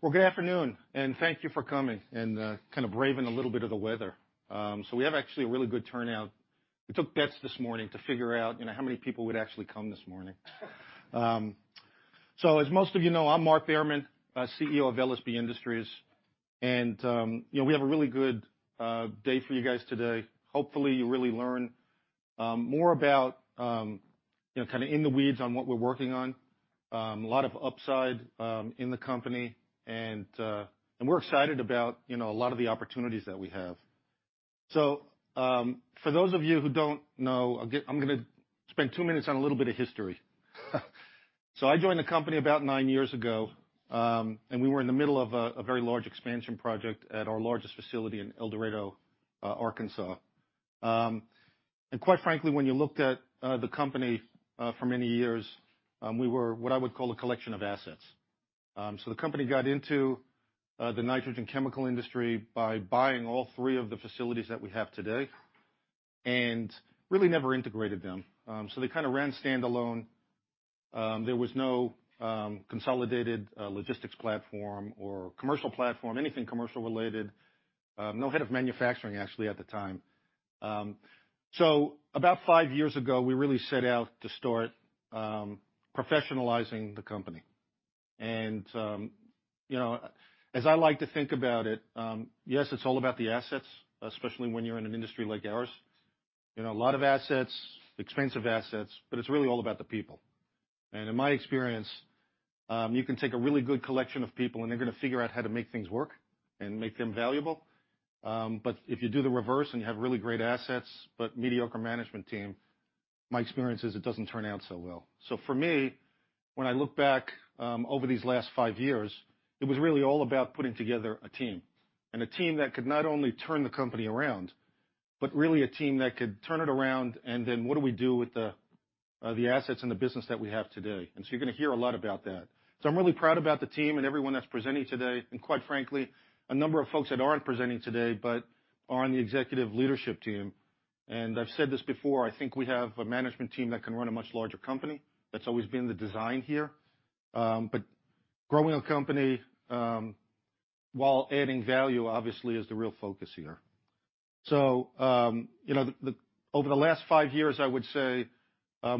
Well, good afternoon, and thank you for coming, and kind of braving a little bit of the weather. We have actually a really good turnout. We took bets this morning to figure out, you know, how many people would actually come this morning. As most of I'm Mark Behrmann, Chairman and CEO of LSB Industries, and we have a really good day for you guys today. Hopefully, you really learn more about, you know, kind of in the weeds on what we're working on. A lot of upside in the company and we're excited about, you know, a lot of the opportunities that we have. For those of you who don't know, I'm gonna spend 2 minutes on a little bit of history. I joined the company about nine years ago, and we were in the middle of a very large expansion project at our largest facility in El Dorado, Arkansas. Quite frankly, when you looked at the company for many years, we were what I would call a collection of assets. The company got into the nitrogen chemical industry by buying all three of the facilities that we have today and really never integrated them. They kinda ran standalone. There was no consolidated logistics platform or commercial platform, anything commercial-related. No head of manufacturing actually at the time. About five years ago, we really set out to start professionalizing the company. As I like to think about it, yes, it's all about the assets, especially when you're in an industry like ours. A lot of assets, expensive assets, but it's really all about the people. In my experience, you can take a really good collection of people, and they're gonna figure out how to make things work and make them valuable. If you do the reverse and you have really great assets, but mediocre management team, my experience is it doesn't turn out so well. For me, when I look back, over these last five years, it was really all about putting together a team, and a team that could not only turn the company around, but really a team that could turn it around and then what do we do with the assets and the business that we have today. You're gonna hear a lot about that. I'm really proud about the team and everyone that's presenting today, and quite frankly, a number of folks that aren't presenting today, but are on the executive leadership team. I've said this before, I think we have a management team that can run a much larger company. That's always been the design here. Growing a company, while adding value obviously is the real focus here. Over the last 5 years, I would say,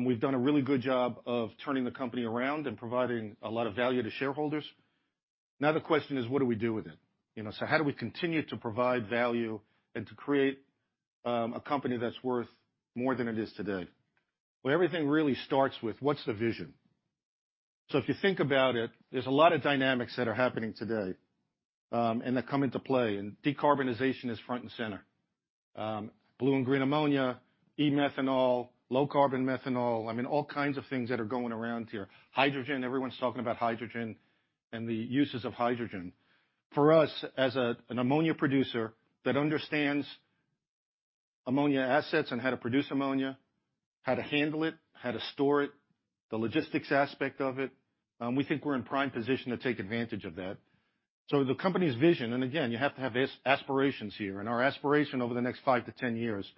we've done a really good job of turning the company around and providing a lot of value to shareholders. Now the question is, what do we do with it? how do we continue to provide value and to create a company that's worth more than it is today? Well, everything really starts with what's the vision? If you think about it, there's a lot of dynamics that are happening today, and that come into play, and decarbonization is front and center. Blue and green ammonia, e-methanol, low-carbon methanol, I mean, all kinds of things that are going around here. Hydrogen, everyone's talking about hydrogen, and the uses of hydrogen. For us, as an ammonia producer that understands ammonia assets and how to produce ammonia, how to handle it, how to store it, the logistics aspect of it, we think we're in prime position to take advantage of that. The company's vision, again, you have to have aspirations here, and our aspiration over the next 5-10 years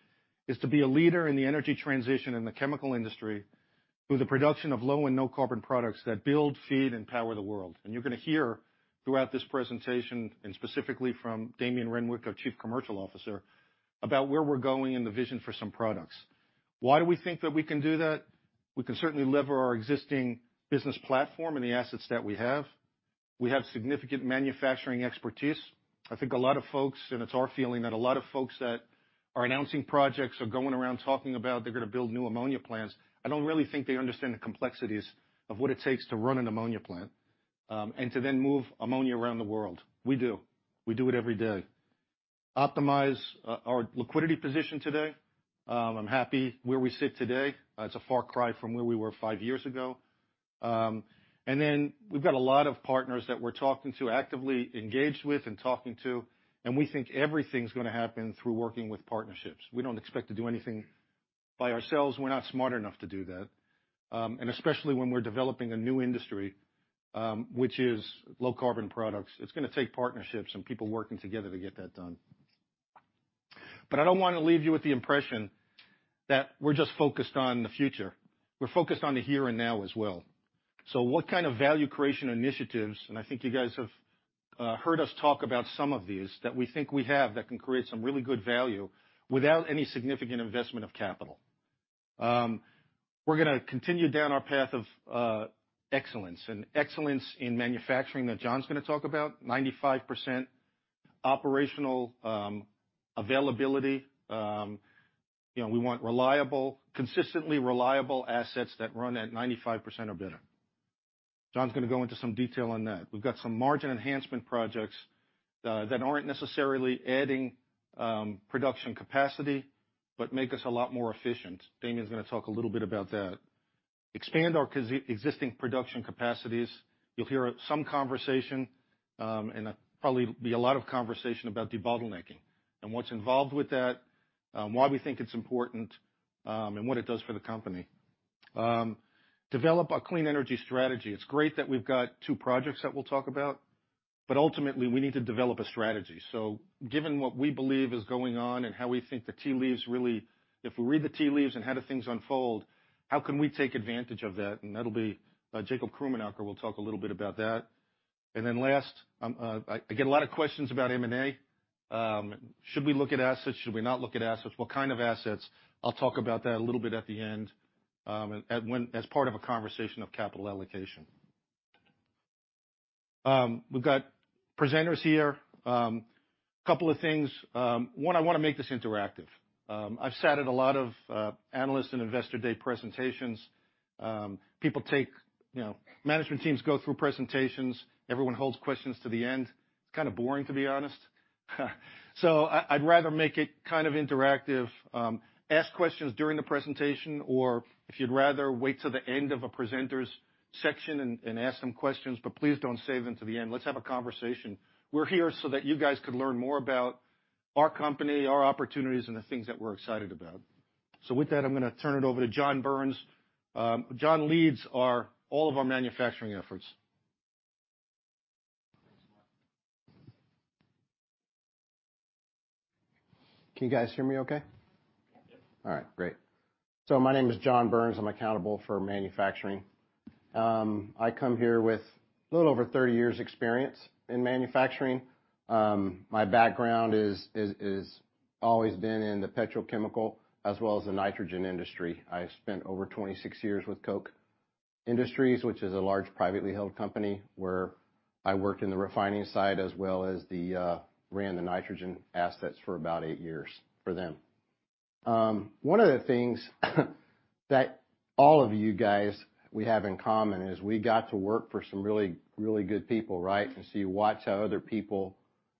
is to be a leader in the energy transition in the chemical industry through the production of low and no carbon products that build, feed, and power the world. You're gonna hear throughout this presentation, and specifically from Damien Renwick, our Chief Commercial Officer, about where we're going and the vision for some products. Why do we think that we can do that? We can certainly lever our existing business platform and the assets that we have. We have significant manufacturing expertise. I think a lot of folks, it's our feeling that a lot of folks that are announcing projects or going around talking about they're gonna build new ammonia plants, I don't really think they understand the complexities of what it takes to run an ammonia plant, and to then move ammonia around the world. We do. We do it every day. Optimize our liquidity position today. I'm happy where we sit today. It's a far cry from where we were five years ago. We've got a lot of partners that we're talking to, actively engaged with and talking to, and we think everything's gonna happen through working with partnerships. We don't expect to do anything by ourselves. We're not smart enough to do that. Especially when we're developing a new industry, which is low carbon products. It's gonna take partnerships and people working together to get that done. I don't wanna leave you with the impression that we're just focused on the future. We're focused on the here and now as well. What kind of value creation initiatives, and I think you guys have heard us talk about some of these, that we think we have that can create some really good value without any significant investment of capital? We're gonna continue down our path of excellence, and excellence in manufacturing that John's gonna talk about, 95% operational availability. We want reliable, consistently reliable assets that run at 95% or better. John's gonna go into some detail on that. We've got some margin enhancement projects that aren't necessarily adding production capacity, but make us a lot more efficient. Damien's gonna talk a little bit about that. Expand our existing production capacities. You'll hear some conversation, and probably be a lot of conversation about debottlenecking and what's involved with that, why we think it's important, and what it does for the company. Develop a clean energy strategy. It's great that we've got two projects that we'll talk about. Ultimately, we need to develop a strategy. Given what we believe is going on and how we think the tea leaves, if we read the tea leaves and how do things unfold, how can we take advantage of that? That'll be, Jacob Krumenauer will talk a little bit about that. Then last, I get a lot of questions about M&A. Should we look at assets? Should we not look at assets? What kind of assets? I'll talk about that a little bit at the end, as part of a conversation of capital allocation. We've got presenters here. A couple of things. One, I wanna make this interactive. I've sat at a lot of analyst and investor day presentations. People take management teams go through presentations, everyone holds questions to the end. It's kinda boring, to be honest. I'd rather make it kind of interactive. Ask questions during the presentation, or if you'd rather wait to the end of a presenter's section and ask some questions, but please don't save them to the end. Let's have a conversation. We're here so that you guys could learn more about our company, our opportunities, and the things that we're excited about. With that, I'm gonna turn it over to John Burns. John leads all of our manufacturing efforts. Thanks a lot. Can you guys hear me okay? All right. Great. My name is John Burns. I'm accountable for manufacturing. I come here with a little over 30 years experience in manufacturing. My background is always been in the petrochemical as well as the nitrogen industry. I spent over 26 years with Koch Industries, which is a large privately held company where I worked in the refining side as well as the ran the nitrogen assets for about 8 years for them. One of the things that all of you guys we have in common is we got to work for some really, really good people, right? You watch how other people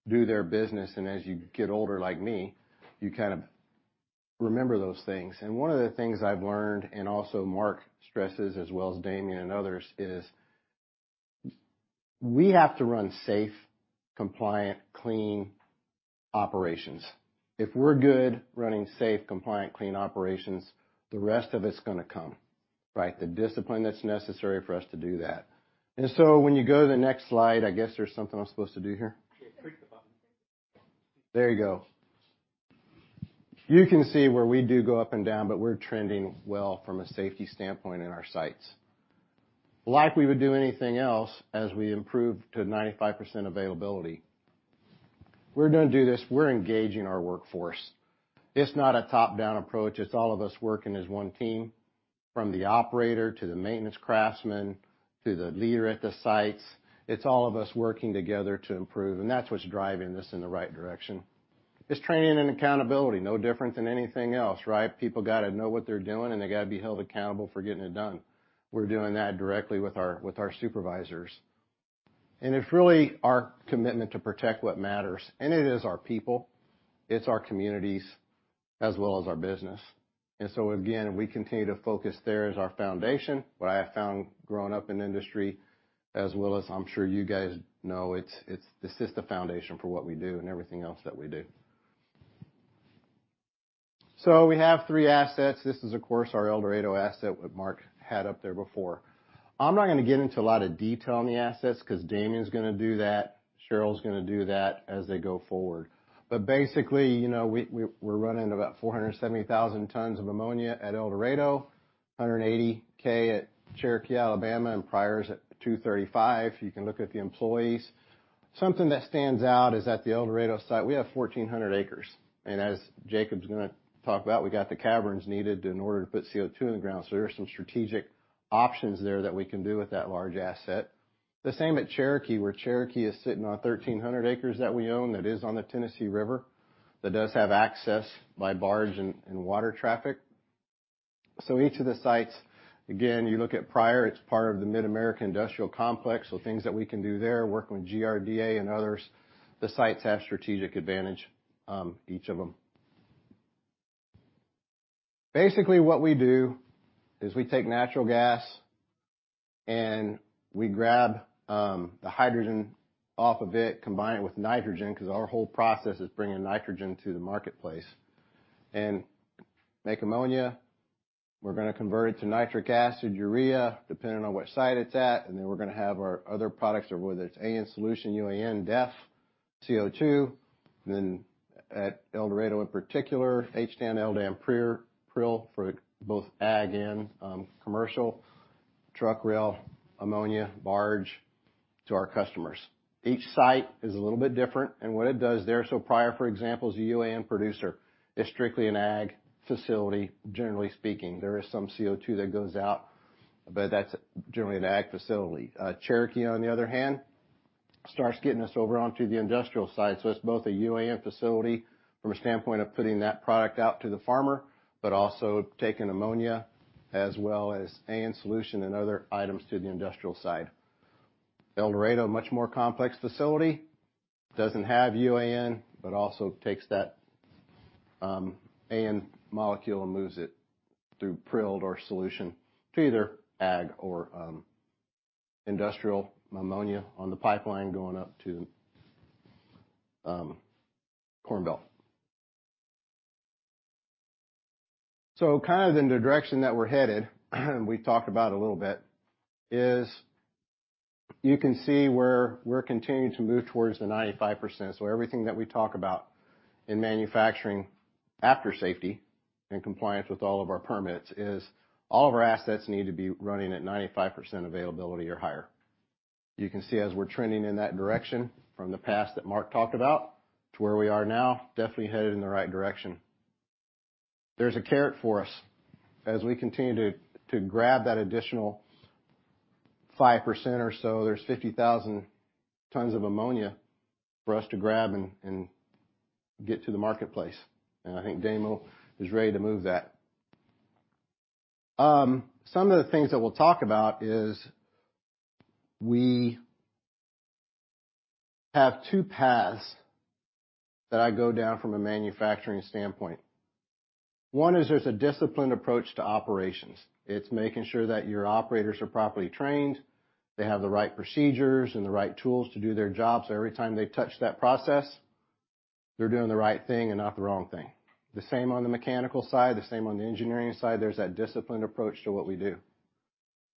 do their business, and as you get older, like me, you kind of remember those things. One of the things I've learned, and also Mark stresses, as well as Damien and others, is we have to run safe, compliant, clean operations. If we're good running safe, compliant, clean operations, the rest of it's gonna come, right? The discipline that's necessary for us to do that. When you go to the next slide, I guess there's something I'm supposed to do here. There you go. You can see where we do go up and down, but we're trending well from a safety standpoint in our sites. Like we would do anything else, as we improve to 95% availability, we're gonna do this, we're engaging our workforce. It's not a top-down approach, it's all of us working as one team, from the operator, to the maintenance craftsman, to the leader at the sites. It's all of us working together to improve, and that's what's driving this in the right direction. It's training and accountability, no different than anything else, right? People gotta know what they're doing, and they gotta be held accountable for getting it done. We're doing that directly with our supervisors. It's really our commitment to protect what matters. It is our people, it's our communities, as well as our business. Again, we continue to focus there as our foundation. What I have found growing up in industry, as well as I'm sure you guys know, it's this is the foundation for what we do and everything else that we do. We have three assets. This is, of course, our El Dorado asset, what Mark had up there before. I'm not gonna get into a lot of detail on the assets 'cause Damian's gonna do that, Cheryl's gonna do that as they go forward. Basically, you know, we're running about 470,000 tons of ammonia at El Dorado, 180k at Cherokee, Alabama, and priors at 235. You can look at the employees. Something that stands out is at the El Dorado site, we have 1,400 acres. As Jakob's going to talk about, we got the caverns needed in order to put CO2 in the ground. There are some strategic options there that we can do with that large asset. The same at Cherokee, where Cherokee is sitting on 1,300 acres that we own, that is on the Tennessee River, that does have access by barge and water traffic. Each of the sites, again, you look at prior, it's part of the Mid-America Industrial Complex. Things that we can do there, working with GRDA and others, the sites have strategic advantage, each of them. Basically, what we do is we take natural gas and we grab the hydrogen off of it, combine it with nitrogen, because our whole process is bringing nitrogen to the marketplace, and make ammonia. We're gonna convert it to nitric acid, urea, depending on which site it's at, and then we're gonna have our other products or whether it's AN solution, UAN, DEF, CO2. At El Dorado in particular, HTAN, LDAN, Prill for both ag and commercial. Truck rail, ammonia, barge to our customers. Each site is a little bit different, and what it does there. Prior, for example, as a UAN producer, is strictly an ag facility, generally speaking. There is some CO2 that goes out, but that's generally an ag facility. Cherokee, on the other hand, starts getting us over onto the industrial side. It's both a UAN facility from a standpoint of putting that product out to the farmer, but also taking ammonia as well as AN solution and other items to the industrial side. El Dorado, much more complex facility. Doesn't have UAN, but also takes that AN molecule and moves it through prilled or solution to either ag or industrial ammonia on the pipeline going up to Cornbelt. Kind of in the direction that we're headed, we've talked about a little bit is you can see where we're continuing to move towards the 95%. Everything that we talk about in manufacturing, after safety and compliance with all of our permits, is all of our assets need to be running at 95% availability or higher. You can see as we're trending in that direction from the past that Mark talked about to where we are now, definitely headed in the right direction. There's a carrot for us as we continue to grab that additional 5% or so. There's 50,000 tons of ammonia for us to grab and get to the marketplace. I think Damo is ready to move that. Some of the things that we'll talk about is we have two paths that I go down from a manufacturing standpoint. One is there's a disciplined approach to operations. It's making sure that your operators are properly trained. They have the right procedures and the right tools to do their jobs. Every time they touch that process, they're doing the right thing and not the wrong thing. The same on the mechanical side, the same on the engineering side. There's that disciplined approach to what we do.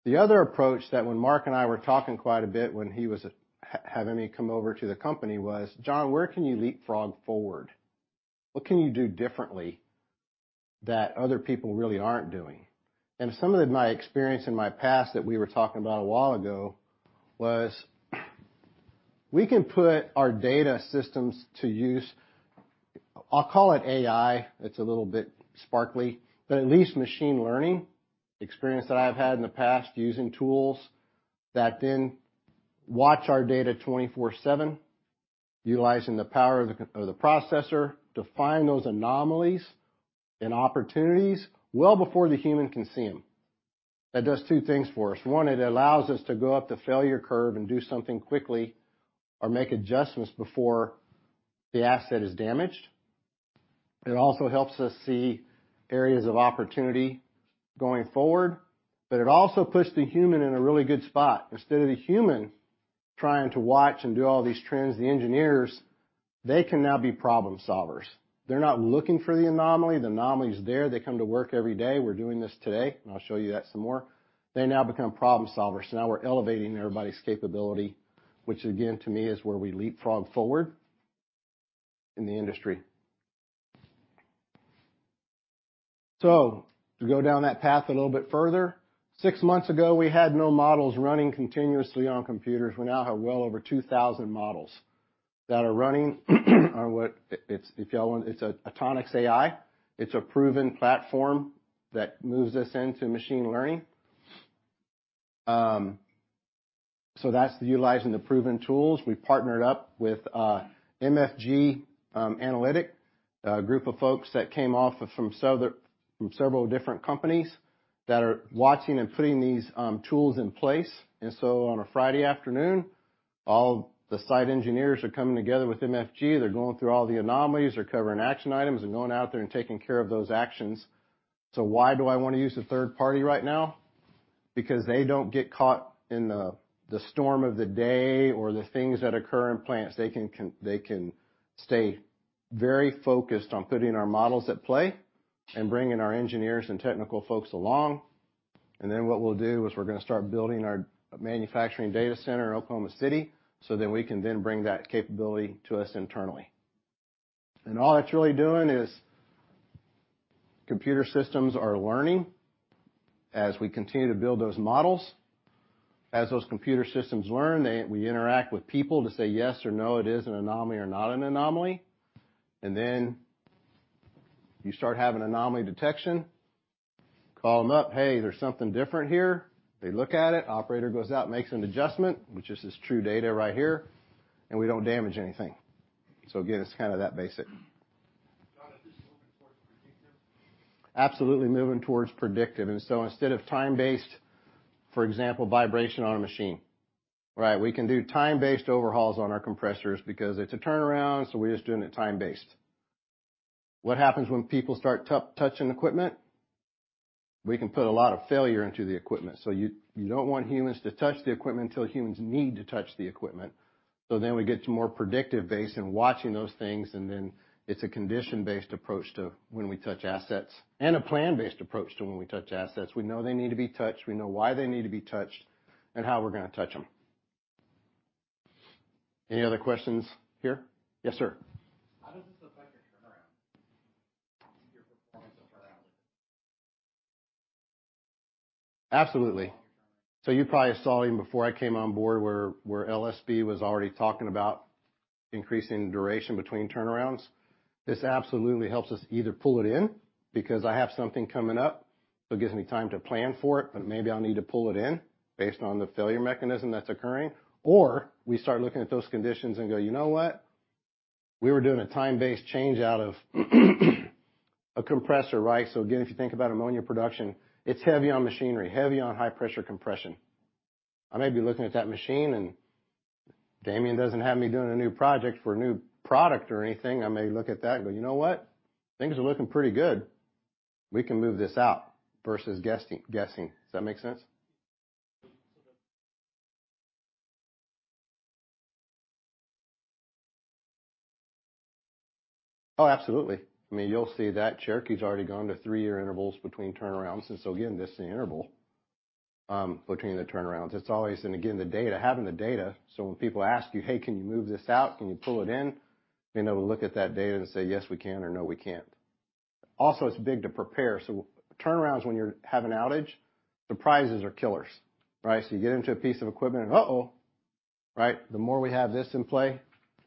The other approach that when Mark and I were talking quite a bit when he was having me come over to the company was, "John, where can you leapfrog forward? What can you do differently that other people really aren't doing? Some of my experience in my past that we were talking about a while ago was we can put our data systems to use. I'll call it AI. It's a little bit sparkly, but at least machine learning. Experience that I've had in the past using tools that then watch our data 24/7, utilizing the power of the processor to find those anomalies and opportunities well before the human can see them. That does 2 things for us. 1, it allows us to go up the failure curve and do something quickly or make adjustments before the asset is damaged. It also helps us see areas of opportunity going forward, but it also puts the human in a really good spot. Instead of the human trying to watch and do all these trends, the engineers, they can now be problem solvers. They're not looking for the anomaly. The anomaly is there. They come to work every day. We're doing this today. I'll show you that some more. They now become problem solvers. Now we're elevating everybody's capability, which again, to me is where we leapfrog forward in the industry. To go down that path a little bit further. Six months ago, we had no models running continuously on computers. We now have well over 2,000 models that are running on what. It's, if y'all want, it's, Autonomics AI. It's a proven platform that moves us into machine learning. That's utilizing the proven tools. We partnered up with MFG Analytics, a group of folks that came off of several different companies that are watching and putting these tools in place. On a Friday afternoon, all the site engineers are coming together with MFG. They're going through all the anomalies. They're covering action items and going out there and taking care of those actions. Why do I want to use a third party right now? Because they don't get caught in the storm of the day or the things that occur in plants. They can stay very focused on putting our models at play and bringing our engineers and technical folks along. What we'll do is we're going to start building our manufacturing data center in Oklahoma City so that we can then bring that capability to us internally. All that's really doing is computer systems are learning as we continue to build those models. As those computer systems learn, we interact with people to say, "Yes or no, it is an anomaly or not an anomaly." Then you start having anomaly detection. Call them up. "Hey, there's something different here." They look at it. Operator goes out, makes an adjustment, which is this true data right here, and we don't damage anything. Again, it's kinda that basic. John, is this moving towards predictive? Absolutely moving towards predictive. Instead of time-based, for example, vibration on a machine, right? We can do time-based overhauls on our compressors because it's a turnaround, so we're just doing it time-based. What happens when people start touching equipment? We can put a lot of failure into the equipment. You don't want humans to touch the equipment till humans need to touch the equipment. We get to more predictive based and watching those things, and then it's a condition-based approach to when we touch assets and a plan-based approach to when we touch assets. We know they need to be touched. We know why they need to be touched and how we're gonna touch them. Any other questions here? Yes, sir. How does this affect your turnaround? Your performance of turnaround? Absolutely. You probably saw even before I came on board where LSB was already talking about increasing the duration between turnarounds. This absolutely helps us either pull it in because I have something coming up, so it gives me time to plan for it, but maybe I'll need to pull it in based on the failure mechanism that's occurring. We start looking at those conditions and go, "You know what? We were doing a time-based change out of a compressor." Right? Again, if you think about ammonia production, it's heavy on machinery, heavy on high pressure compression. I may be looking at that machine and Damien doesn't have me doing a new project for a new product or anything. I may look at that and go, "You know what? Things are looking pretty good. We can move this out versus guessing." Does that make sense? Oh, absolutely. I mean, you'll see that Cherokee's already gone to 3-year intervals between turnarounds. Again, this is the interval between the turnarounds. It's always, and again, the data, having the data. When people ask you, "Hey, can you move this out? Can you pull it in?" Being able to look at that data and say, "Yes, we can," or, "No, we can't." Also, it's big to prepare. Turnarounds when you're have an outage, surprises are killers, right? You get into a piece of equipment and uh-oh, right? The more we have this in play,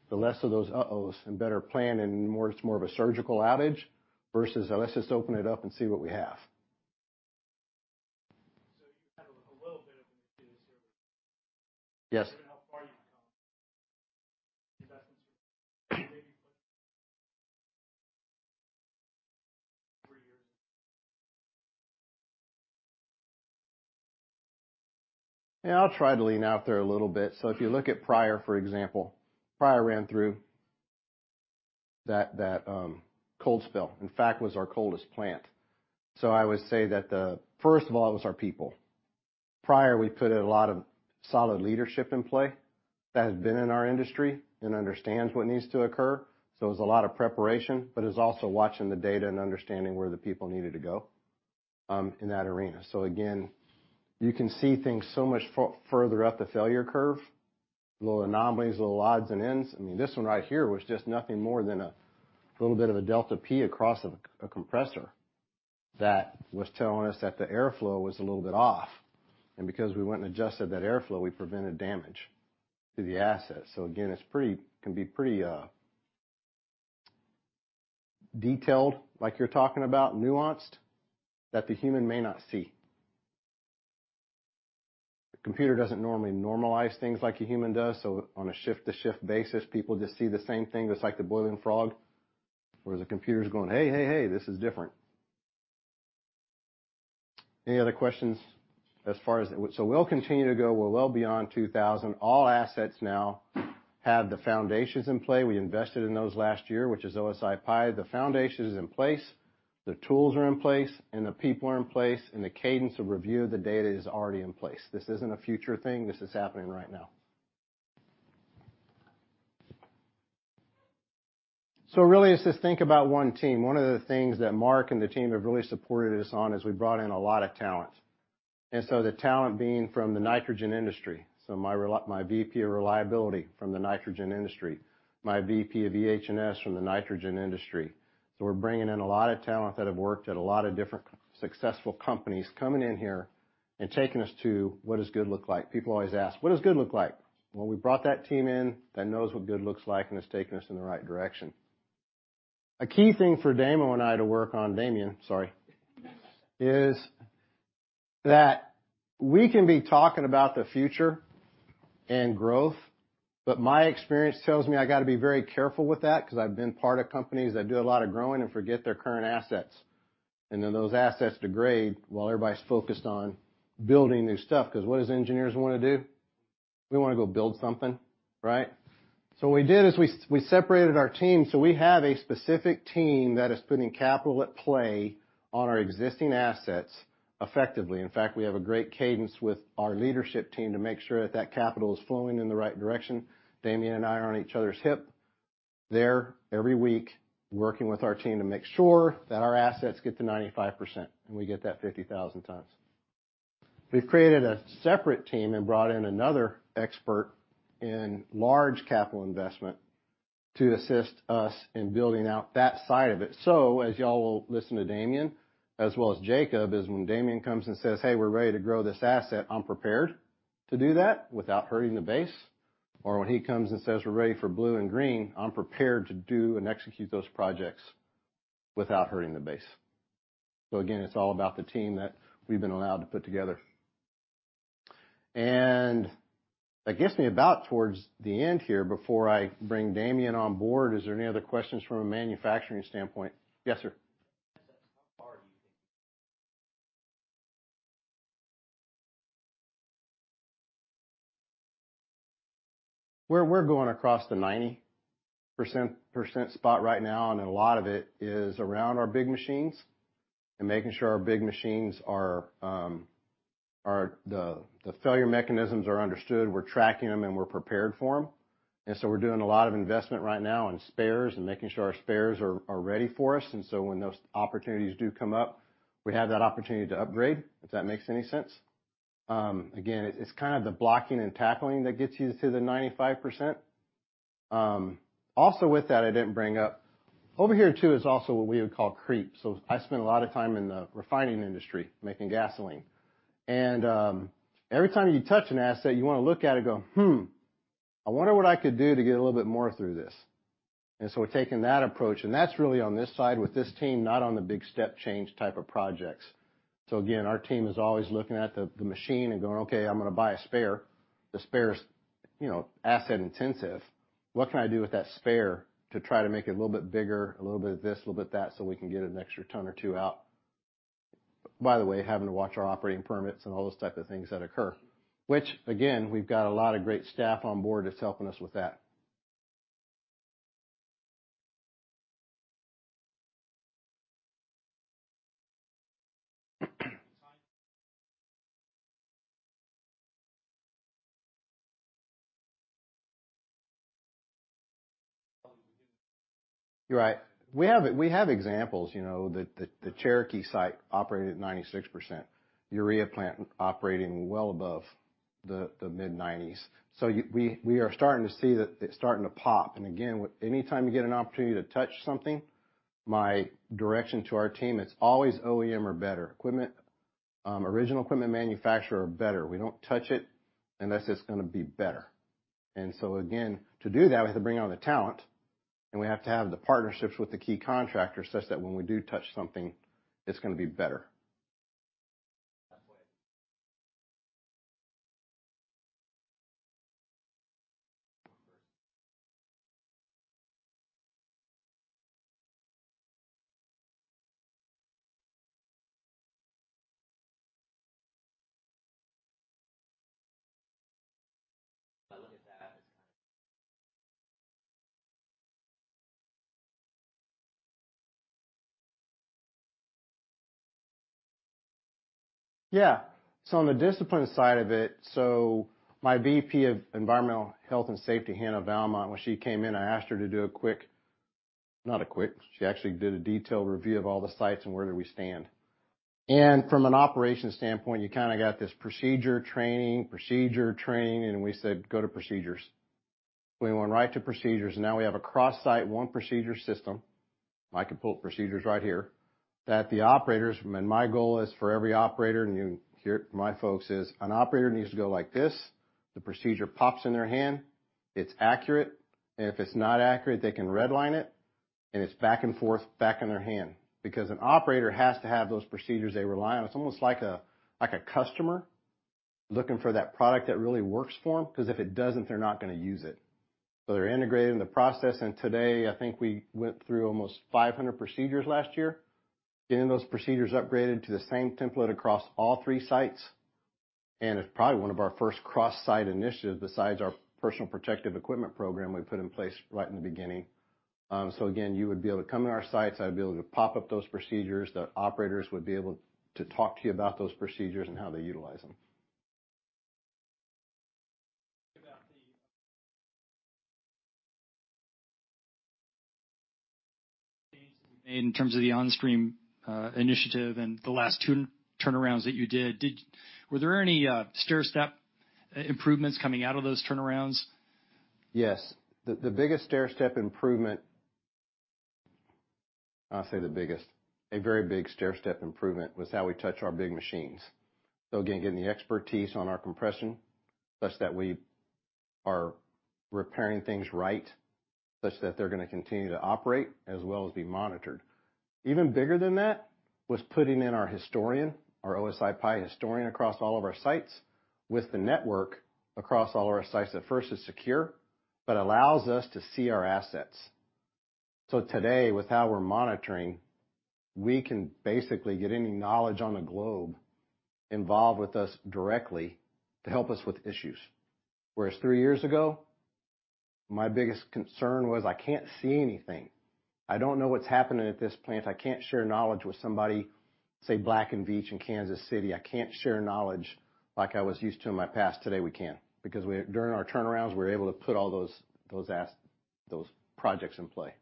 the less of those uh-ohs and better plan and it's more of a surgical outage versus a "Let's just open it up and see what we have. You had a little bit of an issue. Yes. How far you've come. Investments you've made. Maybe put three years. Yeah, I'll try to lean out there a little bit. If you look at Pryor, for example. Pryor ran through that cold spell. In fact, was our coldest plant. I would say that first of all, it was our people. Pryor, we put a lot of solid leadership in play that has been in our industry and understands what needs to occur. It was a lot of preparation, but it's also watching the data and understanding where the people needed to go in that arena. Again, you can see things so much further up the failure curve, little anomalies, little odds and ends. I mean, this one right here was just nothing more than a little bit of a delta P across a compressor that was telling us that the airflow was a little bit off. Because we went and adjusted that airflow, we prevented damage to the asset. Again, it can be pretty detailed, like you're talking about, nuanced, that the human may not see. The computer doesn't normally normalize things like a human does, so on a shift-to-shift basis, people just see the same thing that's like the boiling frog. Whereas the computer is going, "Hey, hey, this is different." Any other questions as far as... We'll continue to go. We're well beyond 2,000. All assets now have the foundations in play. We invested in those last year, which is PI System. The foundation is in place, the tools are in place, and the people are in place, and the cadence of review of the data is already in place. This isn't a future thing, this is happening right now. Really, it's just think about one team. One of the things that Mark and the team have really supported us on is we brought in a lot of talent. The talent being from the nitrogen industry. My VP of reliability from the nitrogen industry, my VP of EH&S from the nitrogen industry. We're bringing in a lot of talent that have worked at a lot of different successful companies coming in here and taking us to what does good look like. People always ask, "What does good look like?" We brought that team in that knows what good looks like and it's taking us in the right direction. A key thing for Damo and I to work on, Damian, sorry. That we can be talking about the future and growth, but my experience tells me I gotta be very careful with that because I've been part of companies that do a lot of growing and forget their current assets. Then those assets degrade while everybody's focused on building new stuff. What does engineers wanna do? We wanna go build something, right? What we did is we separated our team. We have a specific team that is putting capital at play on our existing assets effectively. In fact, we have a great cadence with our leadership team to make sure that that capital is flowing in the right direction. Damien and I are on each other's hip there every week, working with our team to make sure that our assets get to 95% and we get that 50,000 times. We've created a separate team and brought in another expert in large capital investment to assist us in building out that side of it. As y'all will listen to Damian, as well as Jacob, is when Damian comes and says, "Hey, we're ready to grow this asset," I'm prepared to do that without hurting the base. When he comes and says, "We're ready for blue and green," I'm prepared to do and execute those projects without hurting the base. Again, it's all about the team that we've been allowed to put together. That gets me about towards the end here. Before I bring Damian on board, is there any other questions from a manufacturing standpoint? Yes, sir. How far do you think? We're going across the 90% spot right now, and a lot of it is around our big machines and making sure our big machines are the failure mechanisms are understood, we're tracking them, and we're prepared for them. We're doing a lot of investment right now in spares and making sure our spares are ready for us. When those opportunities do come up, we have that opportunity to upgrade, if that makes any sense. Again, it's kind of the blocking and tackling that gets you to the 95%. Also with that, I didn't bring up. Over here too is also what we would call creep. I spend a lot of time in the refining industry, making gasoline. Every time you touch an asset, you wanna look at it and go, "Hmm, I wonder what I could do to get a little bit more through this." We're taking that approach, and that's really on this side with this team, not on the big step change type of projects. Again, our team is always looking at the machine and going, "Okay, I'm gonna buy a spare." The spare's asset intensive. What can I do with that spare to try to make it a little bit bigger, a little bit of this, a little bit of that, so we can get an extra ton or two out? By the way, having to watch our operating permits and all those type of things that occur. Again, we've got a lot of great staff on board that's helping us with that. You're right. We have examples, you know, the Cherokee site operated at 96%. Urea plant operating well above the mid-90s. We are starting to see that it's starting to pop. Again, anytime you get an opportunity to touch something, my direction to our team, it's always OEM or better. Equipment, original equipment manufacturer or better. We don't touch it unless it's gonna be better. Again, to do that, we have to bring on the talent, and we have to have the partnerships with the key contractors such that when we do touch something, it's gonna be better. Yeah. On the discipline side of it, my VP of Environmental Health and Safety, Hanna Welch, when she came in, I asked her to do a quick... Not a quick, she actually did a detailed review of all the sites and where do we stand. From an operations standpoint, you kinda got this procedure, training, procedure, training, and we said, "Go to procedures." We went right to procedures, and now we have a cross-site one procedure system. I can pull procedures right here that the operators. My goal is for every operator, and you hear my folks, is an operator needs to go like this, the procedure pops in their hand, it's accurate. If it's not accurate, they can redline it, and it's back and forth, back in their hand. An operator has to have those procedures they rely on. It's almost like a customer looking for that product that really works for them, 'cause if it doesn't, they're not gonna use it. They're integrated in the process. Today, I think we went through almost 500 procedures last year, getting those procedures upgraded to the same template across all 3 sites. It's probably one of our first cross-site initiatives besides our personal protective equipment program we put in place right in the beginning. Again, you would be able to come in our sites, I'd be able to pop up those procedures, the operators would be able to talk to you about those procedures and how they utilize them. About the changes you made in terms of the on-stream initiative and the last two turnarounds that you did. Were there any stair-step improvements coming out of those turnarounds? Yes. The biggest stair-step improvement. I'll say the biggest. A very big stair-step improvement was how we touch our big machines. Again, getting the expertise on our compression such that we are repairing things right, such that they're gonna continue to operate as well as be monitored. Even bigger than that was putting in our historian, our PI System historian across all of our sites with the network across all of our sites that first is secure but allows us to see our assets. Today, with how we're monitoring, we can basically get any knowledge on the globe involved with us directly to help us with issues. Whereas three years ago, my biggest concern was I can't see anything. I don't know what's happening at this plant. I can't share knowledge with somebody, say, Black & Veatch in Kansas City. I can't share knowledge like I was used to in my past. Today, we can. Because during our turnarounds, we're able to put all those projects in play.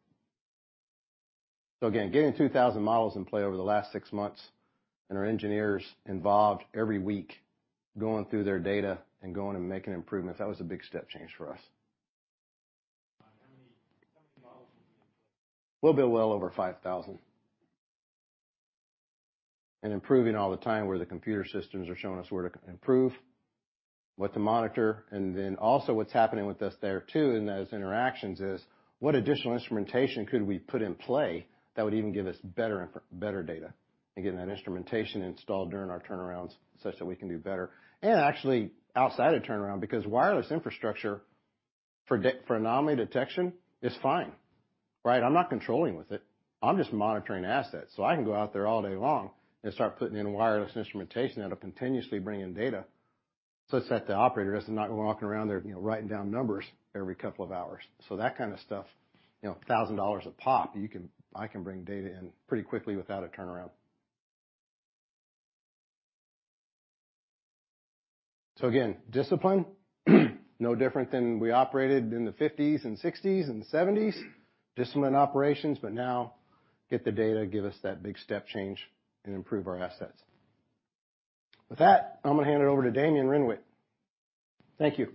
Again, getting 2,000 models in play over the last 6 months, and our engineers involved every week going through their data and going and making improvements, that was a big step change for us. How many models have you been putting? We'll be well over 5,000. Improving all the time where the computer systems are showing us where to improve, what to monitor, and then also what's happening with us there too in those interactions is what additional instrumentation could we put in play that would even give us better data. Again, that instrumentation installed during our turnarounds such that we can do better. Actually, outside of turnaround, because wireless infrastructure for anomaly detection is fine, right? I'm not controlling with it. I'm just monitoring assets. I can go out there all day long and start putting in wireless instrumentation that'll continuously bring in data such that the operator doesn't have to go walking around there, you know, writing down numbers every couple of hours. That kind of stuff $1,000 a pop, I can bring data in pretty quickly without a turnaround. Again, discipline, no different than we operated in the 1950s and 1960s and 1970s, discipline operations, but now get the data, give us that big step change, and improve our assets. With that, I'm gonna hand it over to Damien Renwick. Thank you.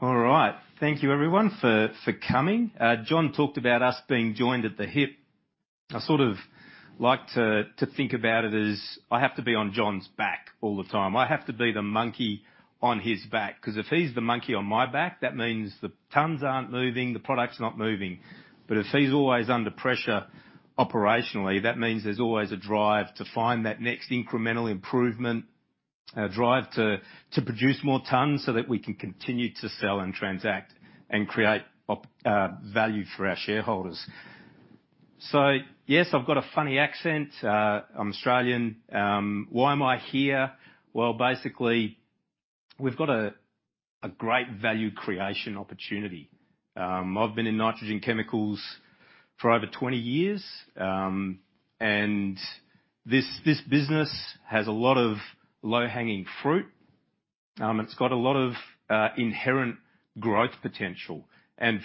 All right. Thank you, everyone, for coming. John talked about us being joined at the hip. I sort of like to think about it as I have to be on John's back all the time. I have to be the monkey on his back 'cause if he's the monkey on my back, that means the tons aren't moving, the product's not moving. If he's always under pressure operationally, that means there's always a drive to find that next incremental improvement, a drive to produce more tons so that we can continue to sell and transact and create value for our shareholders. Yes, I've got a funny accent, I'm Australian. Why am I here? Well, basically, we've got a great value creation opportunity. I've been in nitrogen chemicals for over 20 years, this business has a lot of low-hanging fruit. It's got a lot of inherent growth potential,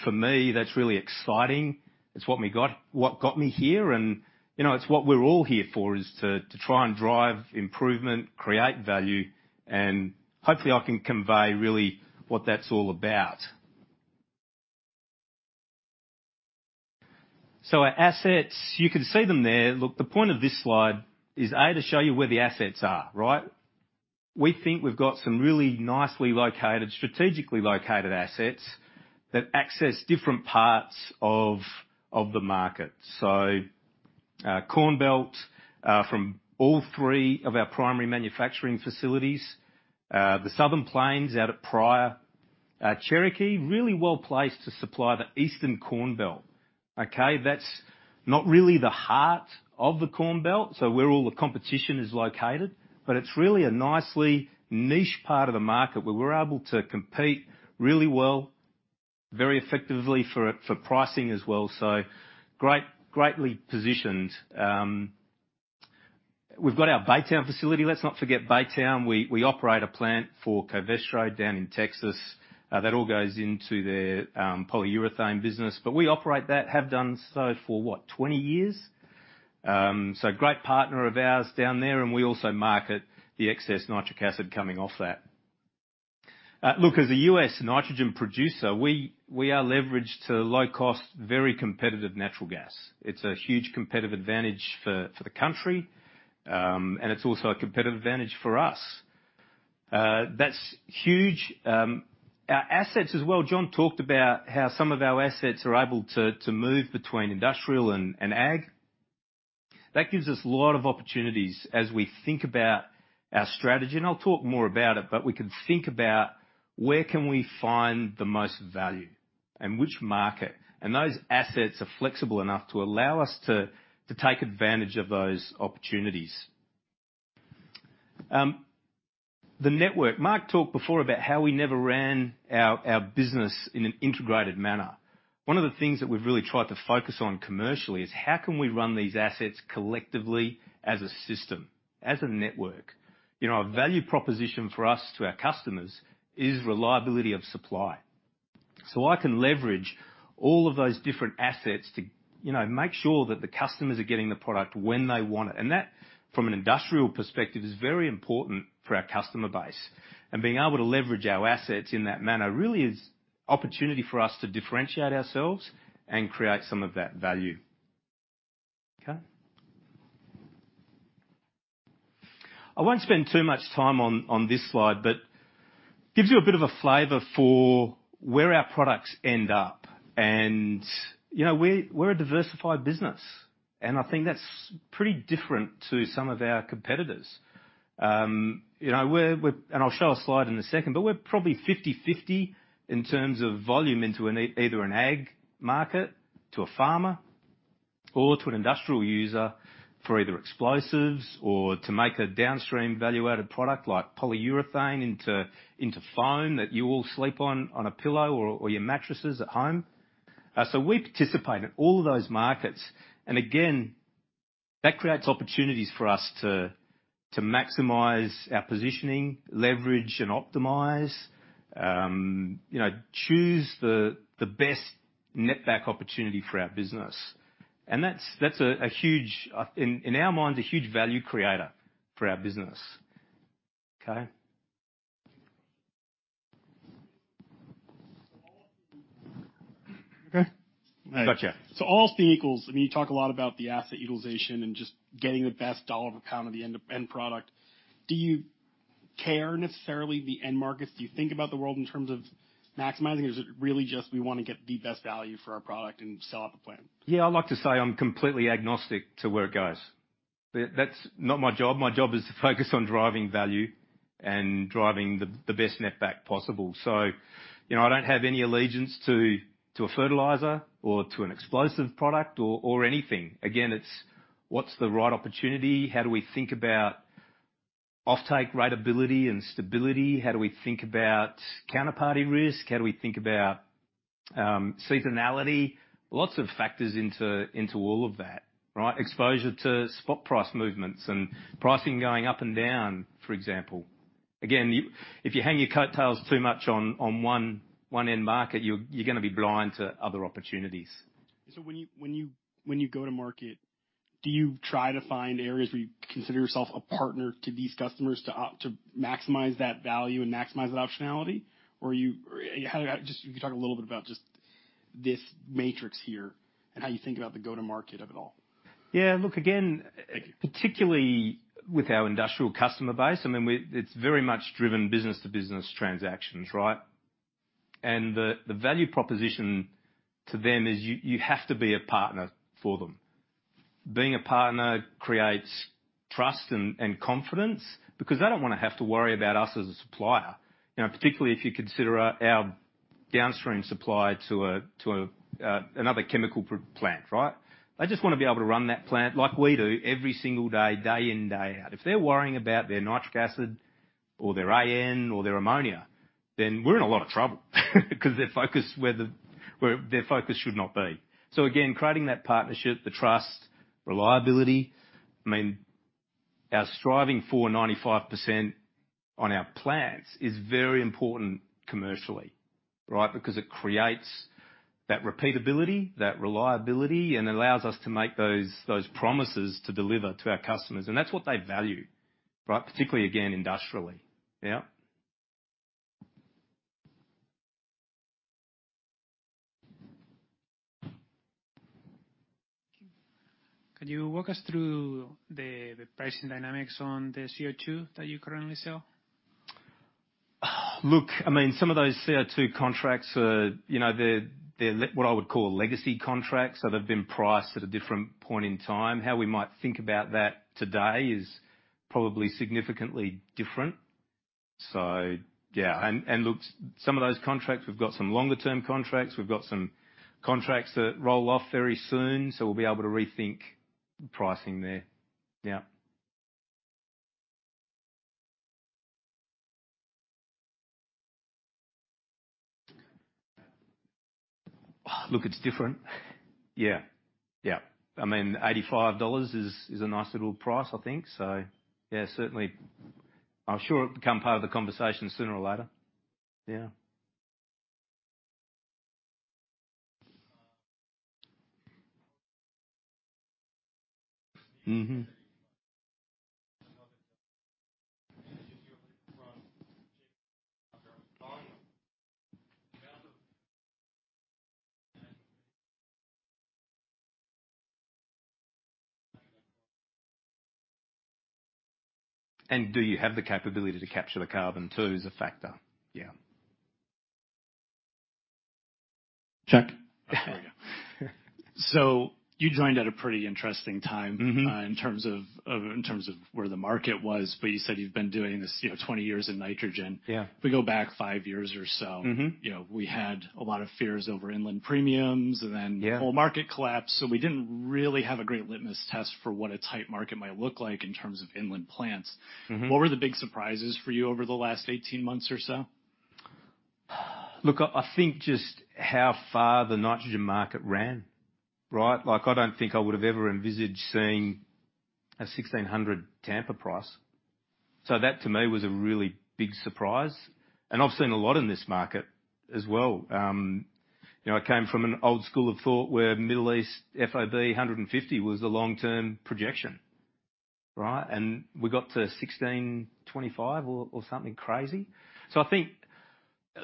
for me, that's really exciting. It's what got me here, you know, it's what we're all here for, is to try and drive improvement, create value, hopefully I can convey really what that's all about. Our assets, you can see them there. Look, the point of this slide is, A, to show you where the assets are, right? We think we've got some really nicely located, strategically located assets that access different parts of the market. Corn Belt, from all 3 of our primary manufacturing facilities, the Southern Plains out at Pryor. Cherokee, really well placed to supply the Eastern Corn Belt, okay? That's not really the heart of the Corn Belt, so where all the competition is located, but it's really a nicely niche part of the market, where we're able to compete really well, very effectively for pricing as well. Greatly positioned. We've got our Baytown facility. Let's not forget Baytown. We operate a plant for Covestro down in Texas, that all goes into their polyurethane business. We operate that, have done so for what? 20 years. Great partner of ours down there, and we also market the excess nitric acid coming off that. Look, as a U.S. nitrogen producer, we are leveraged to low-cost, very competitive natural gas. It's a huge competitive advantage for the country, and it's also a competitive advantage for us. That's huge. Our assets as well, John talked about how some of our assets are able to move between industrial and ag. That gives us a lot of opportunities as we think about our strategy, and I'll talk more about it, but we can think about where can we find the most value and which market? Those assets are flexible enough to allow us to take advantage of those opportunities. The network. Mark talked before about how we never ran our business in an integrated manner. One of the things that we've really tried to focus on commercially is how can we run these assets collectively as a system, as a network? A value proposition for us to our customers is reliability of supply. I can leverage all of those different assets to, you know, make sure that the customers are getting the product when they want it. That, from an industrial perspective, is very important for our customer base. Being able to leverage our assets in that manner really is opportunity for us to differentiate ourselves and create some of that value. Okay? I won't spend too much time on this slide, but gives you a bit of a flavor for where our products end up. We're a diversified business, and I think that's pretty different to some of our competitors. you know, we're I'll show a slide in a second, but we're probably 50/50 in terms of volume into either an ag market to a farmer or to an industrial user for either explosives or to make a downstream value-added product like polyurethane into foam that you all sleep on a pillow or your mattresses at home. We participate in all of those markets. Again, that creates opportunities for us to maximize our positioning, leverage and optimize. you know, choose the best net back opportunity for our business. That's a huge in our minds, a huge value creator for our business. Okay? Okay. Gotcha. All else being equal, I mean, you talk a lot about the asset utilization and just getting the best dollar per ton of the end product. Do you care necessarily the end markets? Do you think about the world in terms of maximizing, or is it really just we wanna get the best value for our product and sell it to plan? I'd like to say I'm completely agnostic to where it goes. That's not my job. My job is to focus on driving value and driving the best net back possible. I don't have any allegiance to a fertilizer or to an explosive product or anything. It's what's the right opportunity? How do we think about offtake ratability and stability? How do we think about counterparty risk? How do we think about seasonality? Lots of factors into all of that, right? Exposure to spot price movements and pricing going up and down, for example. If you hang your coattails too much on one end market, you're gonna be blind to other opportunities. When you go to market, do you try to find areas where you consider yourself a partner to these customers to maximize that value and maximize that optionality? If you could talk a little bit about just this matrix here and how you think about the go-to-market of it all. Yeah. Look, again particularly with our industrial customer base, I mean, it's very much driven business-to-business transactions, right? The value proposition to them is you have to be a partner for them. Being a partner creates trust and confidence because they don't wanna have to worry about us as a supplier. You know, particularly if you consider our Downstream supply to a, to a another chemical plant, right? They just wanna be able to run that plant like we do every single day in, day out. If they're worrying about their Nitric Acid or their AN or their ammonia, then we're in a lot of trouble, 'cause their focus where their focus should not be. Again, creating that partnership, the trust, reliability. I mean, our striving for 95% on our plants is very important commercially, right? It creates that repeatability, that reliability, and allows us to make those promises to deliver to our customers. That's what they value, right? Particularly, again, industrially. Yeah. Can you walk us through the pricing dynamics on the CO2 that you currently sell? Look, I mean, some of those CO2 contracts are, you know, they're what I would call legacy contracts, so they've been priced at a different point in time. How we might think about that today is probably significantly different. Yeah. Look, some of those contracts, we've got some longer-term contracts, we've got some contracts that roll off very soon, so we'll be able to rethink pricing there. Yeah. Look, it's different. Yeah. I mean, $85 is a nice little price, I think. Yeah, certainly. I'm sure it become part of the conversation sooner or later. Yeah Do you have the capability to capture the carbon too is a factor? Yeah. John? You joined at a pretty interesting time. In terms of where the market was, you said you've been doing this, 20 years in nitrogen, If we go back 5 years or so we had a lot of fears over inland premiums and then. The whole market collapsed. We didn't really have a great litmus test for what a tight market might look like in terms of inland plants. What were the big surprises for you over the last 18 months or so? Look, I think just how far the nitrogen market ran, right? Like, I don't think I would've ever envisaged seeing a $1,600 Tampa price. That to me was a really big surprise, and I've seen a lot in this market as well. you know, I came from an old school of thought where Middle East FOB $150 was the long-term projection, right? We got to $1,625 or something crazy. I think.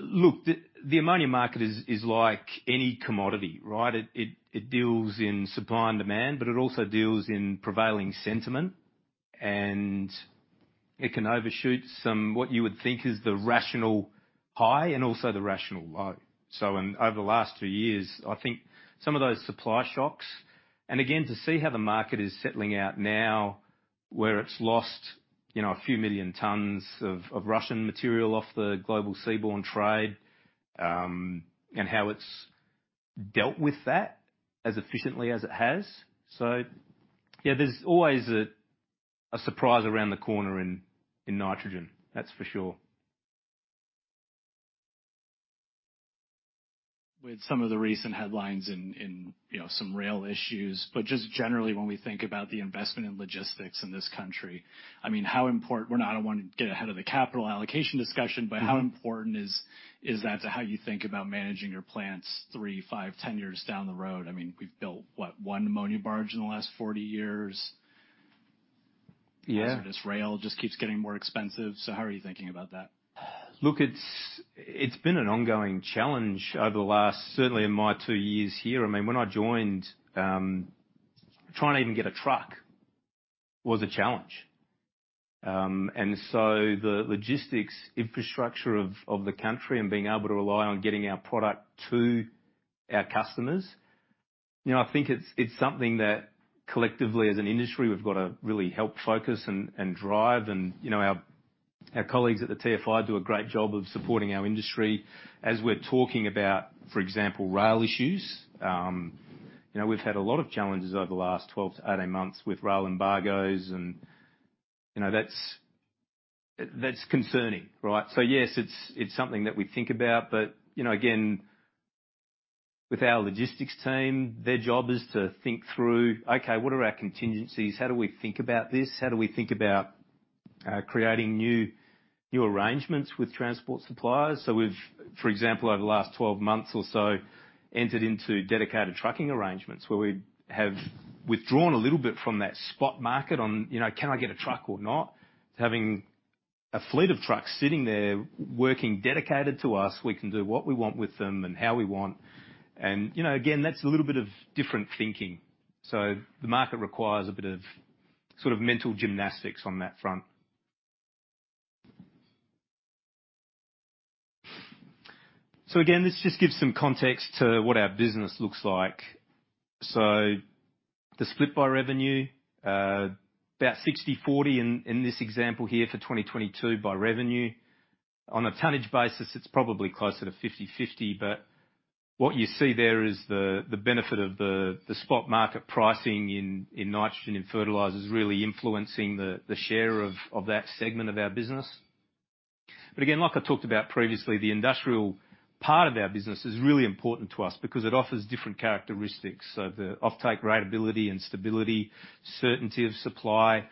Look, the ammonia market is like any commodity, right? It deals in supply and demand, but it also deals in prevailing sentiment, and it can overshoot some what you would think is the rational high and also the rational low. In over the last 2 years, I think some of those supply shocks, again, to see how the market is settling out now where it's lost, you know, a few million tons of Russian material off the global seaborne trade, and how it's dealt with that as efficiently as it has. Yeah, there's always a surprise around the corner in nitrogen, that's for sure. With some of the recent headlines in some rail issues, but just generally when we think about the investment in logistics in this country, I mean, I don't wanna get ahead of the capital allocation discussion, but how important is that to how you think about managing your plants three, five, 10 years down the road? I mean, we've built, what, one ammonia barge in the last 40 years? With this rail just keeps getting more expensive. How are you thinking about that? Look, it's been an ongoing challenge over the last... certainly in my 2 years here. I mean, when I joined, trying to even get a truck was a challenge. The logistics infrastructure of the country and being able to rely on getting our product to our customers, I think it's something that collectively as an industry, we've got to really help focus and drive and... Our colleagues at the TFI do a great job of supporting our industry. As we're talking about, for example, rail issues, you know, we've had a lot of challenges over the last 12 to 18 months with rail embargoes and, you know, that's concerning, right? Yes, it's something that we think about, but, you know, again, with our logistics team, their job is to think through, okay, what are our contingencies? How do we think about this? How do we think about creating new arrangements with transport suppliers? We've, for example, over the last 12 months or so entered into dedicated trucking arrangements where we have withdrawn a little bit from that spot market on, you know, can I get a truck or not? To having a fleet of trucks sitting there working dedicated to us, we can do what we want with them and how we want and again, that's a little bit of different thinking. The market requires a bit of sort of mental gymnastics on that front. Again, this just gives some context to what our business looks like. The split by revenue, about 60/40 in this example here for 2022 by revenue. On a tonnage basis, it's probably closer to 50/50. What you see there is the benefit of the spot market pricing in nitrogen and fertilizers really influencing the share of that segment of our business. Again, like I talked about previously, the industrial part of our business is really important to us because it offers different characteristics. The offtake ratability and stability, certainty of supply.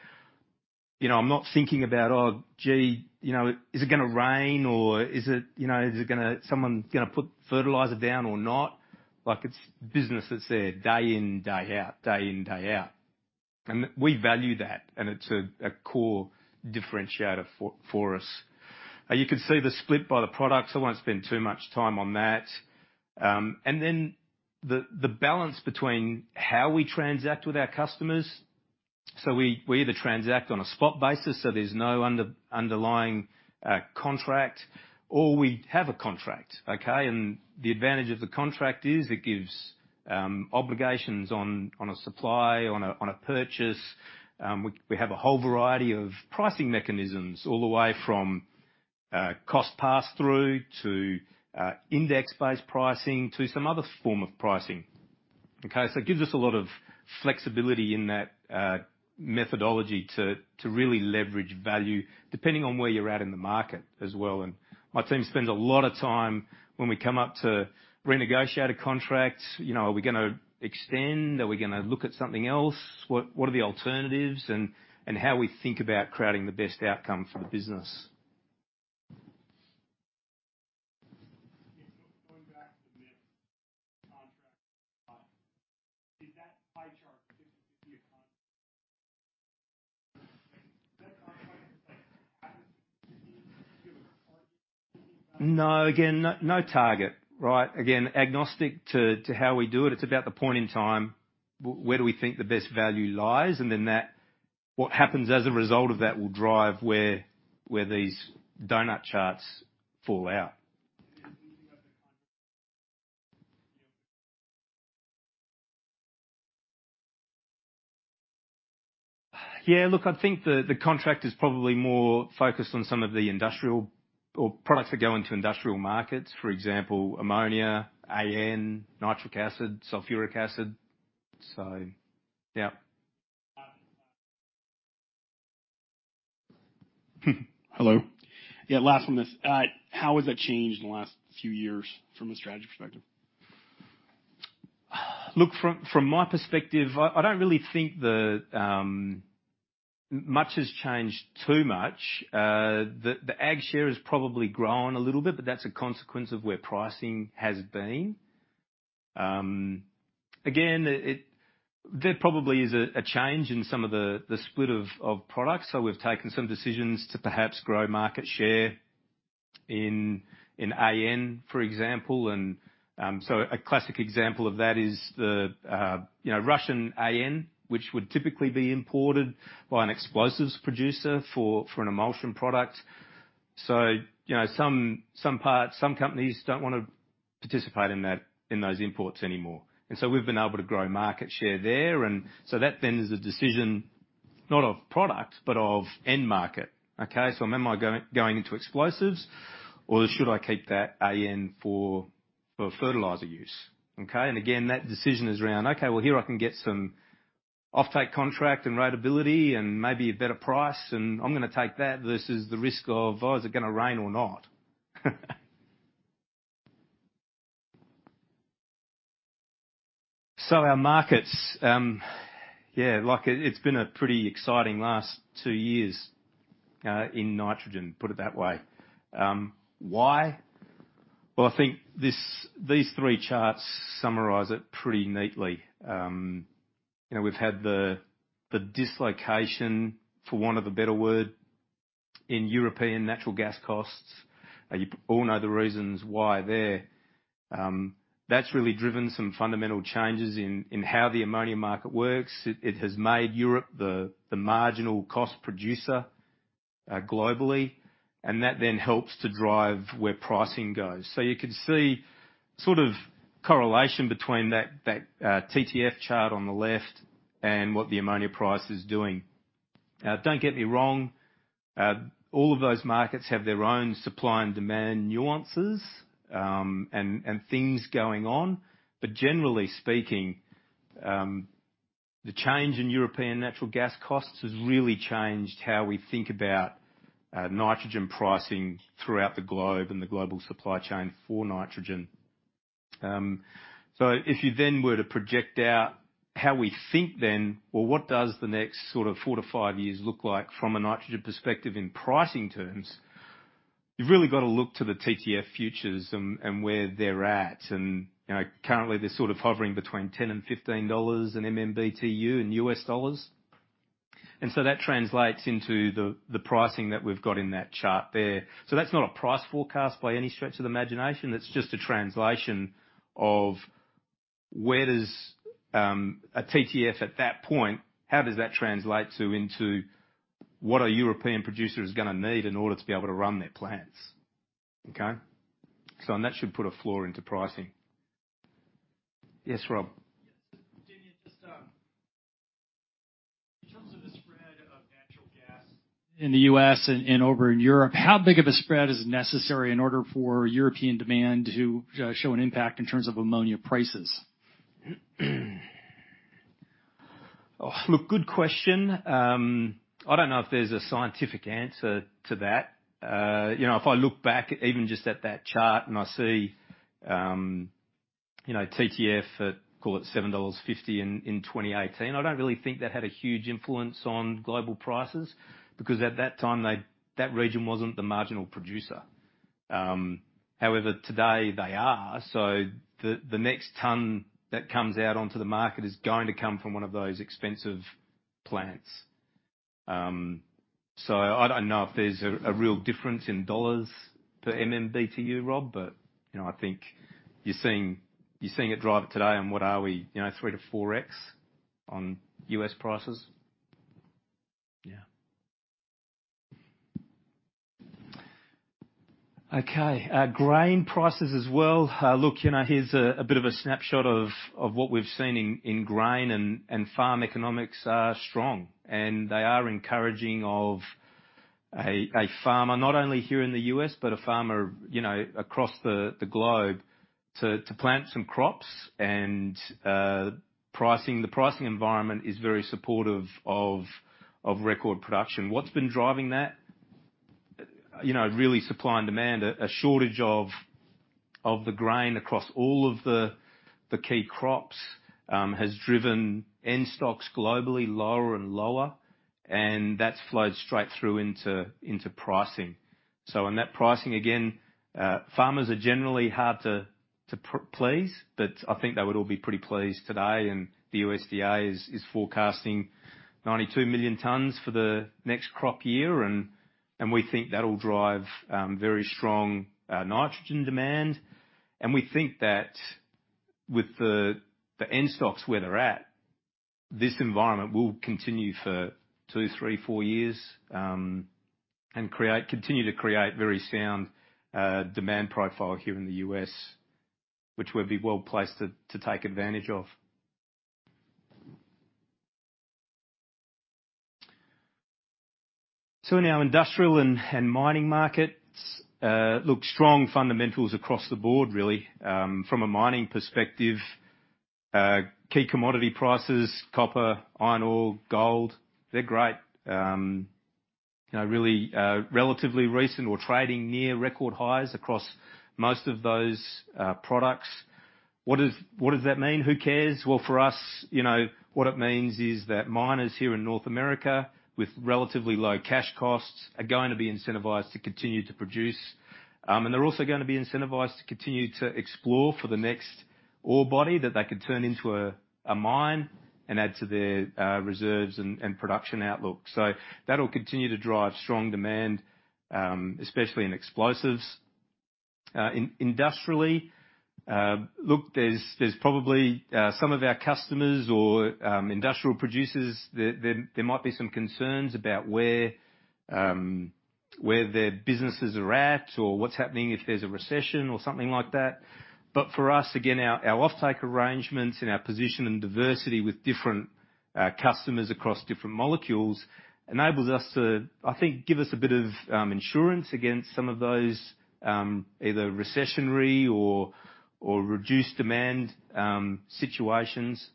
You know, I'm not thinking about, oh, gee, you know, is it gonna rain or is it, you know, someone gonna put fertilizer down or not? Like, it's business that's there day in, day out, day in, day out. We value that, and it's a core differentiator for us. You can see the split by the products. I won't spend too much time on that. The balance between how we transact with our customers. We either transact on a spot basis, so there's no underlying contract, or we have a contract, okay? The advantage of the contract is it gives obligations on a supply, on a purchase. We have a whole variety of pricing mechanisms all the way from cost pass-through to index-based pricing to some other form of pricing. Okay. It gives us a lot of flexibility in that methodology to really leverage value depending on where you're at in the market as well. My team spends a lot of time when we come up to renegotiate a contract. You know, are we gonna extend? Are we gonna look at something else? What are the alternatives? How we think about creating the best outcome for the business. Going back to the mix contract. Is that pie chart 50/50? No. Again, no target, right? Again, agnostic to how we do it. It's about the point in time, where do we think the best value lies? what happens as a result of that will drive where these donut charts fall out. Do you have the contract? Yeah. Look, I think the contract is probably more focused on some of the industrial or products that go into industrial markets, for example, ammonia, AN, nitric acid, sulfuric acid. Yeah. Hello. Yeah, last one, this... How has that changed in the last few years from a strategy perspective? Look, from my perspective, I don't really think the much has changed too much. The ag share has probably grown a little bit, but that's a consequence of where pricing has been. Again, there probably is a change in some of the split of products. We've taken some decisions to perhaps grow market share in AN, for example. A classic example of that is the you know, Russian AN, which would typically be imported by an explosives producer for an emulsion product some parts, some companies don't wanna participate in that, in those imports anymore. We've been able to grow market share there. That then is a decision not of product, but of end market. Okay? Am I going into explosives or should I keep that AN for fertilizer use? Okay? Again, that decision is around, okay, well, here I can get some offtake contract and ratability and maybe a better price, and I'm gonna take that versus the risk of, oh, is it gonna rain or not? Our markets, yeah, like it's been a pretty exciting last two years in nitrogen, put it that way. Why? Well, I think these three charts summarize it pretty neatly we've had the dislocation, for want of a better word, in European natural gas costs. You all know the reasons why there. That's really driven some fundamental changes in how the ammonia market works. It has made Europe the marginal cost producer globally, that then helps to drive where pricing goes. You can see sort of correlation between that TTF chart on the left and what the ammonia price is doing. Don't get me wrong, all of those markets have their own supply and demand nuances and things going on. Generally speaking, the change in European natural gas costs has really changed how we think about nitrogen pricing throughout the globe and the global supply chain for nitrogen. If you were to project out how we think, what does the next sort of four to five years look like from a nitrogen perspective in pricing terms? You've really got to look to the TTF futures and where they're at. Currently they're sort of hovering between $10-$15 in MMBTU in U.S. dollars. That translates into the pricing that we've got in that chart there. That's not a price forecast by any stretch of the imagination. That's just a translation of where does a TTF at that point, how does that translate to into what a European producer is gonna need in order to be able to run their plants? Okay? That should put a floor into pricing. Yes, Rob? Yes. Damien, just, in terms of the spread of natural gas in the U.S. and over in Europe, how big of a spread is necessary in order for European demand to show an impact in terms of ammonia prices? Oh, look, good question. I don't know if there's a scientific answer to that. If I look back even just at that chart and I see, you know, TTF at, call it $7.50 in 2018, I don't really think that had a huge influence on global prices because at that time that region wasn't the marginal producer. However today they are. The next ton that comes out onto the market is going to come from one of those expensive plants. I don't know if there's a real difference in dollars per MMBTU, Rob, but I think you're seeing, you're seeing it drive today on what are we 3-4x on U.S. prices? Yeah. Okay. Grain prices as well. Look, here's a bit of a snapshot of what we've seen in grain and farm economics are strong, and they are encouraging of a farmer, not only here in the U.S. but a farmer, you know, across the globe to plant some crops. The pricing environment is very supportive of record production. What's been driving that? really supply and demand. A shortage of the grain across all of the key crops has driven end stocks globally lower and lower, and that's flowed straight through into pricing. On that pricing, again, farmers are generally hard to please, but I think they would all be pretty pleased today, the USDA is forecasting 92 million tons for the next crop year and we think that'll drive very strong nitrogen demand. We think that with the end stocks where they're at, this environment will continue for 2, 3, 4 years, continue to create very sound demand profile here in the U.S., which we'll be well-placed to take advantage of. In our industrial and mining markets, look, strong fundamentals across the board really. From a mining perspective, key commodity prices, copper, iron ore, gold, they're great. You know, really, relatively recent or trading near record highs across most of those products. What does that mean? Who cares? For us, what it means is that miners here in North America with relatively low cash costs are going to be incentivized to continue to produce, and they're also going to be incentivized to continue to explore for the next ore body that they could turn into a mine and add to their reserves and production outlook. That'll continue to drive strong demand, especially in explosives. Industrially, there's probably some of our customers or industrial producers that there might be some concerns about where their businesses are at or what's happening if there's a recession or something like that. For us, again, our offtake arrangements and our position and diversity with different customers across different molecules enables us to, I think, give us a bit of insurance against some of those either recessionary or reduced demand situations.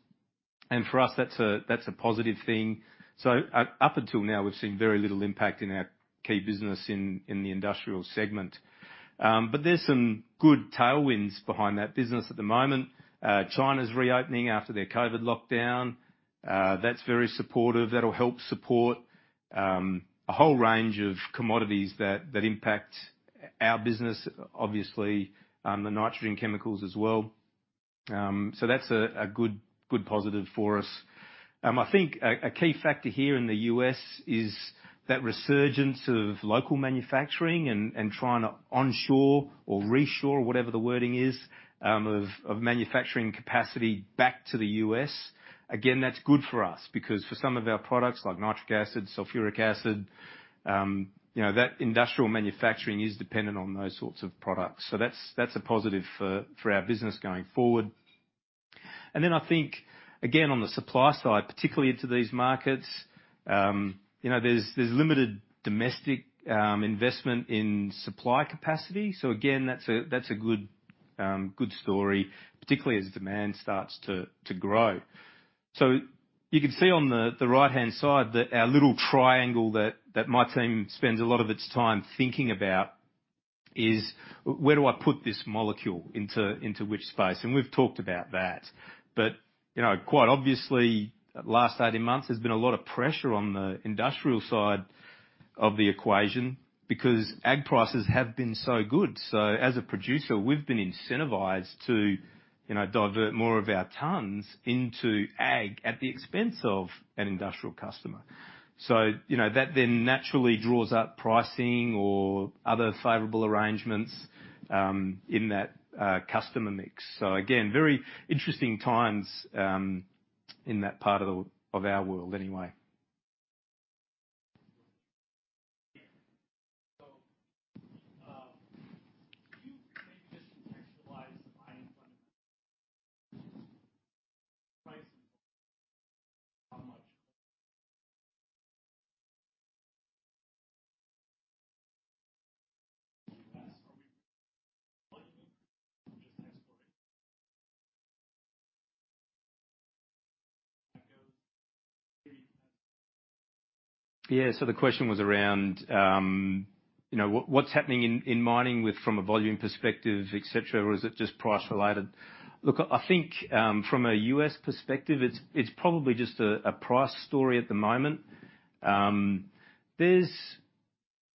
For us that's a positive thing. Up until now, we've seen very little impact in our key business in the industrial segment. There's some good tailwinds behind that business at the moment. China's reopening after their COVID lockdown. That's very supportive. That'll help support a whole range of commodities that impact our business, obviously, the nitrogen chemicals as well. That's a good positive for us. I think a key factor here in the U.S. is that resurgence of local manufacturing and trying to onshore or reshore, whatever the wording is, of manufacturing capacity back to the U.S. That's good for us because for some of our products like Nitric Acid, Sulfuric Acid, you know, that industrial manufacturing is dependent on those sorts of products. That's a positive for our business going forward. I think again, on the supply side, particularly into these markets there's limited domestic investment in supply capacity. That's a good story, particularly as demand starts to grow. You can see on the right-hand side that our little triangle that my team spends a lot of its time thinking about is where do I put this molecule into which space? We've talked about that. Quite obviously, last 18 months there's been a lot of pressure on the industrial side of the equation because ag prices have been so good. As a producer, we've been incentivized to, you know, divert more of our tons into ag at the expense of an industrial customer. That then naturally draws up pricing or other favorable arrangements in that customer mix. Again, very interesting times in that part of our world anyway. Yeah. The question was around, you know, what's happening in mining with from a volume perspective, et cetera, or is it just price related? Look, I think, from a U.S. perspective, it's probably just a price story at the moment. There's,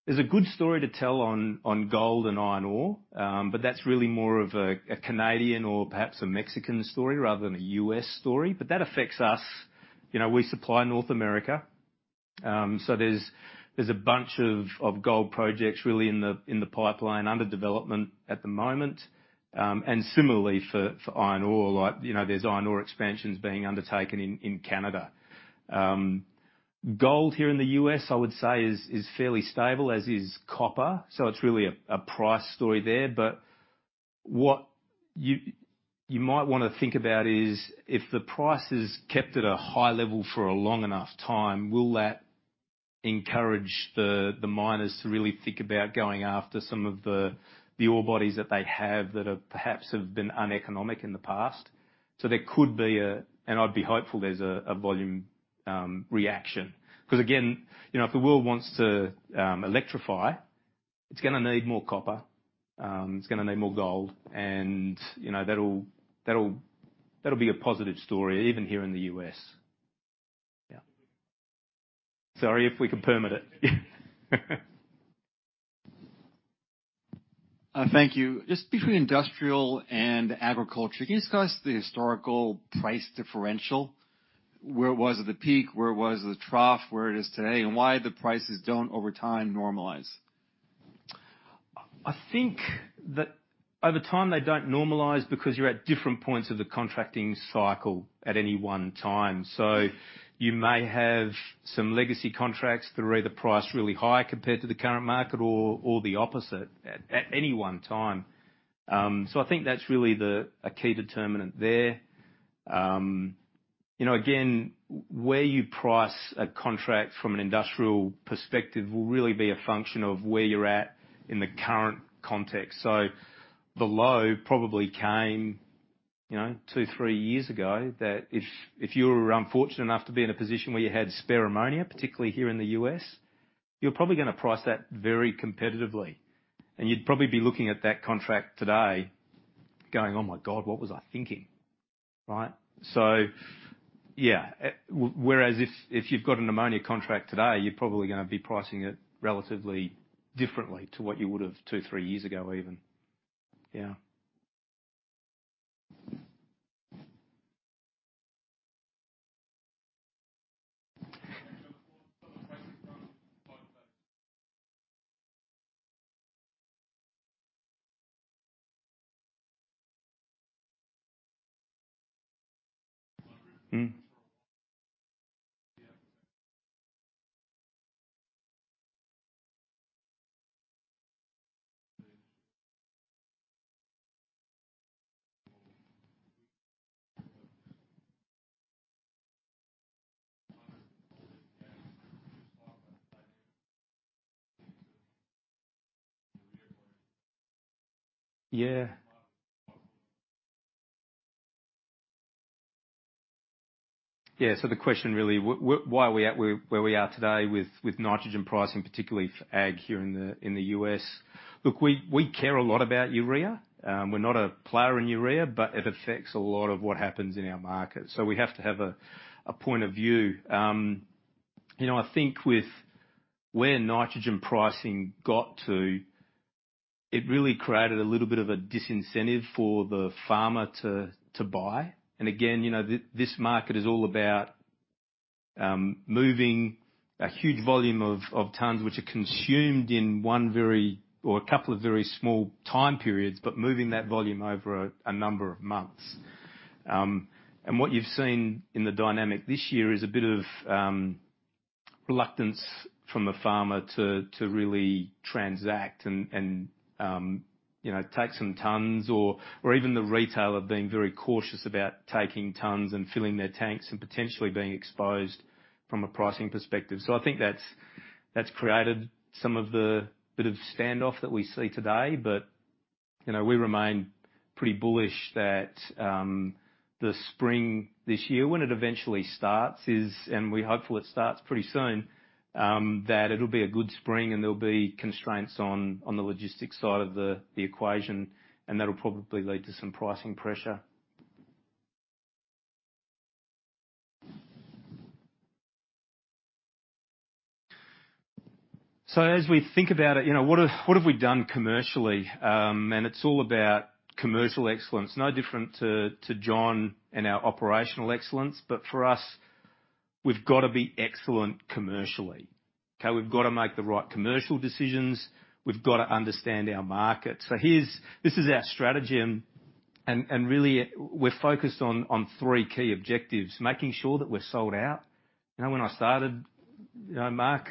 there's a good story to tell on gold and iron ore, but that's really more of a Canadian or perhaps a Mexican story rather than a U.S. story. That affects us. We supply North America. There's, there's a bunch of gold projects really in the, in the pipeline under development at the moment. Similarly for iron ore, like there's iron ore expansions being undertaken in Canada. Gold here in the U.S., I would say is fairly stable, as is copper, so it's really a price story there. What you might want to think about is if the price is kept at a high level for a long enough time, will that encourage the miners to really think about going after some of the ore bodies that they have that are perhaps have been uneconomic in the past? There could be a. I'd be hopeful there's a volume reaction, 'cause again, you know, if the world wants to electrify, it's gonna need more copper, it's gonna need more gold and, you know, that'll be a positive story even here in the U.S. Yeah. Sorry if we can permit it. Thank you. Just between industrial and agriculture, can you discuss the historical price differential? Where it was at the peak, where it was at the trough, where it is today, and why the prices don't over time normalize? I think that over time, they don't normalize because you're at different points of the contracting cycle at any one time. You may have some legacy contracts that are either priced really high compared to the current market or the opposite at any one time. I think that's really the, a key determinant there. You know, again, where you price a contract from an industrial perspective will really be a function of where you're at in the current context. The low probably came, you know, two, three years ago, that if you were unfortunate enough to be in a position where you had spare ammonia, particularly here in the U.S., you're probably gonna price that very competitively, and you'd probably be looking at that contract today going, "Oh my God, what was I thinking?" Right? Whereas if you've got an ammonia contract today, you're probably gonna be pricing it relatively differently to what you would have 2, 3 years ago even. The question really, why are we at where we are today with nitrogen pricing, particularly for ag here in the U.S. Look, we care a lot about urea. We're not a player in urea, but it affects a lot of what happens in our market, so we have to have a point of view. You know, I think with where nitrogen pricing got to, it really created a little bit of a disincentive for the farmer to buy. Again, this market is all about, moving a huge volume of tons which are consumed in one very or a couple of very small time periods, but moving that volume over a number of months. What you've seen in the dynamic this year is a bit of reluctance from the farmer to really transact and, you know, take some tons or even the retailer being very cautious about taking tons and filling their tanks and potentially being exposed from a pricing perspective. I think that's created some of the bit of standoff that we see today. We remain pretty bullish that the spring this year, when it eventually starts, and we're hopeful it starts pretty soon, that it'll be a good spring and there'll be constraints on the logistics side of the equation, and that'll probably lead to some pricing pressure. As we think about it, you know, what have we done commercially? It's all about commercial excellence. No different to John and our operational excellence, but for us, we've got to be excellent commercially. Okay? We've got to make the right commercial decisions. We've got to understand our market. This is our strategy and really, we're focused on 3 key objectives, making sure that we're sold out. When I started Mark,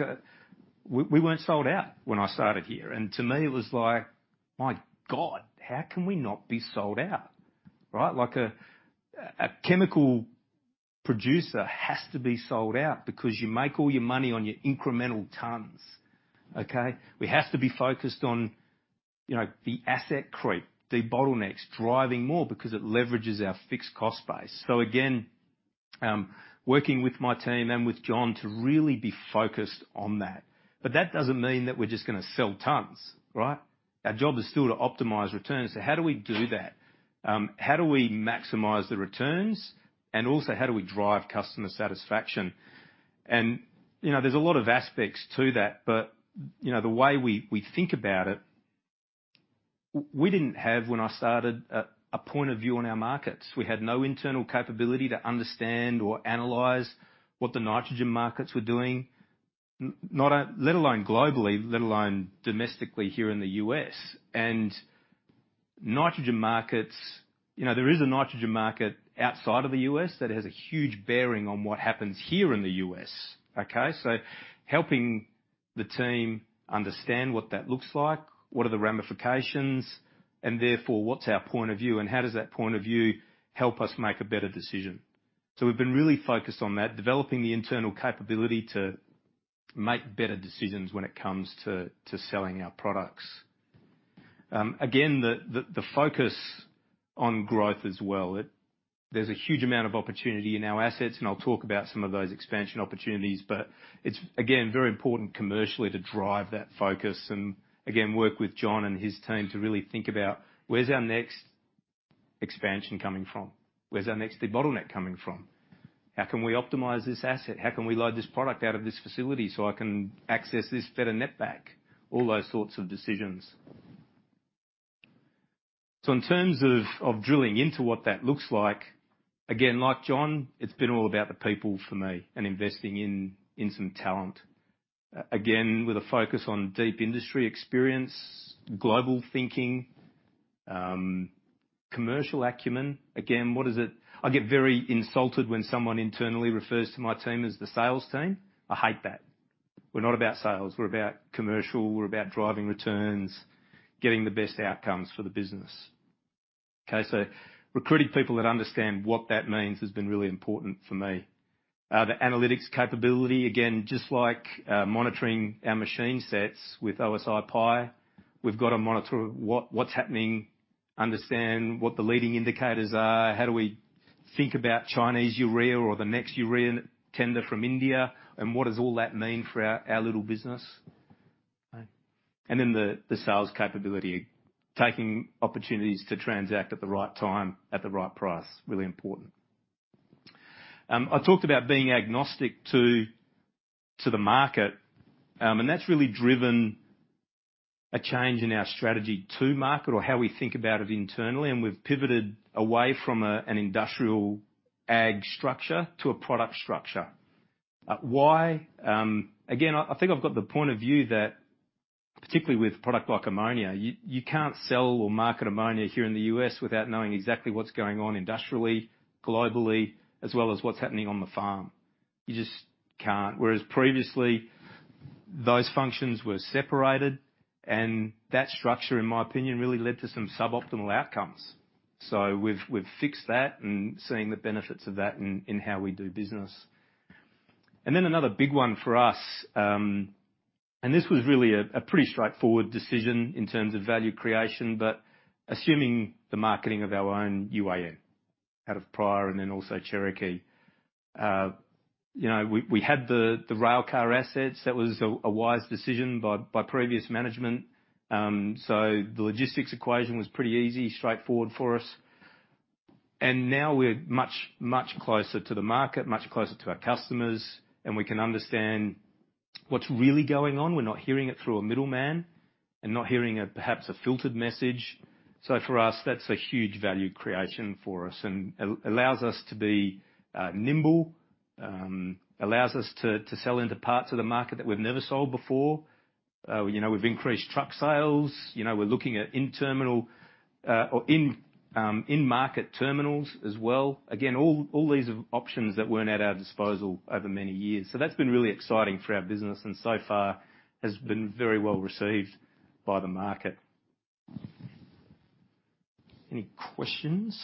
we weren't sold out when I started here. To me, it was like, "My God, how can we not be sold out?" Right? Like a chemical producer has to be sold out because you make all your money on your incremental tons, okay? We have to be focused on, you know, the asset creep, de-bottlenecks, driving more because it leverages our fixed cost base. Again, working with my team and with John to really be focused on that. That doesn't mean that we're just gonna sell tons, right? Our job is still to optimize returns. How do we do that? How do we maximize the returns? Also, how do we drive customer satisfaction? You know, there's a lot of aspects to that, but the way we think about it, we didn't have, when I started, a point of view on our markets. We had no internal capability to understand or analyze what the nitrogen markets were doing, let alone globally, let alone domestically here in the U.S. Nitrogen markets, you know, there is a nitrogen market outside of the U.S. that has a huge bearing on what happens here in the U.S., okay? Helping the team understand what that looks like, what are the ramifications, and therefore, what's our point of view, and how does that point of view help us make a better decision? We've been really focused on that, developing the internal capability to make better decisions when it comes to selling our products. Again, the focus on growth as well. There's a huge amount of opportunity in our assets, and I'll talk about some of those expansion opportunities, but it's, again, very important commercially to drive that focus and again, work with John and his team to really think about where's our next expansion coming from? Where's our next de-bottleneck coming from? How can we optimize this asset? How can we load this product out of this facility, so I can access this better net back? All those sorts of decisions. In terms of drilling into what that looks like, again, like John, it's been all about the people for me and investing in some talent. Again, with a focus on deep industry experience, global thinking, commercial acumen. Again, what is it? I get very insulted when someone internally refers to my team as the sales team. I hate that. We're not about sales. We're about commercial. We're about driving returns, getting the best outcomes for the business. Okay? Recruiting people that understand what that means has been really important for me. The analytics capability, again, just like monitoring our machine sets with PI System, we've gotta monitor what's happening, understand what the leading indicators are, how do we think about Chinese urea or the next urea tender from India, what does all that mean for our little business? Then the sales capability, taking opportunities to transact at the right time, at the right price, really important. I talked about being agnostic to the market, that's really driven a change in our strategy to market or how we think about it internally, We've pivoted away from an industrial ag structure to a product structure. Why? Again, I think I've got the point of view that particularly with product like ammonia, you can't sell or market ammonia here in the U.S. without knowing exactly what's going on industrially, globally, as well as what's happening on the farm. You just can't. Whereas previously, those functions were separated, and that structure, in my opinion, really led to some suboptimal outcomes. We've, we've fixed that and seeing the benefits of that in how we do business. Then another big one for us, and this was really a pretty straightforward decision in terms of value creation, but assuming the marketing of our own UAN out of Pryor and then also Cherokee. We had the rail car assets. That was a wise decision by previous management. The logistics equation was pretty easy, straightforward for us. Now we're much, much closer to the market, much closer to our customers, and we can understand what's really going on. We're not hearing it through a middleman and not hearing a perhaps filtered message. For us, that's a huge value creation for us and allows us to be nimble, allows us to sell into parts of the market that we've never sold before. You know, we've increased truck sales. We're looking at in-terminal or in-market terminals as well. Again, all these options that weren't at our disposal over many years. That's been really exciting for our business and so far has been very well received by the market. Any questions?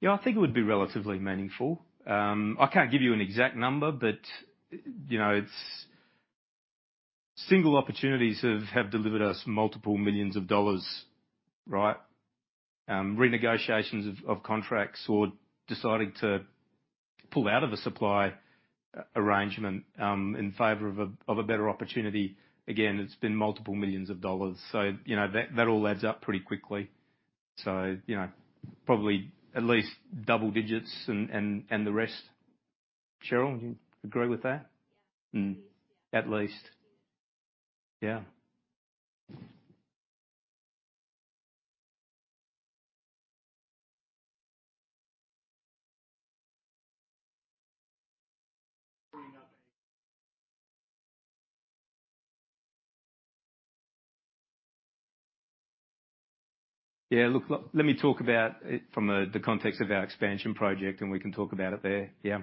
Yeah, I think it would be relatively meaningful. I can't give you an exact number, but single opportunities have delivered us multiple millions of dollars, right? Renegotiations of contracts or deciding to pull out of a supply arrangement, in favor of a better opportunity. Again, it's been multiple millions of dollars. You know, that all adds up pretty quickly. You know, probably at least double digits and the rest. Cheryl, would you agree with that? Yeah. At least. Yeah. At least. Yeah. Yeah, let me talk about it from the context of our expansion project, and we can talk about it there. Yeah.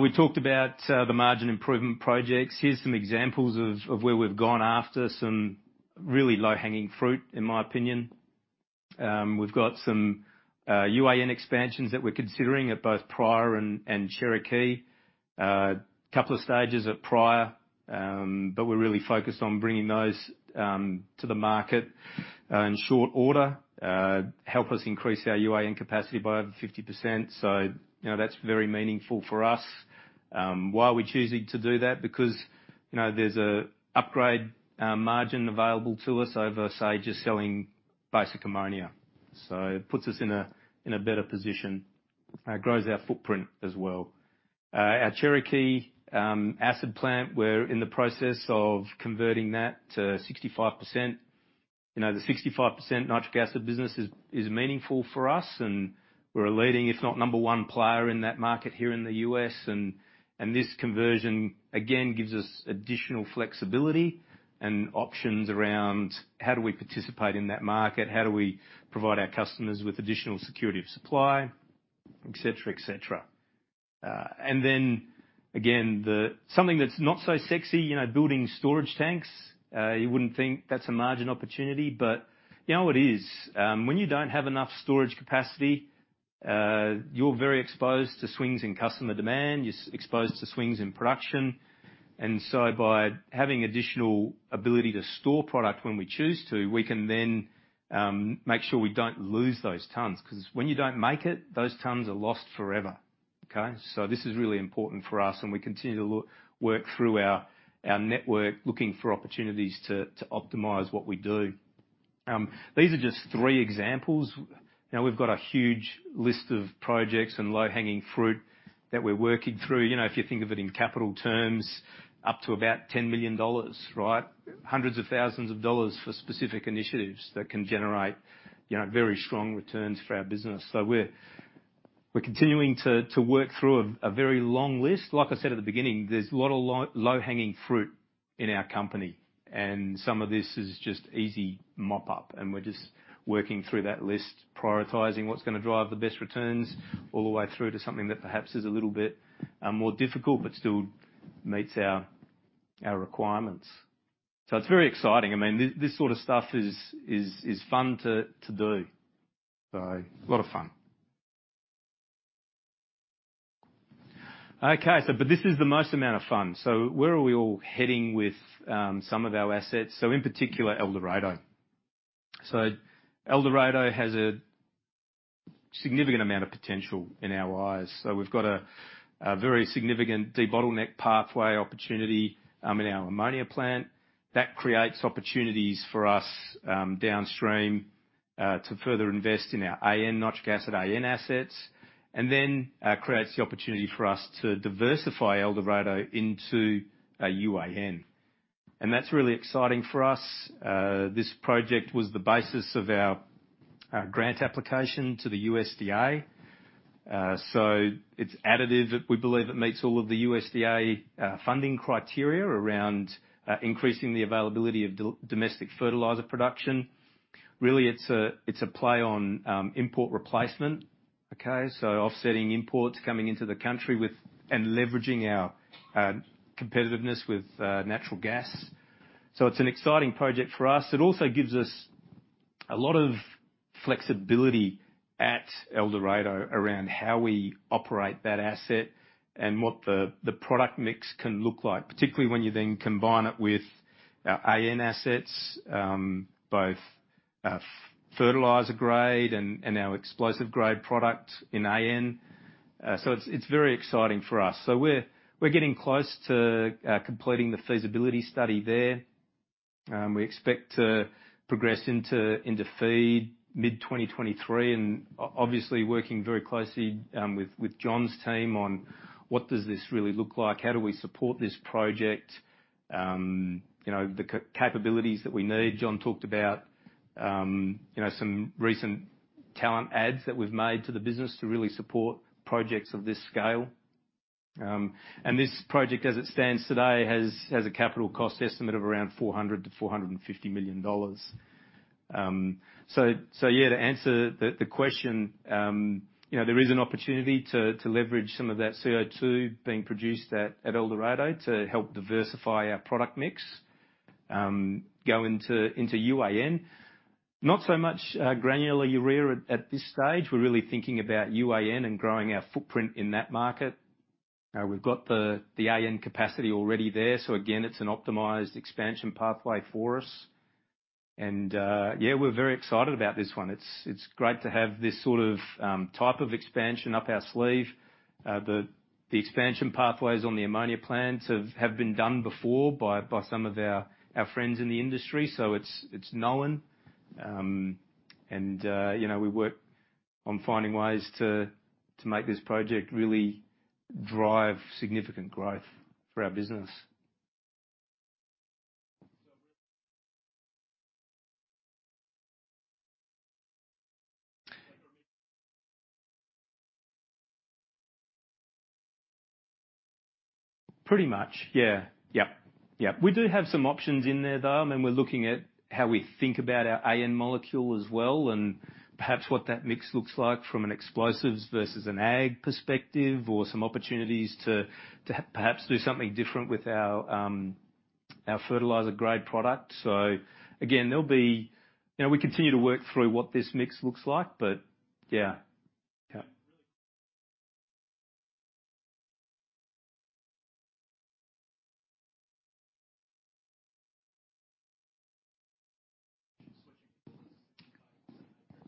We talked about the margin improvement projects. Here's some examples of where we've gone after some really low-hanging fruit, in my opinion. We've got some UAN expansions that we're considering at both Pryor and Cherokee. Couple of stages at Pryor, but we're really focused on bringing those to the market in short order. Help us increase our UAN capacity by over 50%. You know, that's very meaningful for us. Why are we choosing to do that? You know, there's an upgrade margin available to us over, say, just selling basic ammonia. It puts us in a better position. It grows our footprint as well. Our Cherokee acid plant, we're in the process of converting that to 65%. You know, the 65% nitric acid business is meaningful for us, and we're a leading, if not number 1 player in that market here in the U.S. This conversion, again, gives us additional flexibility and options around how do we participate in that market? How do we provide our customers with additional security of supply, et cetera, et cetera. Then again, something that's not so sexy, you know, building storage tanks. You wouldn't think that's a margin opportunity, but, you know, it is. When you don't have enough storage capacity, you're very exposed to swings in customer demand, you're exposed to swings in production. By having additional ability to store product when we choose to, we can make sure we don't lose those tons 'cause when you don't make it, those tons are lost forever, okay. This is really important for us, and we continue to work through our network, looking for opportunities to optimize what we do. These are just three examples. You know, we've got a huge list of projects and low-hanging fruit that we're working through if you think of it in capital terms, up to about $10 million, right. Hundreds of thousands of dollars for specific initiatives that can generate, you know, very strong returns for our business. We're continuing to work through a very long list. Like I said at the beginning, there's a lot of low-hanging fruit in our company, and some of this is just easy mop-up, and we're just working through that list, prioritizing what's gonna drive the best returns, all the way through to something that perhaps is a little bit more difficult, but still meets our requirements. It's very exciting. I mean, this sort of stuff is fun to do. A lot of fun. Okay. This is the most amount of fun. Where are we all heading with some of our assets? In particular, El Dorado. El Dorado has a significant amount of potential in our eyes. We've got a very significant debottleneck pathway opportunity in our ammonia plant. That creates opportunities for us, downstream, to further invest in our Nitric Acid AN assets, and then, creates the opportunity for us to diversify El Dorado into a UAN. That's really exciting for us. This project was the basis of our grant application to the USDA. It's additive. We believe it meets all of the USDA funding criteria around increasing the availability of domestic fertilizer production. Really, it's a play on import replacement, okay? Offsetting imports coming into the country with and leveraging our competitiveness with natural gas. It's an exciting project for us. It also gives us a lot of flexibility at El Dorado around how we operate that asset and what the product mix can look like, particularly when you then combine it with our AN assets, both fertilizer grade and our explosive grade product in AN. It's very exciting for us. We're getting close to completing the feasibility study there. We expect to progress into FEED mid-2023 and obviously working very closely with John's team on what does this really look like? How do we support this project? You know, the capabilities that we need. John talked about, you know, some recent talent adds that we've made to the business to really support projects of this scale. This project, as it stands today, has a capital cost estimate of around $400 million-$450 million. Yeah, to answer the question, you know, there is an opportunity to leverage some of that CO2 being produced at El Dorado to help diversify our product mix, go into UAN. Not so much granular urea at this stage. We're really thinking about UAN and growing our footprint in that market. We've got the AN capacity already there. Again, it's an optimized expansion pathway for us. Yeah, we're very excited about this one. It's great to have this sort of type of expansion up our sleeve. The expansion pathways on the ammonia plant have been done before by some of our friends in the industry, so it's known. You know, we work on finding ways to make this project really drive significant growth for our business. Pretty much, yeah. Yep. Yep. We do have some options in there, though. I mean, we're looking at how we think about our AN molecule as well, and perhaps what that mix looks like from an explosives versus an ag perspective, or some opportunities to perhaps do something different with our fertilizer grade product. Again, there'll be. We continue to work through what this mix looks like.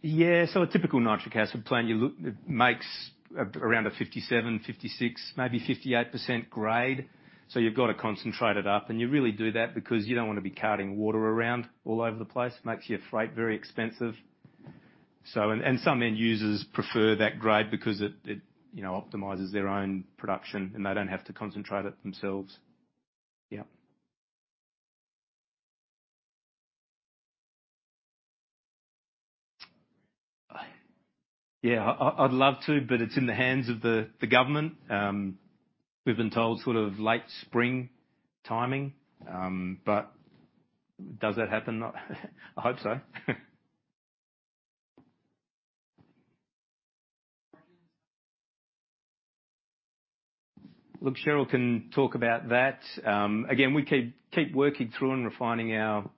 A typical Nitric Acid plant, it makes around a 57, 56, maybe 58% grade, so you've got to concentrate it up. You really do that because you don't wanna be carting water around all over the place. It makes your freight very expensive. Some end users prefer that grade because it optimizes their own production, and they don't have to concentrate it themselves. Yep. Yeah. I'd love to, but it's in the hands of the government. We've been told sort of late spring timing. Does that happen? I hope so. Look, Cheryl can talk about that. Again, we keep working through and refining our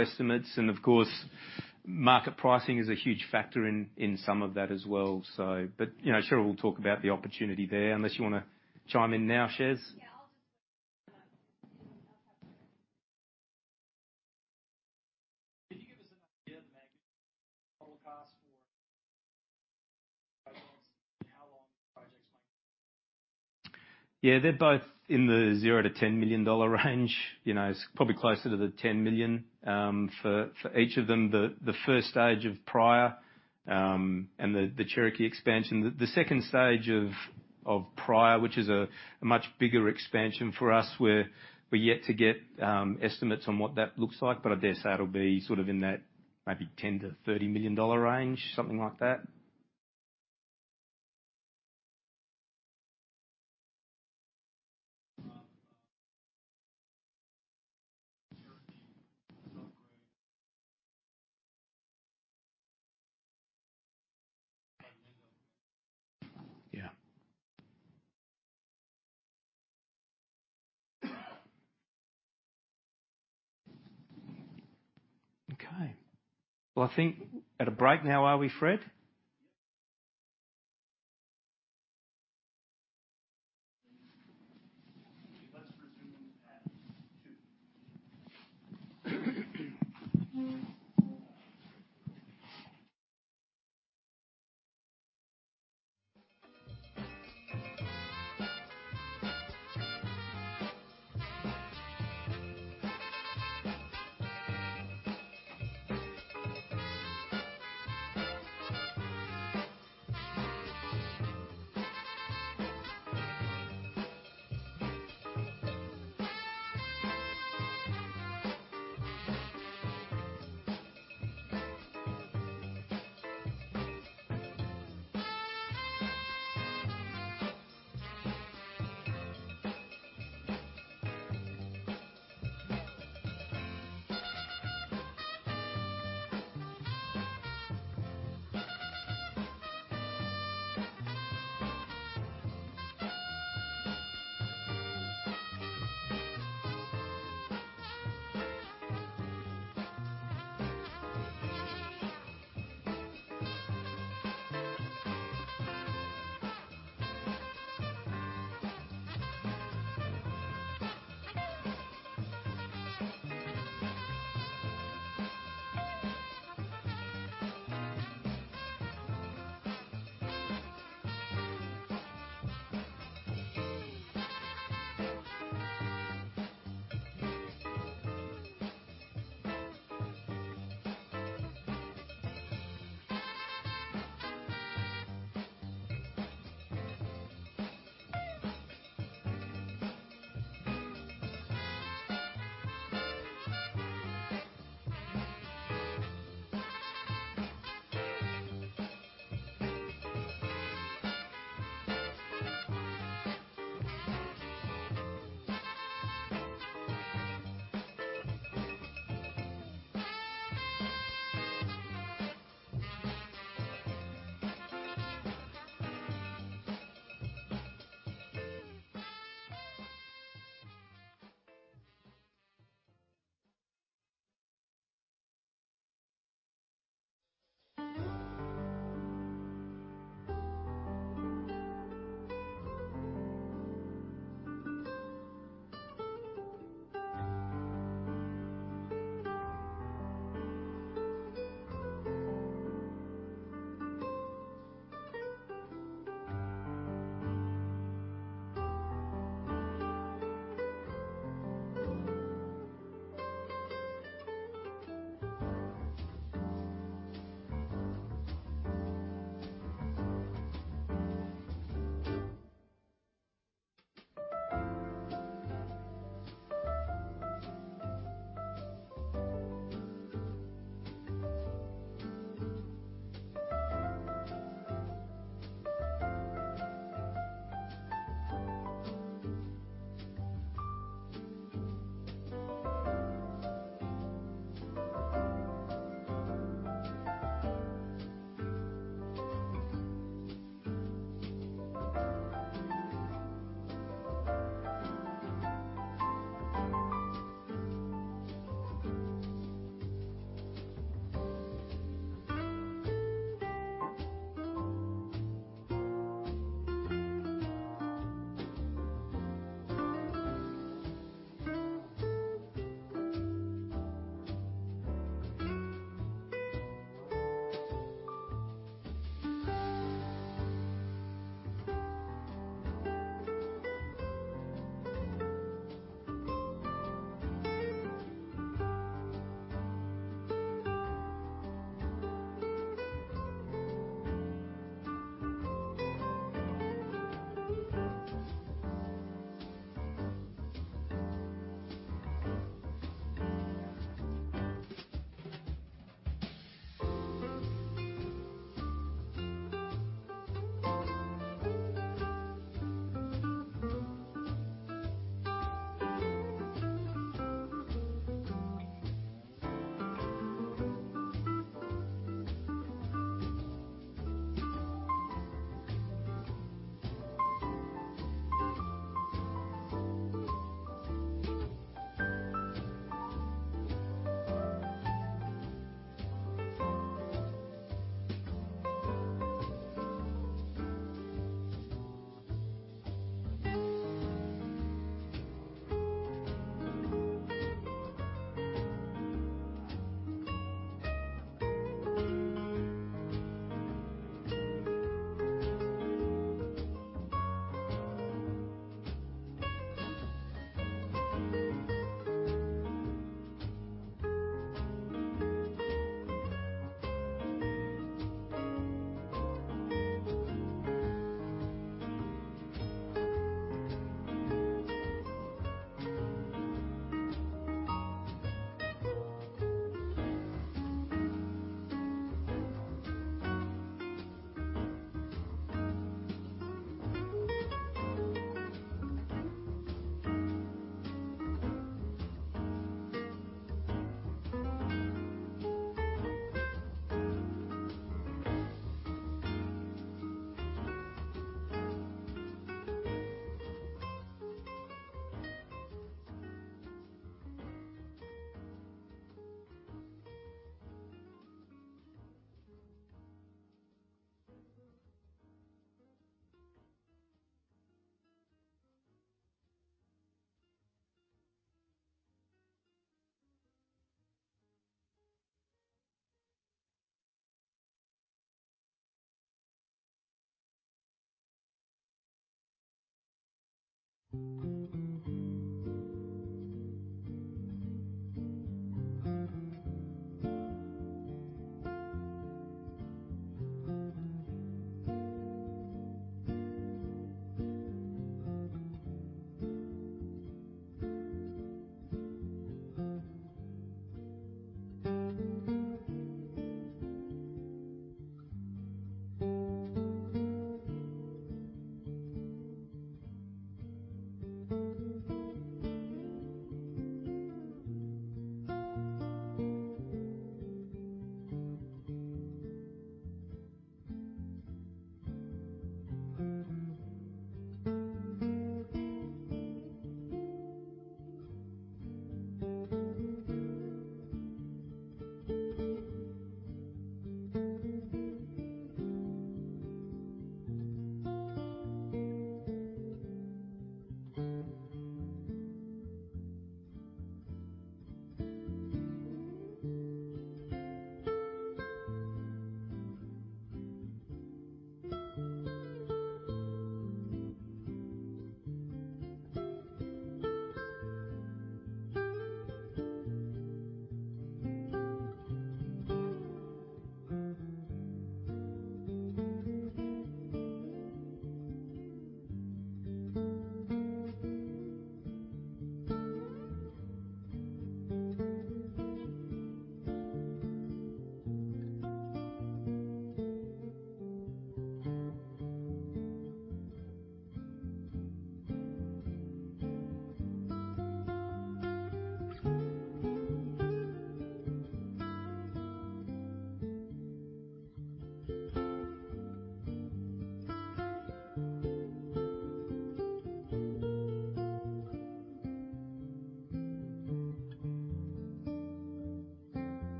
estimates. Of course, market pricing is a huge factor in some of that as well. Cheryl will talk about the opportunity there, unless you wanna chime in now, Cherz? Yeah, Can you give us an idea of the magnitude of total cost for and how long the projects might. They're both in the $0-$10 million range. You know, it's probably closer to the $10 million for each of them. The first stage of Pryor and the Cherokee expansion. The second stage of Pryor, which is a much bigger expansion for us, we're yet to get estimates on what that looks like. I dare say it'll be sort of in that maybe $10 million-$30 million range, something like that. Okay. Well, I think at a break now, are we, Fred?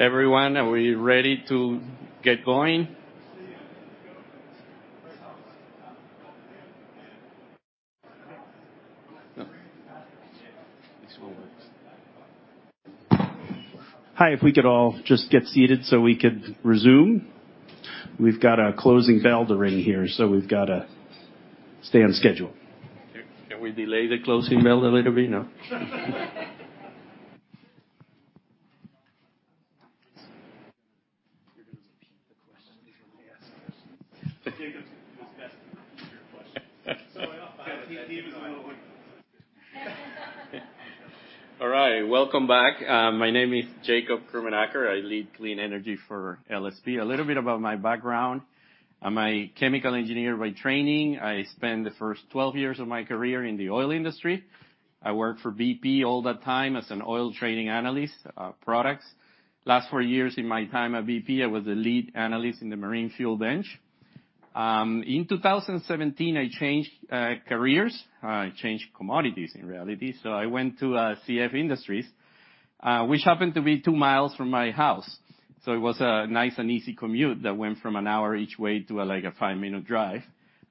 Everyone, are we ready to get going? Hi, if we could all just get seated so we could resume. We've got a closing bell to ring here, so we've gotta stay on schedule. Can we delay the closing bell a little bit? No. You're gonna repeat the question when I ask the question. Jacob's best to answer your question. 'Cause he was a little like. All right. Welcome back. My name is Jacob Krumenacker. I lead clean energy for LSB. A little bit about my background. I'm a chemical engineer by training. I spent the first 12 years of my career in the oil industry. I worked for BP all that time as an oil trading analyst, products. Last 4 years in my time at BP, I was the lead analyst in the marine fuel bench. In 2017, I changed careers. I changed commodities, in reality. I went to CF Industries, which happened to be 2 miles from my house. It was a nice and easy commute that went from an hour each way to, like, a 5-minute drive.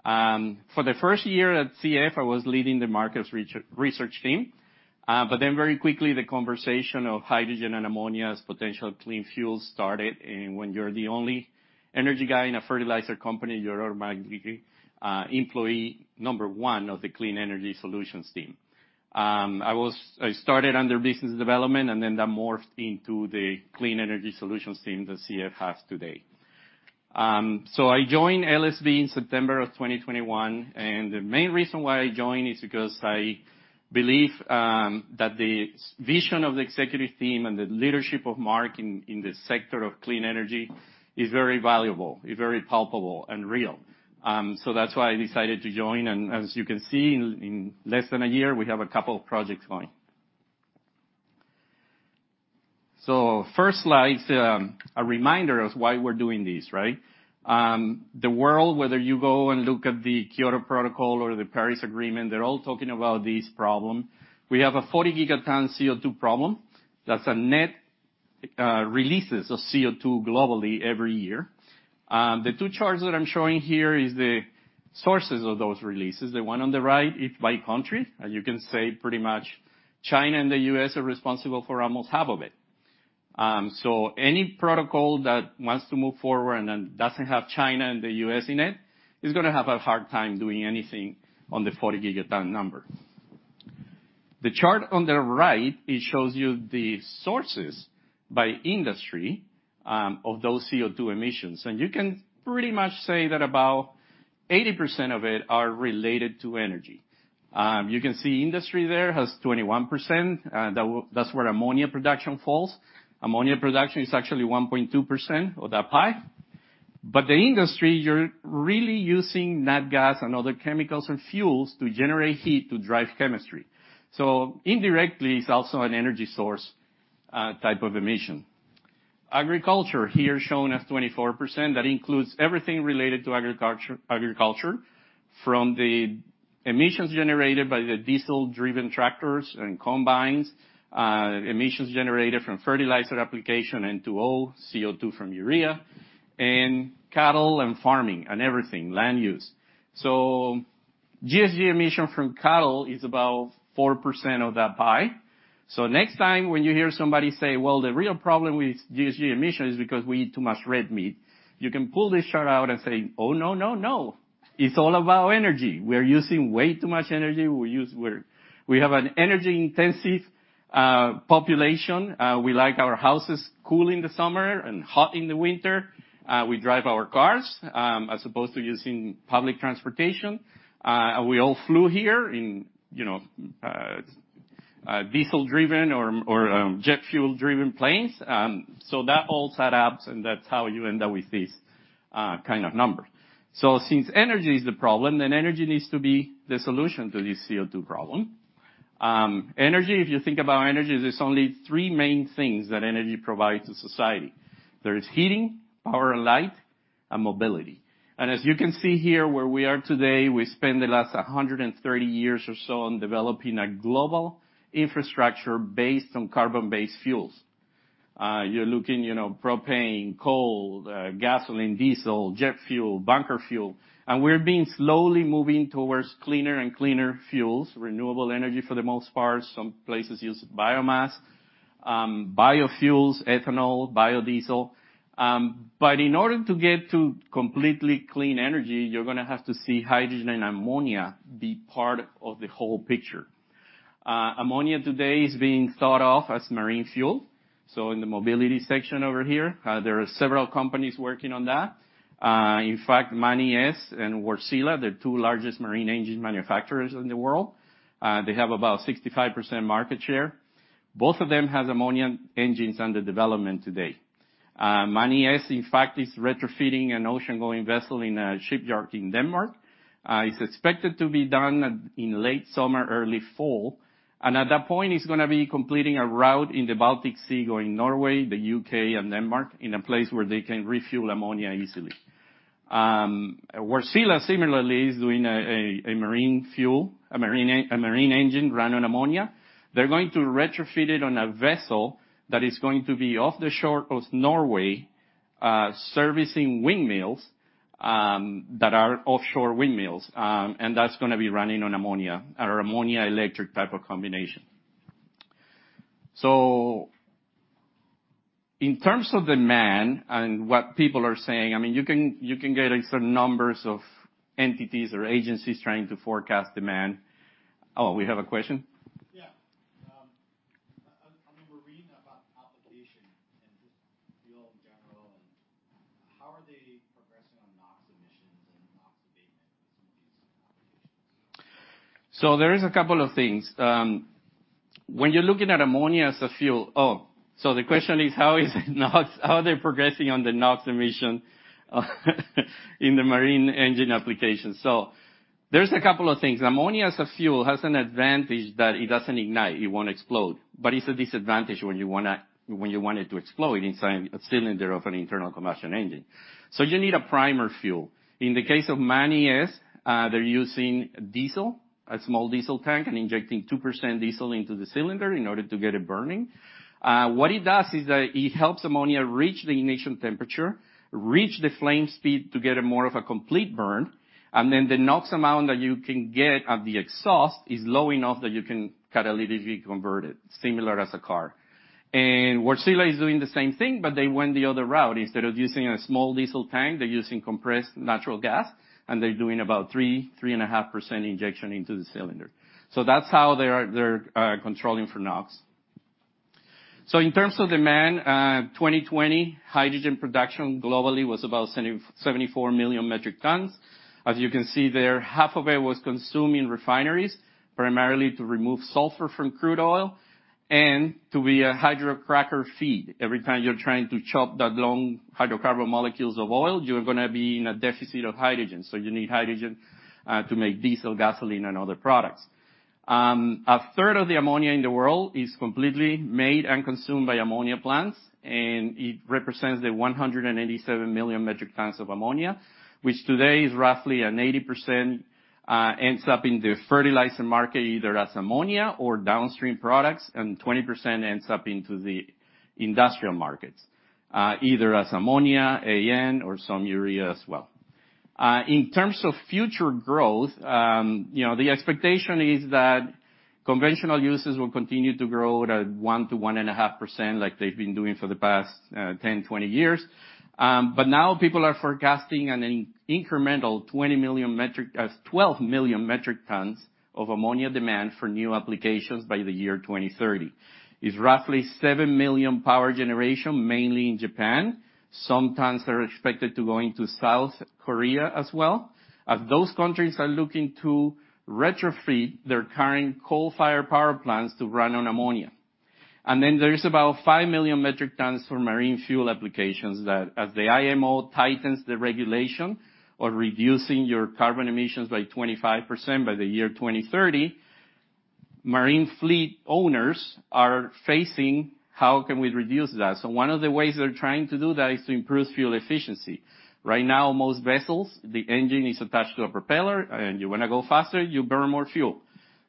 For the first year at CF, I was leading the markets research team. Very quickly, the conversation of hydrogen and ammonia as potential clean fuels started. When you're the only energy guy in a fertilizer company, you're automatically employee number one of the clean energy solutions team. I started under business development, that morphed into the clean energy solutions team that CF has today. I joined LSB in September of 2021, the main reason why I joined is because I believe that the vision of the executive team and the leadership of Mark in this sector of clean energy is very valuable, is very palpable and real. That's why I decided to join. As you can see, in less than a year, we have a couple projects going. First slide is a reminder of why we're doing this, right? The world, whether you go and look at the Kyoto Protocol or the Paris Agreement, they're all talking about this problem. We have a 40 gigaton CO2 problem. That's a net releases of CO2 globally every year. The two charts that I'm showing here is the sources of those releases. The one on the right, it's by country. As you can see, pretty much China and the U.S. are responsible for almost half of it. Any protocol that wants to move forward and doesn't have China and the U.S. in it is gonna have a hard time doing anything on the 40 gigaton number. The chart on the right, it shows you the sources by industry, of those CO2 emissions. You can pretty much say that about 80% of it are related to energy. You can see industry there has 21%. That's where ammonia production falls. Ammonia production is actually 1.2% of that pie. The industry, you're really using nat gas and other chemicals and fuels to generate heat to drive chemistry. Indirectly, it's also an energy source, type of emission. Agriculture here shown as 24%. That includes everything related to agriculture, from the emissions generated by the diesel-driven tractors and combines, emissions generated from fertilizer application, N2O, CO2 from urea, and cattle and farming and everything, land use. GHG emission from cattle is about 4% of that pie. Next time when you hear somebody say, "Well, the real problem with GHG emission is because we eat too much red meat," you can pull this chart out and say, "Oh, no, no. It's all about energy. We're using way too much energy. We have an energy-intensive population. We like our houses cool in the summer and hot in the winter. We drive our cars as opposed to using public transportation. We all flew here in, you know, diesel-driven or jet fuel-driven planes. That all adds up, and that's how you end up with this kind of number. Since energy is the problem, energy needs to be the solution to this CO2 problem. Energy, if you think about energy, there's only three main things that energy provides to society. There is heating, power and light, and mobility. As you can see here where we are today, we spent the last 130 years or so on developing a global infrastructure based on carbon-based fuels. You're looking, you know, propane, coal, gasoline, diesel, jet fuel, bunker fuel. We're being slowly moving towards cleaner and cleaner fuels, renewable energy for the most part. Some places use biomass, biofuels, ethanol, biodiesel. In order to get to completely clean energy, you're gonna have to see hydrogen and ammonia be part of the whole picture. Ammonia today is being thought of as marine fuel. In the mobility section over here, there are several companies working on that. In fact, MAN ES and Wärtsilä, the two largest marine engine manufacturers in the world, they have about 65% market share. Both of them has ammonia engines under development today. MAN ES, in fact, is retrofitting an ocean-going vessel in a shipyard in Denmark. It's expected to be done at, in late summer, early fall. At that point, it's gonna be completing a route in the Baltic Sea, going Norway, the U.K., and Denmark, in a place where they can refuel ammonia easily. Wärtsilä similarly is doing a marine engine run on ammonia. They're going to retrofit it on a vessel that is going to be off the shore of Norway, servicing windmills that are offshore windmills. And that's gonna be running on ammonia or ammonia electric type of combination. In terms of demand and what people are saying, I mean, you can get a certain numbers of entities or agencies trying to forecast demand. Oh, we have a question? I mean, we're reading about the application and just fuel in general and how are they progressing on NOx emissions and NOx abatement in some of these applications? There is a couple of things. When you're looking at ammonia as a fuel, the question is, how are they progressing on the NOx emission in the marine engine application? There's a couple of things. Ammonia as a fuel has an advantage that it doesn't ignite, it won't explode, but it's a disadvantage when you want it to explode inside a cylinder of an internal combustion engine. You need a primer fuel. In the case of MAN ES, they're using diesel, a small diesel tank, and injecting 2% diesel into the cylinder in order to get it burning. What it does is that it helps ammonia reach the ignition temperature, reach the flame speed to get a more of a complete burn, then the NOx amount that you can get at the exhaust is low enough that you can catalytically convert it, similar as a car. Wärtsilä is doing the same thing, they went the other route. Instead of using a small diesel tank, they're using compressed natural gas, they're doing about 3.5% injection into the cylinder. That's how they're controlling for NOx. In terms of demand, 2020, hydrogen production globally was about 74 million metric tons. As you can see there, half of it was consumed in refineries, primarily to remove sulfur from crude oil and to be a hydrocracker feed. Every time you're trying to chop that long hydrocarbon molecules of oil, you're gonna be in a deficit of hydrogen. You need hydrogen to make diesel, gasoline, and other products. A third of the ammonia in the world is completely made and consumed by ammonia plants. It represents 187 million metric tons of ammonia, which today is roughly an 80% ends up in the fertilizer market, either as ammonia or downstream products. 20% ends up into the industrial markets, either as ammonia, AN, or some urea as well. In terms of future growth, you know, the expectation is that conventional uses will continue to grow at 1%-1.5% like they've been doing for the past 10, 20 years. Now people are forecasting an incremental 12 million metric tons of ammonia demand for new applications by the year 2030. It's roughly 7 million power generation, mainly in Japan. Some tons are expected to go into South Korea as well, as those countries are looking to retrofit their current coal-fired power plants to run on ammonia. There is about 5 million metric tons for marine fuel applications that as the IMO tightens the regulation or reducing your carbon emissions by 25% by the year 2030, marine fleet owners are facing, "How can we reduce that?" One of the ways they're trying to do that is to improve fuel efficiency. Right now, most vessels, the engine is attached to a propeller, and you wanna go faster, you burn more fuel.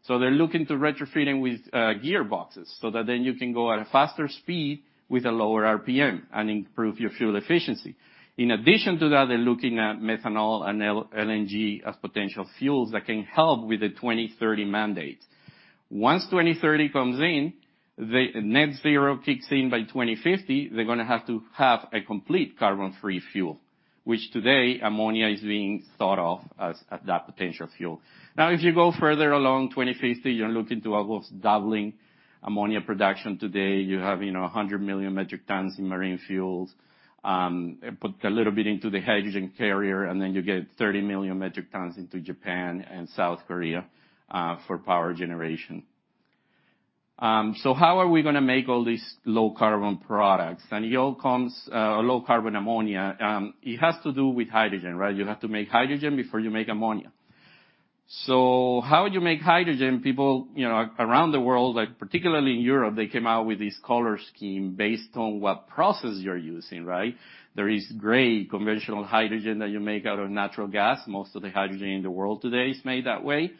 They're looking to retrofitting with gearboxes, so that then you can go at a faster speed with a lower RPM and improve your fuel efficiency. In addition to that, they're looking at methanol and LNG as potential fuels that can help with the 2030 mandate. Once 2030 comes in, the Net Zero kicks in by 2050, they're gonna have to have a complete carbon-free fuel, which today ammonia is being thought of as that potential fuel. If you go further along 2050, you're looking to almost doubling ammonia production today. You have 100 million metric tons in marine fuels, put a little bit into the hydrogen carrier, and then you get 30 million metric tons into Japan and South Korea for power generation. How are we gonna make all these low carbon products? It all comes, low carbon ammonia. It has to do with hydrogen, right? You have to make hydrogen before you make ammonia. How you make hydrogen, people, you know, around the world, like particularly in Europe, they came out with this color scheme based on what process you're using, right? There is gray conventional hydrogen that you make out of natural gas. Most of the hydrogen in the world today is made that way.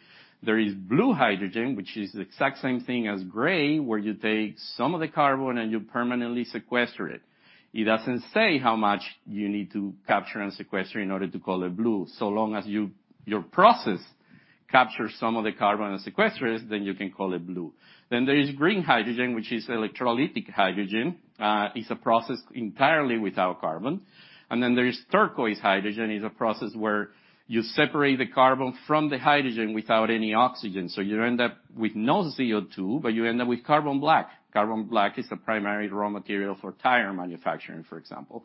There is blue hydrogen, which is the exact same thing as gray, where you take some of the carbon and you permanently sequester it. It doesn't say how much you need to capture and sequester in order to call it blue. Long as you, your process captures some of the carbon and sequesters, you can call it blue. There is green hydrogen, which is electrolytic hydrogen. It's a process entirely without carbon. Then there is turquoise hydrogen, is a process where you separate the carbon from the hydrogen without any oxygen. So you end up with no CO2, but you end up with carbon black. Carbon black is a primary raw material for tire manufacturing, for example.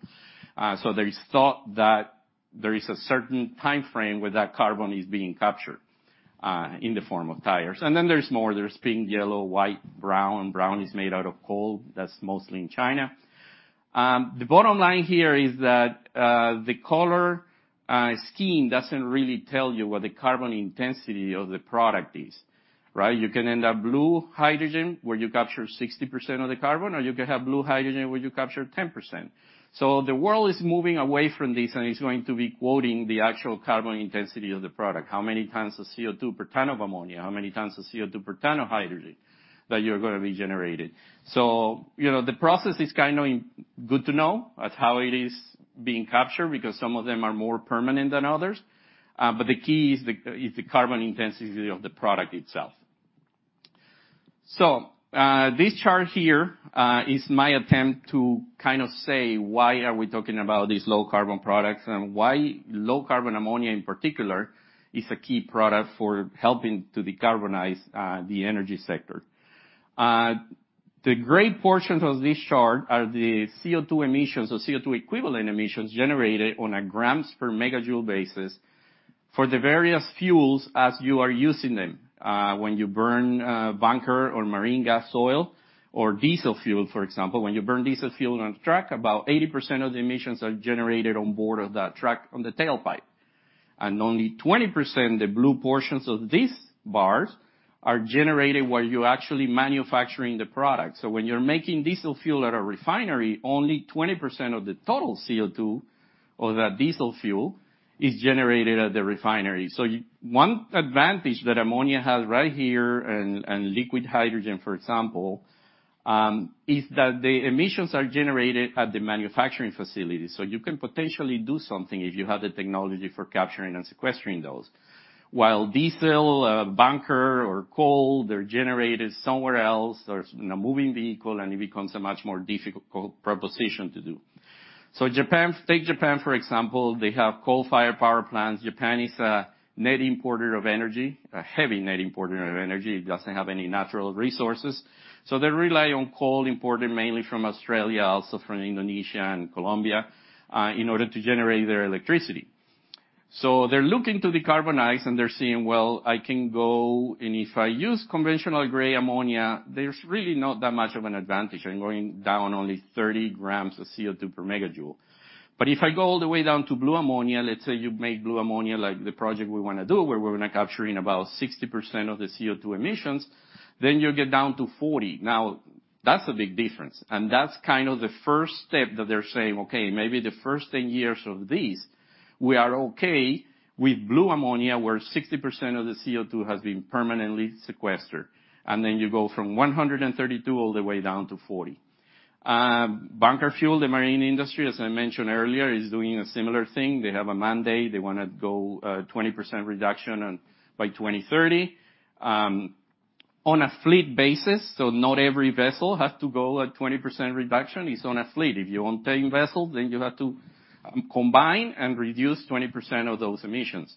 So there is thought that there is a certain timeframe where that carbon is being captured, in the form of tires. Then there's more. There's pink, yellow, white, brown. Brown is made out of coal. That's mostly in China. The bottom line here is that the color scheme doesn't really tell you what the carbon intensity of the product is, right? You can end up blue hydrogen, where you capture 60% of the carbon, or you can have blue hydrogen where you capture 10%. The world is moving away from this, and it's going to be quoting the actual carbon intensity of the product, how many tons of CO2 per ton of ammonia, how many tons of CO2 per ton of hydrogen that you're going to be generating. You know, the process is kind of good to know as how it is being captured, because some of them are more permanent than others. But the key is the carbon intensity of the product itself. This chart here is my attempt to kind of say why are we talking about these low-carbon products and why low-carbon ammonia in particular is a key product for helping to decarbonize the energy sector. The gray portions of this chart are the CO2 emissions or CO2 equivalent emissions generated on a grams per megajoule basis for the various fuels as you are using them. When you burn bunker or Marine Gas Oil or diesel fuel, for example, when you burn diesel fuel on a truck, about 80% of the emissions are generated on board of that truck on the tailpipe. Only 20%, the blue portions of these bars, are generated while you're actually manufacturing the product. When you're making diesel fuel at a refinery, only 20% of the total CO2 of that diesel fuel is generated at the refinery. One advantage that ammonia has right here, and liquid hydrogen, for example, is that the emissions are generated at the manufacturing facility. You can potentially do something if you have the technology for capturing and sequestering those. While diesel, bunker or coal, they're generated somewhere else. There's no moving vehicle, it becomes a much more difficult proposition to do. Take Japan, for example, they have coal-fired power plants. Japan is a net importer of energy, a heavy net importer of energy. It doesn't have any natural resources. They rely on coal imported mainly from Australia, also from Indonesia and Colombia, in order to generate their electricity. They're looking to decarbonize, and they're saying, "Well, I can go... If I use conventional gray ammonia, there's really not that much of an advantage. I'm going down only 30 grams of CO2 per megajoule. If I go all the way down to blue ammonia, let's say you make blue ammonia like the project we want to do, where we're capturing about 60% of the CO2 emissions, then you get down to 40. Now, that's a big difference. That's kind of the first step that they're saying, Okay, maybe the first 10 years of this, we are okay with blue ammonia, where 60% of the CO2 has been permanently sequestered. You go from 132 all the way down to 40. Bunker fuel, the marine industry, as I mentioned earlier, is doing a similar thing. They have a mandate. They want to go 20% reduction by 2030 on a fleet basis, so not every vessel has to go at 20% reduction. It's on a fleet. If you own 10 vessels, then you have to combine and reduce 20% of those emissions.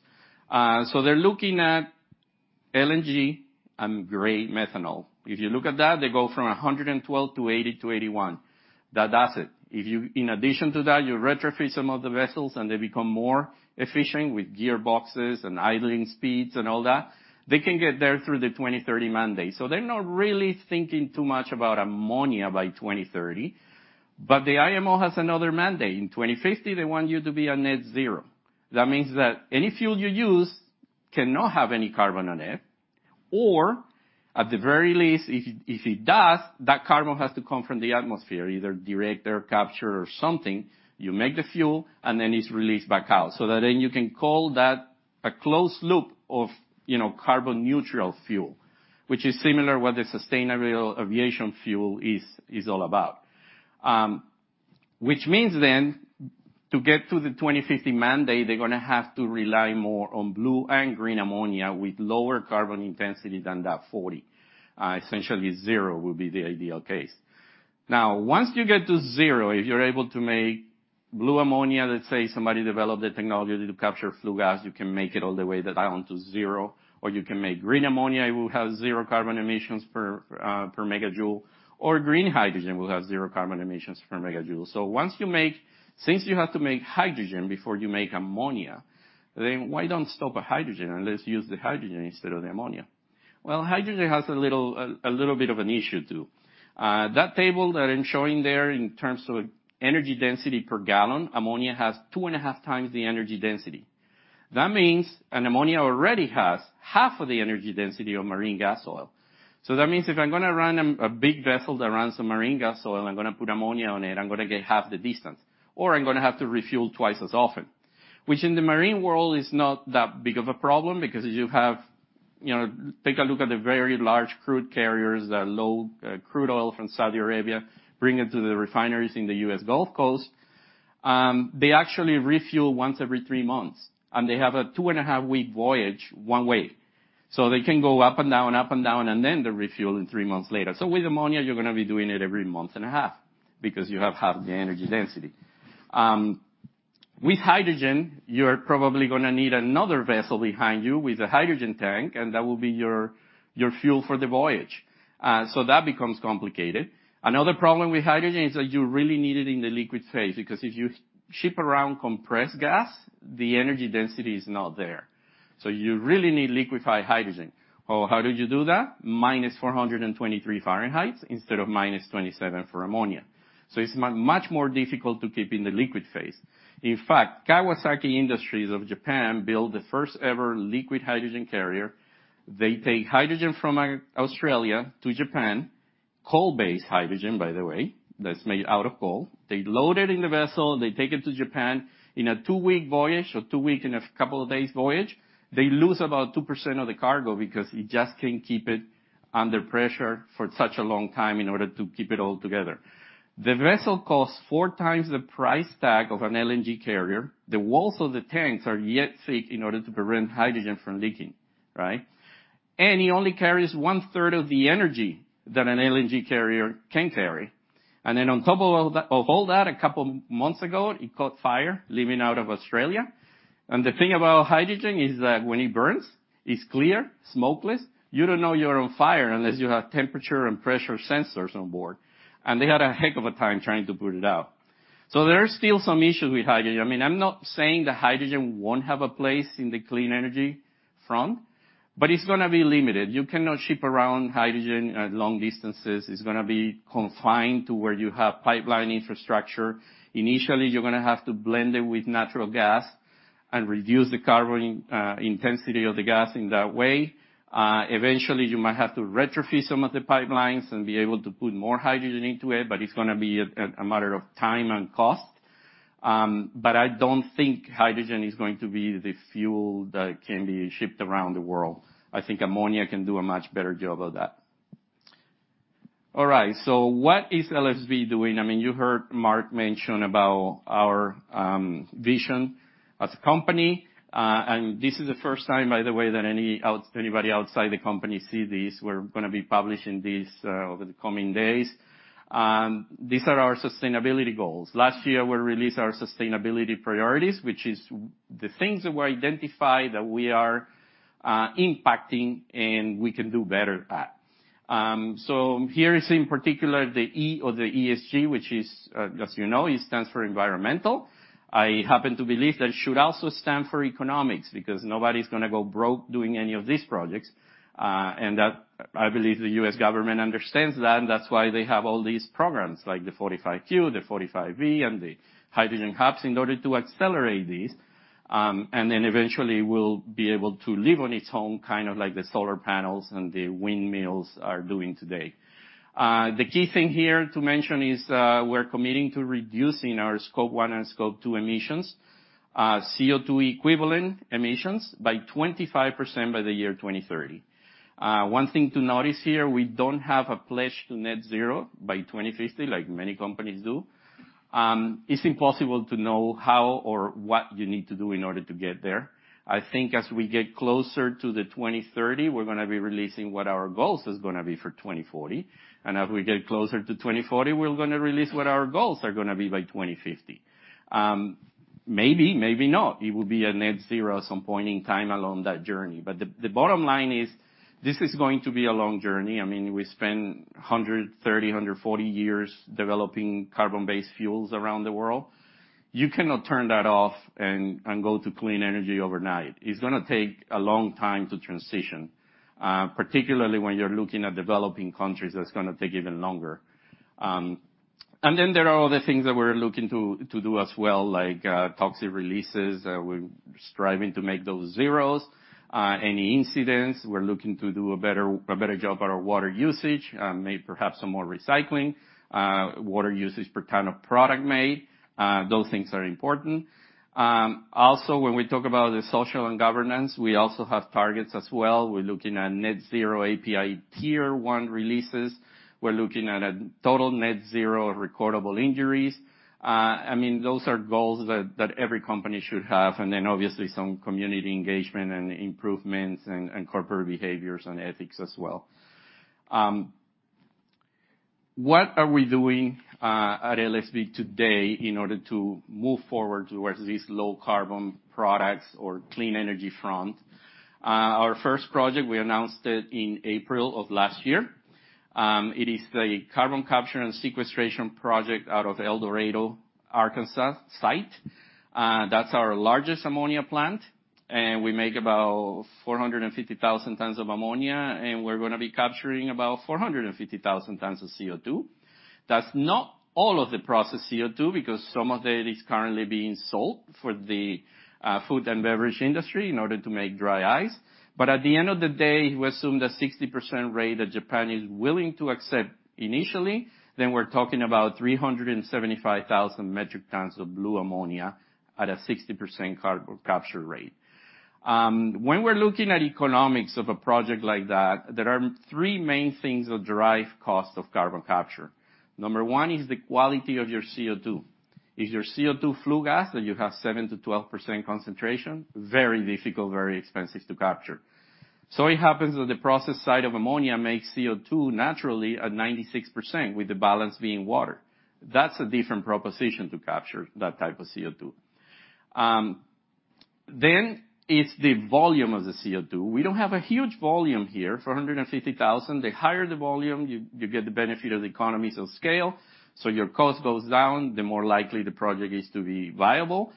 They're looking at LNG and gray methanol. If you look at that, they go from 112 to 80 to 81. That does it. If you, in addition to that, you retrofit some of the vessels, and they become more efficient with gearboxes and idling speeds and all that, they can get there through the 2030 mandate. They're not really thinking too much about ammonia by 2030. The IMO has another mandate. In 2050, they want you to be a Net Zero. That means that any fuel you use cannot have any carbon in it, or at the very least, if it does, that carbon has to come from the atmosphere, either direct air capture or something. You make the fuel, then it's released back out. You can call that a closed loop of carbon-neutral fuel, which is similar what the Sustainable Aviation Fuel is all about. Which means then to get to the 2050 mandate, they're gonna have to rely more on blue and green ammonia with lower carbon intensity than that 40. Essentially zero will be the ideal case. Now, once you get to zero, if you're able to make blue ammonia, let's say somebody developed a technology to capture flue gas, you can make it all the way down to zero, or you can make green ammonia, it will have zero carbon emissions per megajoule, or green hydrogen will have zero carbon emissions per megajoule. Once you make Since you have to make hydrogen before you make ammonia, then why don't stop at hydrogen and let's use the hydrogen instead of the ammonia? Hydrogen has a little bit of an issue too. That table that I'm showing there in terms of energy density per gallon, ammonia has 2.5 times the energy density. That means an ammonia already has half of the energy density of Marine Gas Oil. That means if I'm gonna run a big vessel that runs on Marine Gas Oil, I'm gonna put ammonia on it, I'm gonna get half the distance, or I'm gonna have to refuel 2 times as often, which in the marine world is not that big of a problem because you have Take a look at the very large crude carriers that load crude oil from Saudi Arabia, bring it to the refineries in the U.S. Gulf Coast. They actually refuel once every 3 months, they have a 2 and a half week voyage one way. They can go up and down, up and down, they refuel in 3 months later. With ammonia, you're going to be doing it every month and a half because you have half the energy density. With hydrogen, you're probably going to need another vessel behind you with a hydrogen tank, that will be your fuel for the voyage. That becomes complicated. Another problem with hydrogen is that you really need it in the liquid phase, because if you ship around compressed gas, the energy density is not there. You really need liquefied hydrogen. How did you do that? Minus 423 degrees Fahrenheit instead of minus 27 for ammonia. It's much more difficult to keep in the liquid phase. In fact, Kawasaki Heavy Industries of Japan built the first-ever liquid hydrogen carrier. They take hydrogen from Australia to Japan, coal-based hydrogen, by the way, that's made out of coal. They load it in the vessel, they take it to Japan. In a two-week voyage or two-week and a couple of days voyage, they lose about 2% of the cargo because you just can't keep it under pressure for such a long time in order to keep it all together. The vessel costs four times the price tag of an LNG carrier. The walls of the tanks are yet thick in order to prevent hydrogen from leaking, right? It only carries one-third of the energy than an LNG carrier can carry. On top of all that, a couple months ago, it caught fire leaving out of Australia. The thing about hydrogen is that when it burns, it's clear, smokeless. You don't know you're on fire unless you have temperature and pressure sensors on board. They had a heck of a time trying to put it out. There are still some issues with hydrogen. I mean, I'm not saying that hydrogen won't have a place in the clean energy front, but it's gonna be limited. You cannot ship around hydrogen at long distances. It's gonna be confined to where you have pipeline infrastructure. Initially, you're gonna have to blend it with natural gas and reduce the carbon intensity of the gas in that way. Eventually, you might have to retrofit some of the pipelines and be able to put more hydrogen into it, but it's gonna be a matter of time and cost. But I don't think hydrogen is going to be the fuel that can be shipped around the world. I think ammonia can do a much better job of that. All right. What is LSB doing? I mean, you heard Mark mention about our vision as a company. And this is the first time, by the way, that anybody outside the company see this. We're gonna be publishing this over the coming days. These are our sustainability goals. Last year, we released our sustainability priorities, which is the things that were identified that we are impacting and we can do better at. Here is in particular the E of the ESG, which is, as you know, it stands for environmental. I happen to believe that it should also stand for economics because nobody's gonna go broke doing any of these projects. That I believe the U.S. government understands that, and that's why they have all these programs like the Section 45Q, the Section 45V, and the hydrogen hubs in order to accelerate these. Eventually we'll be able to live on its own, kind of like the solar panels and the windmills are doing today. The key thing here to mention is we're committing to reducing our Scope 1 and Scope 2 emissions, CO2 equivalent emissions by 25% by the year 2030. One thing to notice here, we don't have a pledge to Net Zero by 2050 like many companies do. It's impossible to know how or what you need to do in order to get there. I think as we get closer to the 2030, we're gonna be releasing what our goals is gonna be for 2040, and as we get closer to 2040, we're gonna release what our goals are gonna be by 2050. Maybe, maybe not. It will be a Net Zero some point in time along that journey. The bottom line is, this is going to be a long journey. I mean, we spend 130, 140 years developing carbon-based fuels around the world. You cannot turn that off and go to clean energy overnight. It's gonna take a long time to transition, particularly when you're looking at developing countries, that's gonna take even longer. There are other things that we're looking to do as well, like toxic releases. We're striving to make those zeros. Any incidents, we're looking to do a better job at our water usage, maybe perhaps some more recycling, water usage per ton of product made. Those things are important. When we talk about the social and governance, we also have targets as well. We're looking at Net Zero API Tier one releases. We're looking at a total Net Zero recordable injuries. I mean, those are goals that every company should have. Obviously some community engagement and improvements and corporate behaviors and ethics as well. What are we doing at LSB today in order to move forward towards these low carbon products or clean energy front? Our first project, we announced it in April of last year. It is the carbon capture and sequestration project out of El Dorado, Arkansas site. That's our largest ammonia plant, and we make about 450,000 tons of ammonia, and we're gonna be capturing about 450,000 tons of CO2. That's not all of the processed CO2 because some of it is currently being sold for the food and beverage industry in order to make dry ice. At the end of the day, we assume the 60% rate that Japan is willing to accept initially, then we're talking about 375,000 metric tons of blue ammonia at a 60% carbon capture rate. When we're looking at economics of a project like that, there are 3 main things that drive cost of carbon capture. Number 1 is the quality of your CO2. If your CO2 flue gas that you have 7%-12% concentration, very difficult, very expensive to capture. It happens that the process side of ammonia makes CO2 naturally at 96% with the balance being water. That's a different proposition to capture that type of CO2. It's the volume of the CO2. We don't have a huge volume here, 450,000. The higher the volume, you get the benefit of the economies of scale. Your cost goes down, the more likely the project is to be viable.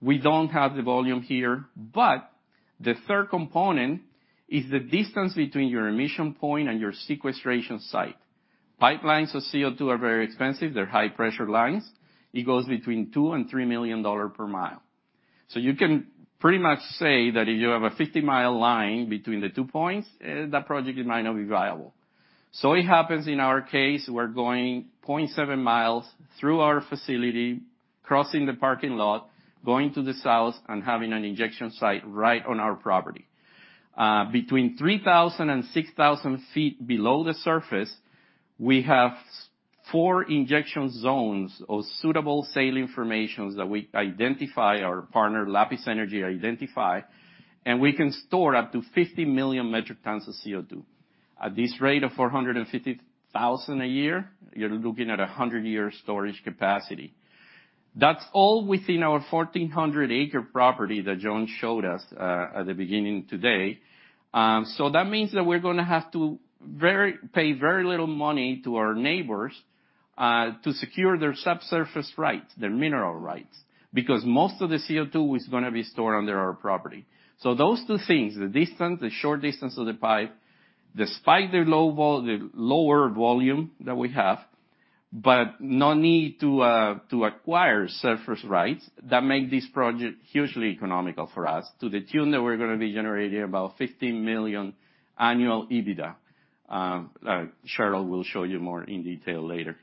We don't have the volume here. The third component is the distance between your emission point and your sequestration site. Pipelines for CO2 are very expensive. They're high-pressure lines. It goes between $2 million-$3 million per mile. You can pretty much say that if you have a 50-mile line between the two points, that project might not be viable. It happens in our case, we're going 0.7 miles through our facility, crossing the parking lot, going to the south, and having an injection site right on our property. Between 3,000 and 6,000 feet below the surface, we have four injection zones of suitable saline formations that we identify, our partner, Lapis Energy, identify, and we can store up to 50 million metric tons of CO2. At this rate of 450,000 a year, you're looking at a 100-year storage capacity. That's all within our 1,400 acre property that John showed us at the beginning today. That means that we're gonna have to pay very little money to our neighbors to secure their subsurface rights, their mineral rights, because most of the CO2 is gonna be stored under our property. Those two things, the distance, the short distance of the pipe, despite their lower volume that we have, but no need to acquire surface rights that make this project hugely economical for us to the tune that we're gonna be generating about $50 million annual EBITDA. Cheryl will show you more in detail later.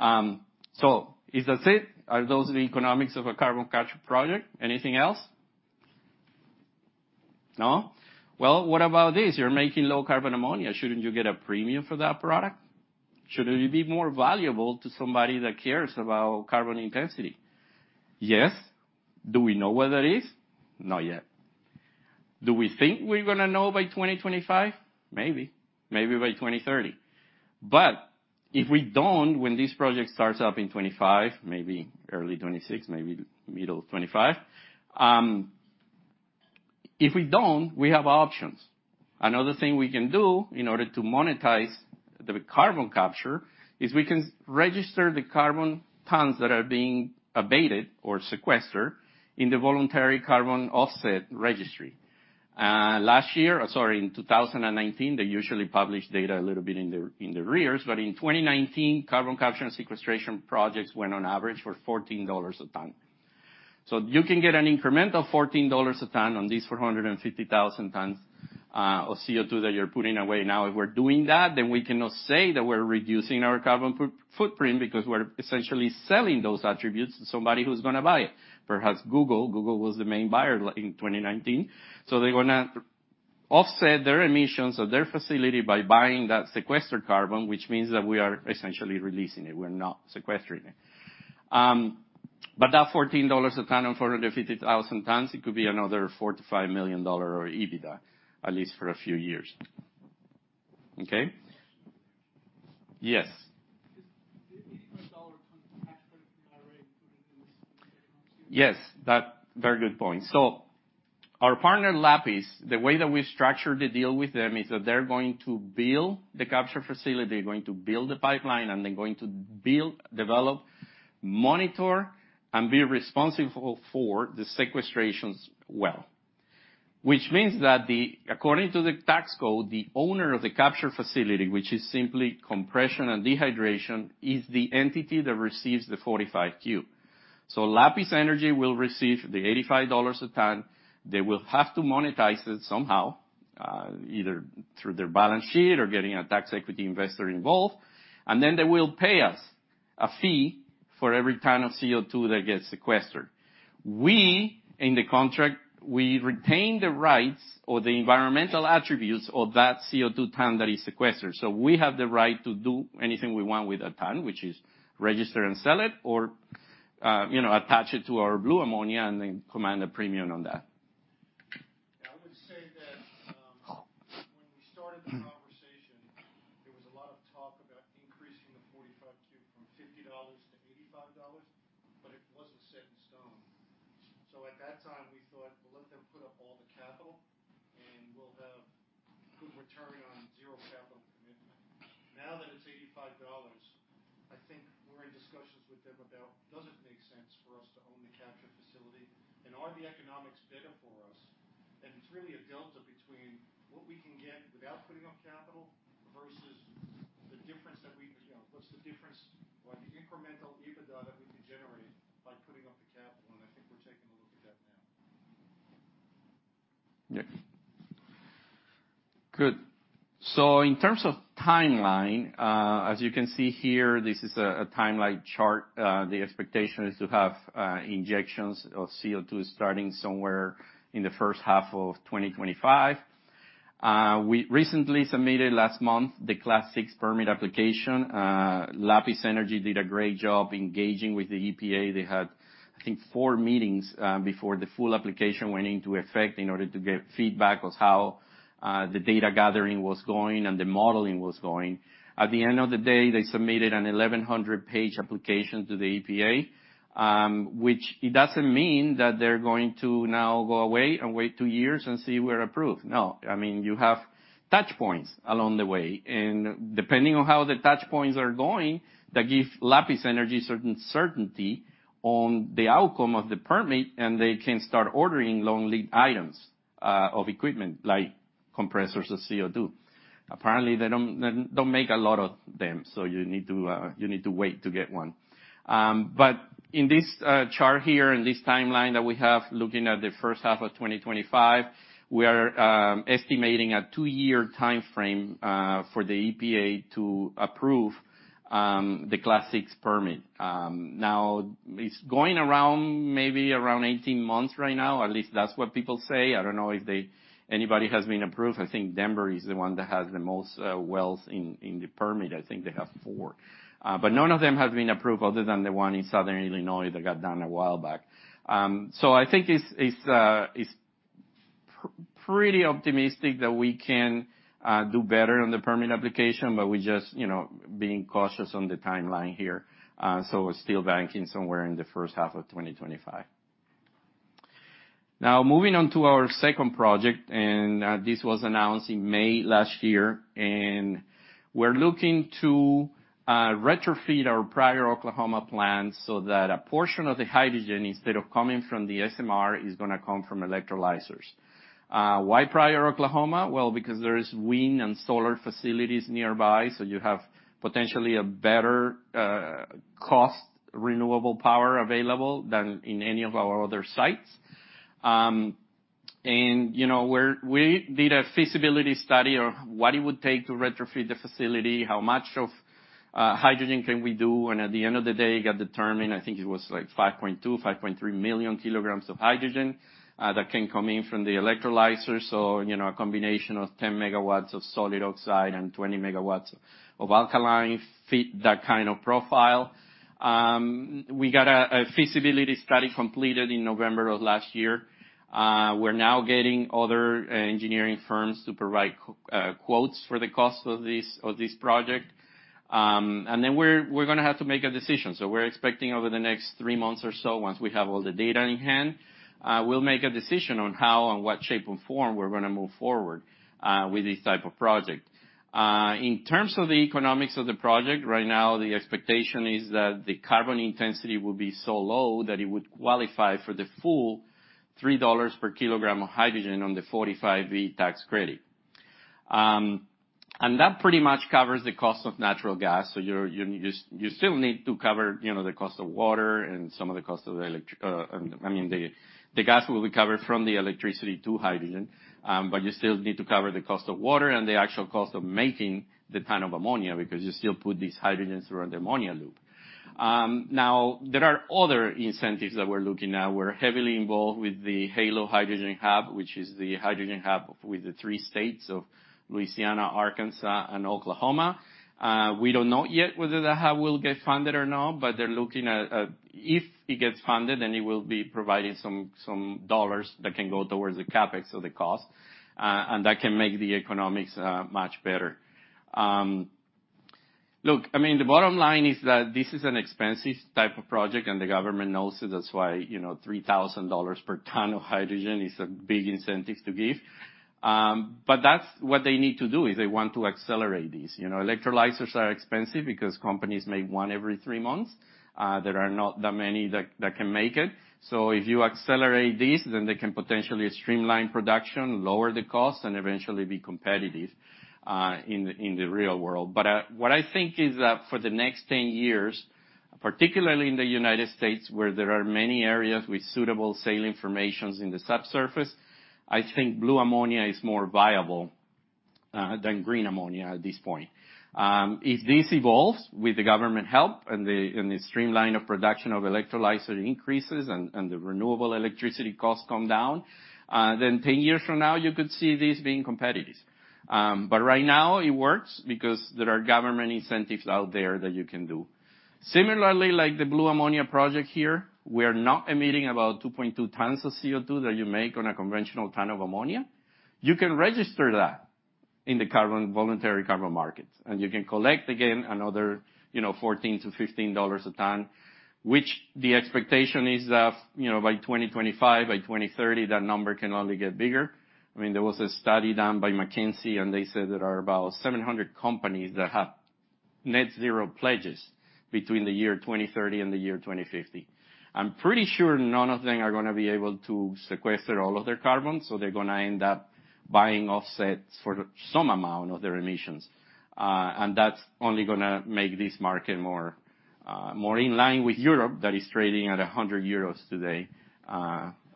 Is that it? Are those the economics of a carbon capture project? Anything else? No. Well, what about this? You're making low-carbon ammonia. Shouldn't you get a premium for that product? Should it be more valuable to somebody that cares about carbon intensity? Yes. Do we know where that is? Not yet. Do we think we're gonna know by 2025? Maybe. Maybe by 2030. If we don't, when this project starts up in 25, maybe early 2026, maybe middle of 25, if we don't, we have options. Another thing we can do in order to monetize the carbon capture is we can register the carbon tons that are being abated or sequestered in the voluntary carbon offset registry. Last year, sorry, in 2019, they usually publish data a little bit in the rears, in 2019, carbon capture and sequestration projects went on average for $14 a ton. You can get an incremental $14 a ton on these 450,000 tons of CO2 that you're putting away. Now, if we're doing that, then we cannot say that we're reducing our carbon footprint because we're essentially selling those attributes to somebody who's gonna buy it. Perhaps Google. Google was the main buyer in 2019. They wanna offset their emissions of their facility by buying that sequestered carbon, which means that we are essentially releasing it. We're not sequestering it. That $14 a ton on 450,000 tons, it could be another $4 million-$5 million EBITDA, at least for a few years. Okay? Yes. Is the $85 ton tax credit already included in this statement? Yes, very good point. Our partner, Lapis, the way that we structured the deal with them is that they're going to build the capture facility, they're going to build the pipeline, and they're going to build, develop, monitor, and be responsible for the sequestration well. Means that according to the tax code, the owner of the capture facility, which is simply compression and dehydration, is the entity that receives the Section 45Q. Lapis Energy will receive the $85 a ton. They will have to monetize it somehow, either through their balance sheet or getting a tax equity investor involved, they will pay us a fee for every ton of CO2 that gets sequestered. We, in the contract, retain the rights or the environmental attributes of that CO2 ton that is sequestered. We have the right to do anything we want with a ton, which is register and sell it or attach it to our blue ammonia and then command a premium on that. I would say that, when we started the conversation, there was a lot of talk about increasing the Section 45Q from $50 to $85, but it wasn't set in stone. At that time, we thought, well, let them put up all the capital and we'll have good return on zero capital commitment. Now that it's $85, I think we're in discussions with them about does it make sense for us to own the capture facility and are the economics better for us? It's really a delta between what we can get without putting up capital versus what's the difference or the incremental EBITDA that we could generate by putting up the capital. I think we're taking a look at that now. Yes. Good. In terms of timeline, as you can see here, this is a timeline chart. The expectation is to have injections of CO2 starting somewhere in the first half of 2025. We recently submitted last month the Class VI permit application. Lapis Energy did a great job engaging with the EPA. They had, I think, 4 meetings before the full application went into effect in order to get feedback on how the data gathering was going and the modeling was going. At the end of the day, they submitted an 1,100 page application to the EPA, which doesn't mean that they're going to now go away and wait 2 years and see we're approved. No. I mean, you have touch points along the way. Depending on how the touch points are going, that give Lapis Energy certain certainty on the outcome of the permit, and they can start ordering long lead items of equipment, like compressors of CO2. Apparently, they don't make a lot of them, so you need to wait to get one. In this chart here, in this timeline that we have, looking at the first half of 2025, we are estimating a 2-year timeframe for the EPA to approve the Class VI permit. Now it's going around maybe around 18 months right now, or at least that's what people say. I don't know if anybody has been approved. I think Denver is the one that has the most wells in the permit. I think they have 4. None of them have been approved other than the one in Southern Illinois that got done a while back. I think it's pretty optimistic that we can do better on the permit application, but we just, you know, being cautious on the timeline here. We're still banking somewhere in the first half of 2025. Now, moving on to our second project, and this was announced in May last year. We're looking to retrofit our Pryor, Oklahoma plant so that a portion of the hydrogen, instead of coming from the SMR, is gonna come from electrolyzers. Why Pryor, Oklahoma? Well, because there is wind and solar facilities nearby, so you have potentially a better cost renewable power available than in any of our other sites. You know, we did a feasibility study of what it would take to retrofit the facility, how much of hydrogen can we do. At the end of the day, it got determined, I think it was, like, 5.2-5.3 million kilograms of hydrogen that can come in from the electrolyzer. A combination of 10 megawatts of solid oxide and 20 megawatts of alkaline fit that kind of profile. We got a feasibility study completed in November of last year. We're now getting other engineering firms to provide quotes for the cost of this project. We're gonna have to make a decision. We're expecting over the next three months or so, once we have all the data in hand, we'll make a decision on how, on what shape and form we're gonna move forward with this type of project. In terms of the economics of the project, right now the expectation is that the carbon intensity will be so low that it would qualify for the full $3 per kilogram of hydrogen on the Section 45B tax credit. And that pretty much covers the cost of natural gas. You're, you still need to cover the cost of water and some of the cost of the, I mean, the gas will be covered from the electricity to hydrogen, but you still need to cover the cost of water and the actual cost of making the ton of ammonia because you still put these hydrogens through an ammonia loop. Now there are other incentives that we're looking at. We're heavily involved with the HALO Hydrogen Hub, which is the hydrogen hub with the three states of Louisiana, Arkansas, and Oklahoma. We don't know yet whether the hub will get funded or not, but they're looking at if it gets funded, then it will be providing some dollars that can go towards the CapEx of the cost, and that can make the economics much better. Look, I mean, the bottom line is that this is an expensive type of project and the government knows it. That's why, you know, $3,000 per ton of hydrogen is a big incentive to give. That's what they need to do, is they want to accelerate these. You know, electrolyzers are expensive because companies make 1 every 3 months. There are not that many that can make it. If you accelerate these, then they can potentially streamline production, lower the cost, and eventually be competitive, in the real world. What I think is that for the next 10 years, particularly in the United States, where there are many areas with suitable sale formations in the subsurface, I think blue ammonia is more viable than green ammonia at this point. If this evolves with the government help and the streamline of production of electrolyzer increases and the renewable electricity costs come down, then 10 years from now you could see this being competitive. Right now it works because there are government incentives out there that you can do. Similarly, like the blue ammonia project here, we are not emitting about 2.2 tons of CO2 that you make on a conventional ton of ammonia. You can register that in the carbon, voluntary carbon market, and you can collect again another, you know, $14-$15 a ton, which the expectation is that, you know, by 2025, by 2030, that number can only get bigger. I mean, there was a study done by McKinsey and they said there are about 700 companies that have Net Zero pledges between the year 2030 and the year 2050. I'm pretty sure none of them are gonna be able to sequester all of their carbon, so they're gonna end up buying offsets for some amount of their emissions. And that's only gonna make this market more in line with Europe that is trading at 100 euros today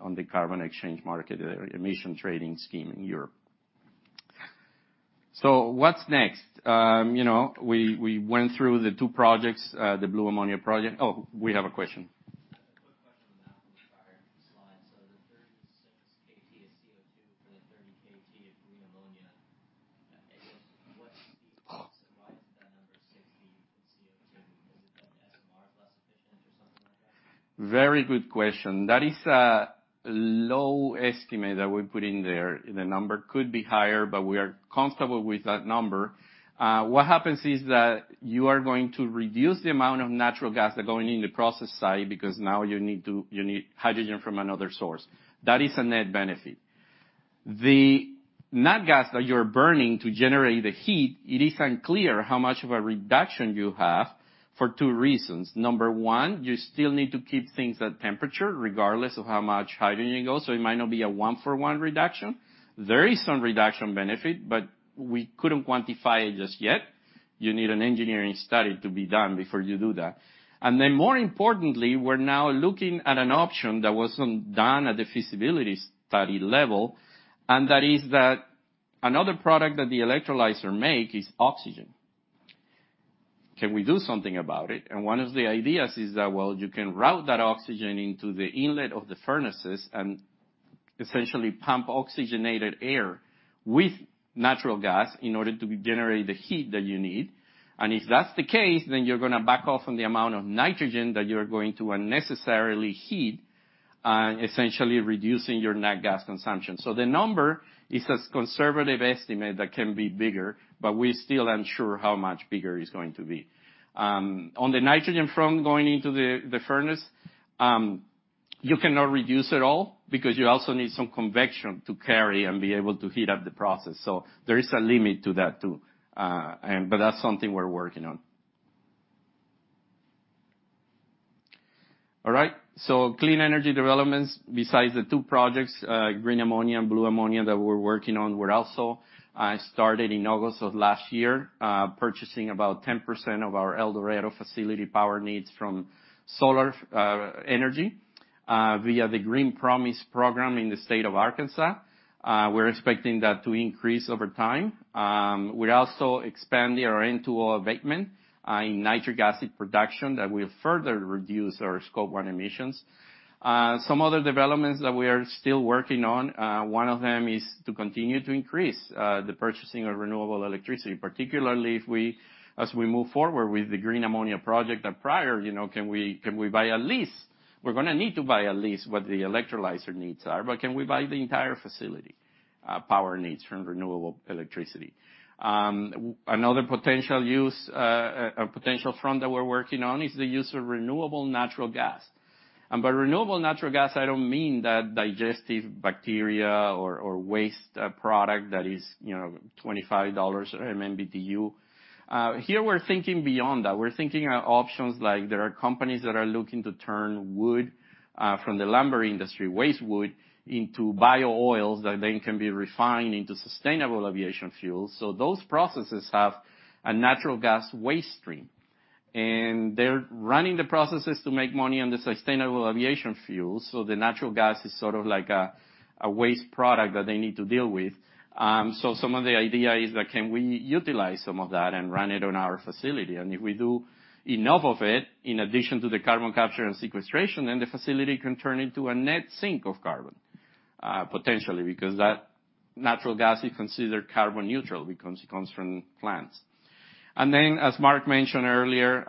on the carbon exchange market, emission trading scheme in Europe. What's next? You know, we went through the two projects, the blue ammonia project. Oh, we have a question. Quick question on that from the prior slide. The 36 KT of CO2 for the 30 KT of green ammonia. I guess what's the source, and why is that number 60 in CO2? Is it that the SMR is less efficient or something like that? Very good question. That is a low estimate that we put in there. The number could be higher, we are comfortable with that number. What happens is that you are going to reduce the amount of natural gas that are going in the process site, because now you need hydrogen from another source. That is a net benefit. The nat gas that you're burning to generate the heat, it is unclear how much of a reduction you have for 2 reasons. Number 1, you still need to keep things at temperature regardless of how much hydrogen you go, so it might not be a 1-for-1 reduction. There is some reduction benefit, we couldn't quantify it just yet. You need an engineering study to be done before you do that. More importantly, we're now looking at an option that wasn't done at the feasibility study level, and that is that another product that the electrolyzer make is oxygen. Can we do something about it? One of the ideas is that, well, you can route that oxygen into the inlet of the furnaces and essentially pump oxygenated air with natural gas in order to generate the heat that you need. If that's the case, then you're gonna back off on the amount of nitrogen that you're going to unnecessarily heat, essentially reducing your nat gas consumption. The number is a conservative estimate that can be bigger, but we still aren't sure how much bigger it's going to be. On the nitrogen front going into the furnace, you cannot reduce at all because you also need some convection to carry and be able to heat up the process. There is a limit to that too, but that's something we're working on. All right. Clean energy developments. Besides the two projects, green ammonia and blue ammonia that we're working on, we're also started in August of last year, purchasing about 10% of our El Dorado facility power needs from solar energy via the Green Promise program in the state of Arkansas. We're expecting that to increase over time. We're also expanding our N2O abatement in nitric acid production that will further reduce our Scope 1 emissions. Some other developments that we are still working on, one of them is to continue to increase the purchasing of renewable electricity, particularly if we, as we move forward with the green ammonia project that prior, you know, can we buy a lease? We're gonna need to buy a lease what the electrolyzer needs are, but can we buy the entire facility, power needs from renewable electricity? Another potential use, a potential front that we're working on is the use of renewable natural gas. By renewable natural gas, I don't mean that digestive bacteria or waste product that is $25 an MMBtu. Here we're thinking beyond that. We're thinking of options like there are companies that are looking to turn wood from the lumber industry, waste wood, into bio-oils that then can be refined into Sustainable Aviation Fuel. Those processes have a natural gas waste stream, and they're running the processes to make money on the Sustainable Aviation Fuel, so the natural gas is sort of like a waste product that they need to deal with. Some of the idea is that can we utilize some of that and run it on our facility? If we do enough of it, in addition to the carbon capture and sequestration, then the facility can turn into a net sink of carbon potentially, because that natural gas is considered carbon neutral because it comes from plants. As Mark mentioned earlier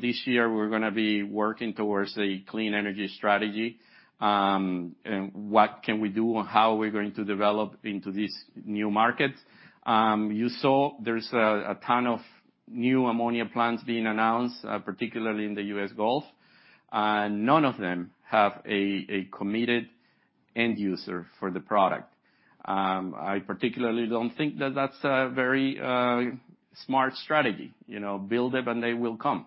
this year we're gonna be working towards a clean energy strategy. What can we do and how are we going to develop into these new markets. You saw there's a ton of new ammonia plants being announced, particularly in the U.S. Gulf. None of them have a committed end user for the product. I particularly don't think that that's a very smart strategy. Build it and they will come.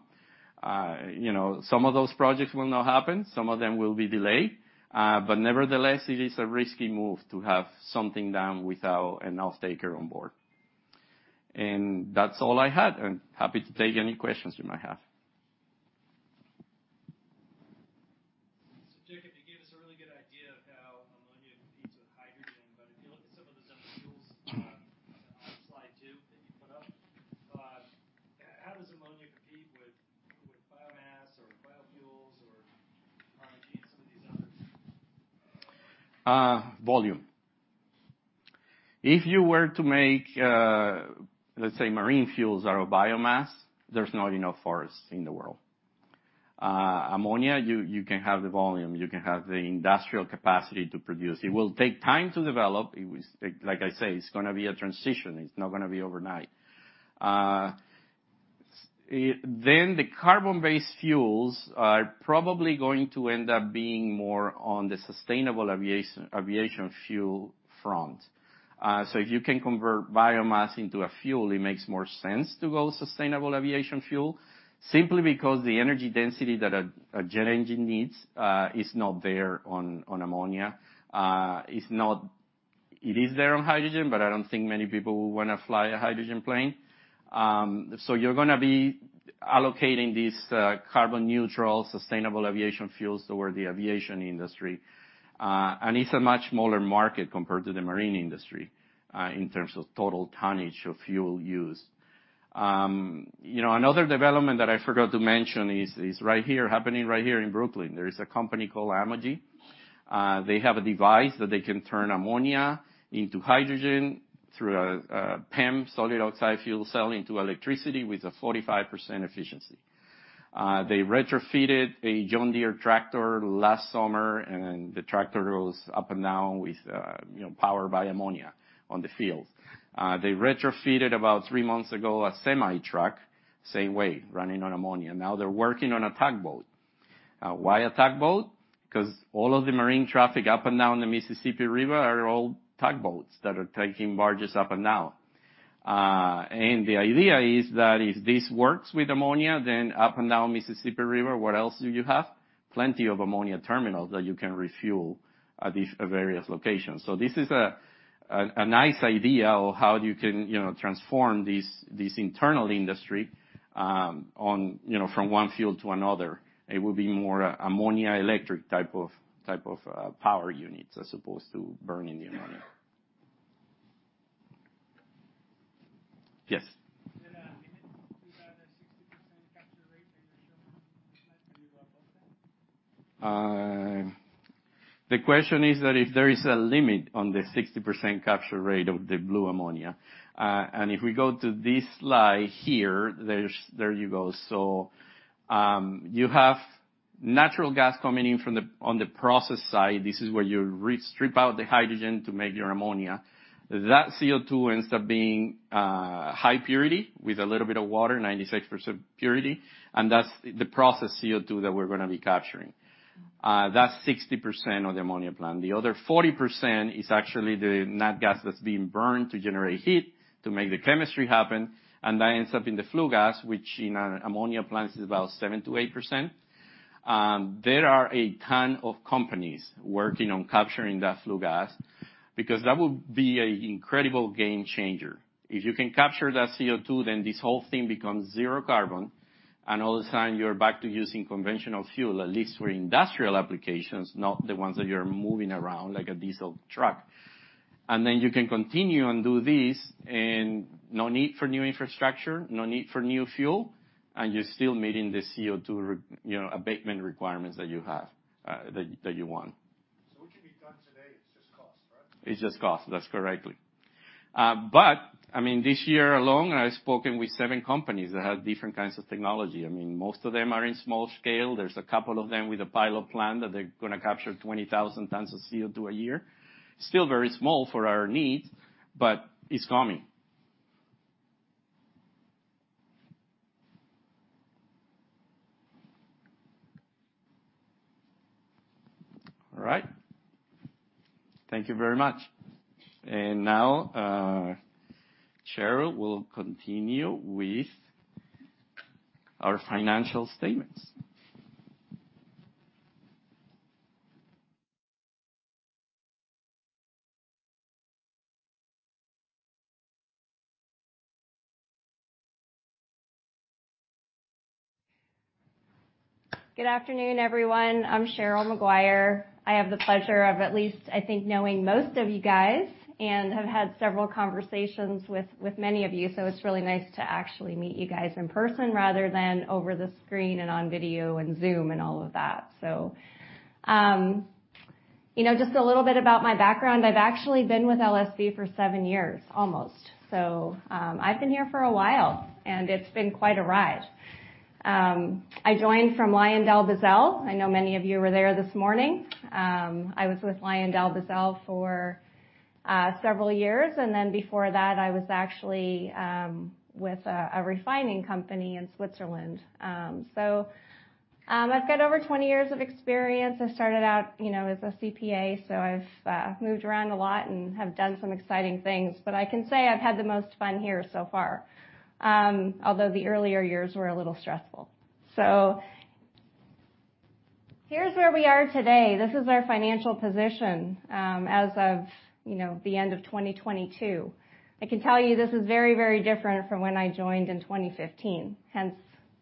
You know, some of those projects will not happen, some of them will be delayed, but nevertheless, it is a risky move to have something done without an off-taker on board. That's all I had. I'm happy to take any questions you might have. Jacob, you gave us a really good idea of how ammonia competes with hydrogen, but if you look at some of the other fuels, on slide 2 that you put up, how does ammonia compete with biomass or biofuels or carbon cheese, some of these others? Volume. If you were to make, let's say marine fuels out of biomass, there's not enough forests in the world. Ammonia, you can have the volume, you can have the industrial capacity to produce. It will take time to develop. Like I say, it's gonna be a transition. It's not gonna be overnight. The carbon-based fuels are probably going to end up being more on the Sustainable Aviation Fuel front. If you can convert biomass into a fuel, it makes more sense to go Sustainable Aviation Fuel simply because the energy density that a jet engine needs is not there on ammonia. It is there on hydrogen, I don't think many people will wanna fly a hydrogen plane. You're gonna be allocating these carbon neutral, sustainable aviation fuels toward the aviation industry. It's a much smaller market compared to the marine industry in terms of total tonnage of fuel used. You know, another development that I forgot to mention is happening right here in Brooklyn. There is a company called Amogy. They have a device that they can turn ammonia into hydrogen through a PEM solid oxide fuel cell into electricity with a 45% efficiency. They retrofitted a John Deere tractor last summer, the tractor goes up and down with, you know, power by ammonia on the field. They retrofitted about 3 months ago a semi-truck, same way, running on ammonia. They're working on a tugboat. Why a tugboat? 'Cause all of the marine traffic up and down the Mississippi River are all tugboats that are taking barges up and down. The idea is that if this works with ammonia, Up and down Mississippi River, what else do you have? Plenty of ammonia terminals that you can refuel at these various locations. This is a nice idea of how you can, you know, transform this internal industry on, you know, from one field to another. It will be more ammonia electric type of power units as opposed to burning the ammonia. Yes. Is there a limit to the 60% capture rate that you're showing? Can you go above that? The question is that if there is a limit on the 60% capture rate of the blue ammonia. If we go to this slide here, there you go. You have natural gas coming in on the process side. This is where you strip out the hydrogen to make your ammonia. That CO2 ends up being high purity with a little bit of water, 96% purity, and that's the process CO2 that we're gonna be capturing. That's 60% of the ammonia plant. The other 40% is actually the nat gas that's being burned to generate heat to make the chemistry happen, and that ends up in the flue gas, which in an ammonia plant is about 7%-8%. There are a ton of companies working on capturing that flue gas because that would be a incredible game changer. If you can capture that CO2, then this whole thing becomes zero carbon, and all of a sudden you're back to using conventional fuel, at least for industrial applications, not the ones that you're moving around like a diesel truck. You can continue and do this and no need for new infrastructure, no need for new fuel, and you're still meeting the CO2 abatement requirements that you have, that you want. What can be done today, it's just cost, right? It's just cost. That's correctly. But, I mean, this year alone, I've spoken with seven companies that have different kinds of technology. I mean, most of them are in small scale. There's a couple of them with a pilot plant that they're gonna capture 20,000 tons of CO2 a year. Still very small for our needs, but it's coming. All right. Thank you very much. Now, Cheryl will continue with our financial statements. Good afternoon, everyone. I'm Cheryl Maguire. I have the pleasure of at least, I think, knowing most of you guys, and have had several conversations with many of you, so it's really nice to actually meet you guys in person rather than over the screen and on video and Zoom and all of that just a little bit about my background. I've actually been with LSB for seven years, almost. I've been here for a while, and it's been quite a ride. I joined from LyondellBasell. I know many of you were there this morning. I was with LyondellBasell for several years. Before that, I was actually with a refining company in Switzerland. I've got over 20 years of experience. I started out, you know, as a CPA, I've moved around a lot and have done some exciting things. I can say I've had the most fun here so far. Although the earlier years were a little stressful. Here's where we are today. This is our financial position, as of, you know, the end of 2022. I can tell you this is very, very different from when I joined in 2015, hence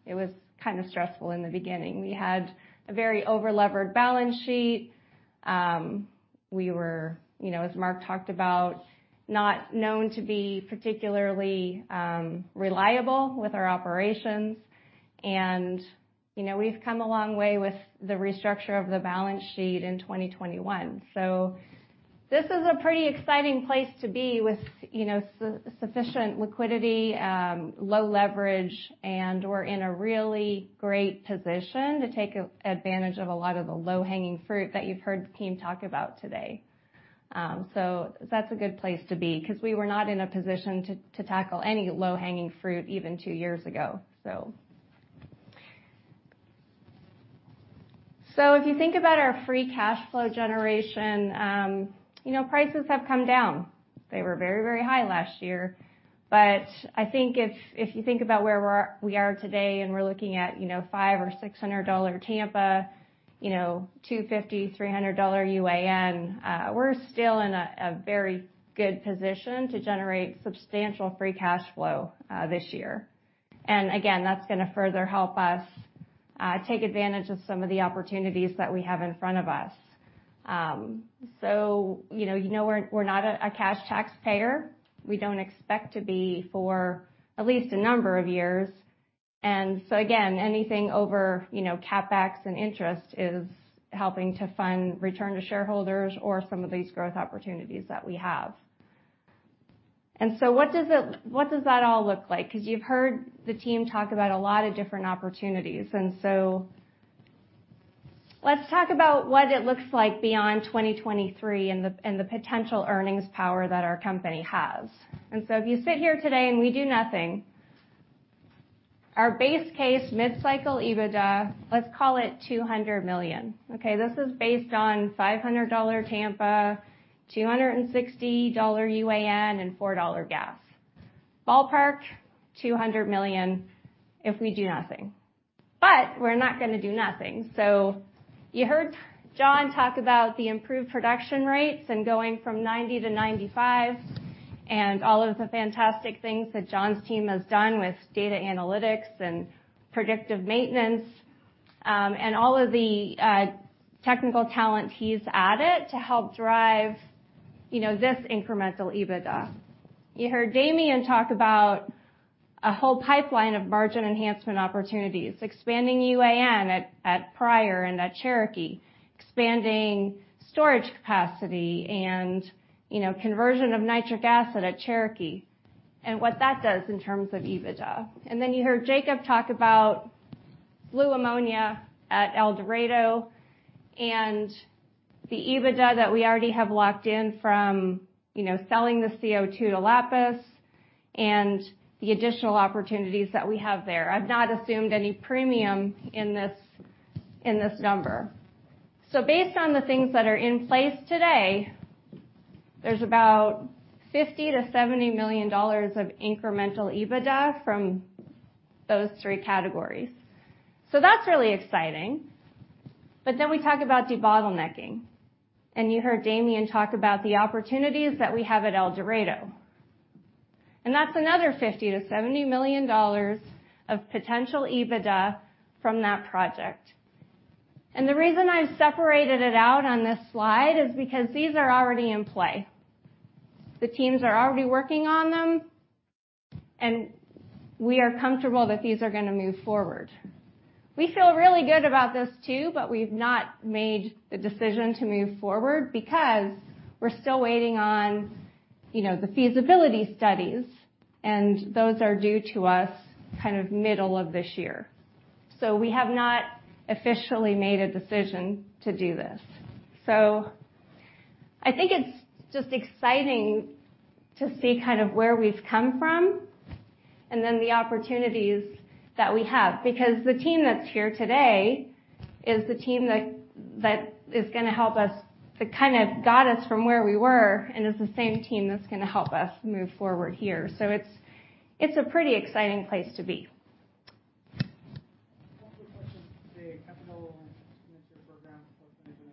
it was kind of stressful in the beginning. We had a very over-levered balance sheet. We were, you know, as Mark talked about, not known to be particularly reliable with our operations. We've come a long way with the restructure of the balance sheet in 2021. This is a pretty exciting place to be with, you know, sufficient liquidity, low leverage, and we're in a really great position to take advantage of a lot of the low-hanging fruit that you've heard the team talk about today. That's a good place to be, 'cause we were not in a position to tackle any low-hanging fruit even 2 years ago. If you think about our free cash flow generation, you know, prices have come down. They were very, very high last year. I think if you think about where we are today and we're looking at, you know, $500-$600 Tampa, you know, $250-$300 UAN, we're still in a very good position to generate substantial free cash flow this year. Again, that's gonna further help us take advantage of some of the opportunities that we have in front of us. We're not a cash taxpayer. We don't expect to be for at least a number of years. Again, anything over, you know, CapEx and interest is helping to fund return to shareholders or some of these growth opportunities that we have. What does that all look like? 'Cause you've heard the team talk about a lot of different opportunities. Let's talk about what it looks like beyond 2023 and the potential earnings power that our company has. If you sit here today and we do nothing, our base case mid-cycle EBITDA, let's call it $200 million, okay? This is based on $500 Tampa, $260 UAN, and $4 gas. Ballpark, $200 million if we do nothing. We're not gonna do nothing. You heard John talk about the improved production rates and going from 90 to 95, and all of the fantastic things that John's team has done with data analytics and predictive maintenance, and all of the technical talent he's added to help drive, you know, this incremental EBITDA. You heard Damian talk about a whole pipeline of margin enhancement opportunities, expanding UAN at Pryor and at Cherokee, expanding storage capacity and conversion of Nitric Acid at Cherokee, and what that does in terms of EBITDA. You heard Jacob talk about blue ammonia at El Dorado and the EBITDA that we already have locked in from, you know, selling the CO2 to Lapis and the additional opportunities that we have there. I've not assumed any premium in this, in this number. Based on the things that are in place today, there's about $50 million-$70 million of incremental EBITDA from those three categories. That's really exciting. We talk about debottlenecking, and you heard Damian talk about the opportunities that we have at El Dorado. That's another $50 million-$70 million of potential EBITDA from that project. The reason I've separated it out on this slide is because these are already in play. The teams are already working on them, and we are comfortable that these are gonna move forward. We feel really good about this too. We've not made the decision to move forward because we're still waiting on the feasibility studies. Those are due to us kind of middle of this year. We have not officially made a decision to do this. I think it's just exciting to see kind of where we've come from and then the opportunities that we have. The team that's here today is the team that is gonna help us that kind of got us from where we were, and it's the same team that's gonna help us move forward here. It's a pretty exciting place to be. One quick question. The capital expenditure program for 2023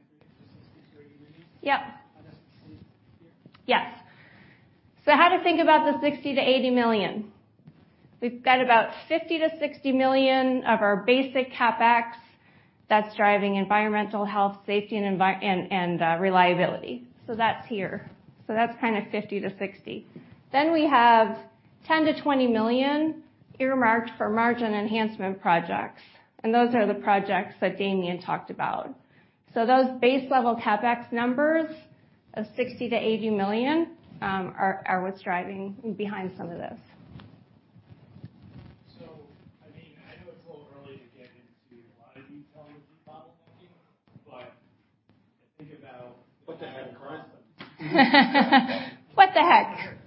is $60 million-$80 million? Yep. That's here? Yes. How to think about the $60 million-$80 million. We've got about $50 million-$60 million of our basic CapEx that's driving Environmental, Health, and Safety and reliability. That's here. That's kinda $50 million-$60 million. We have $10 million-$20 million earmarked for margin enhancement projects, and those are the projects that Damien talked about. Those base level CapEx numbers of $60 million-$80 million are what's driving behind some of this. I mean, I know it's a little early to get into a lot of detail with debottlenecking, but I think about. What the heck. What the heck?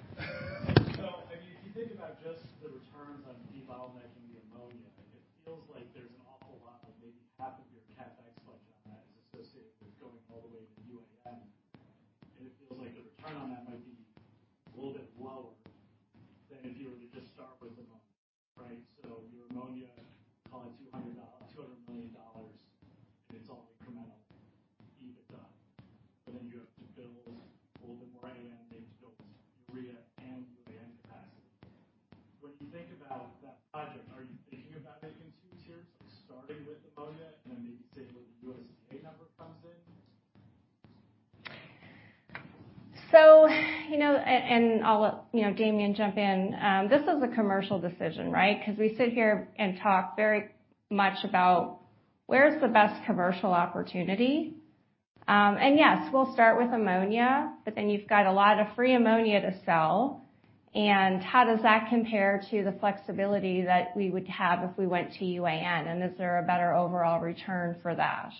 and how does that compare to the flexibility that we would have if we went to UAN, and is there a better overall return for that?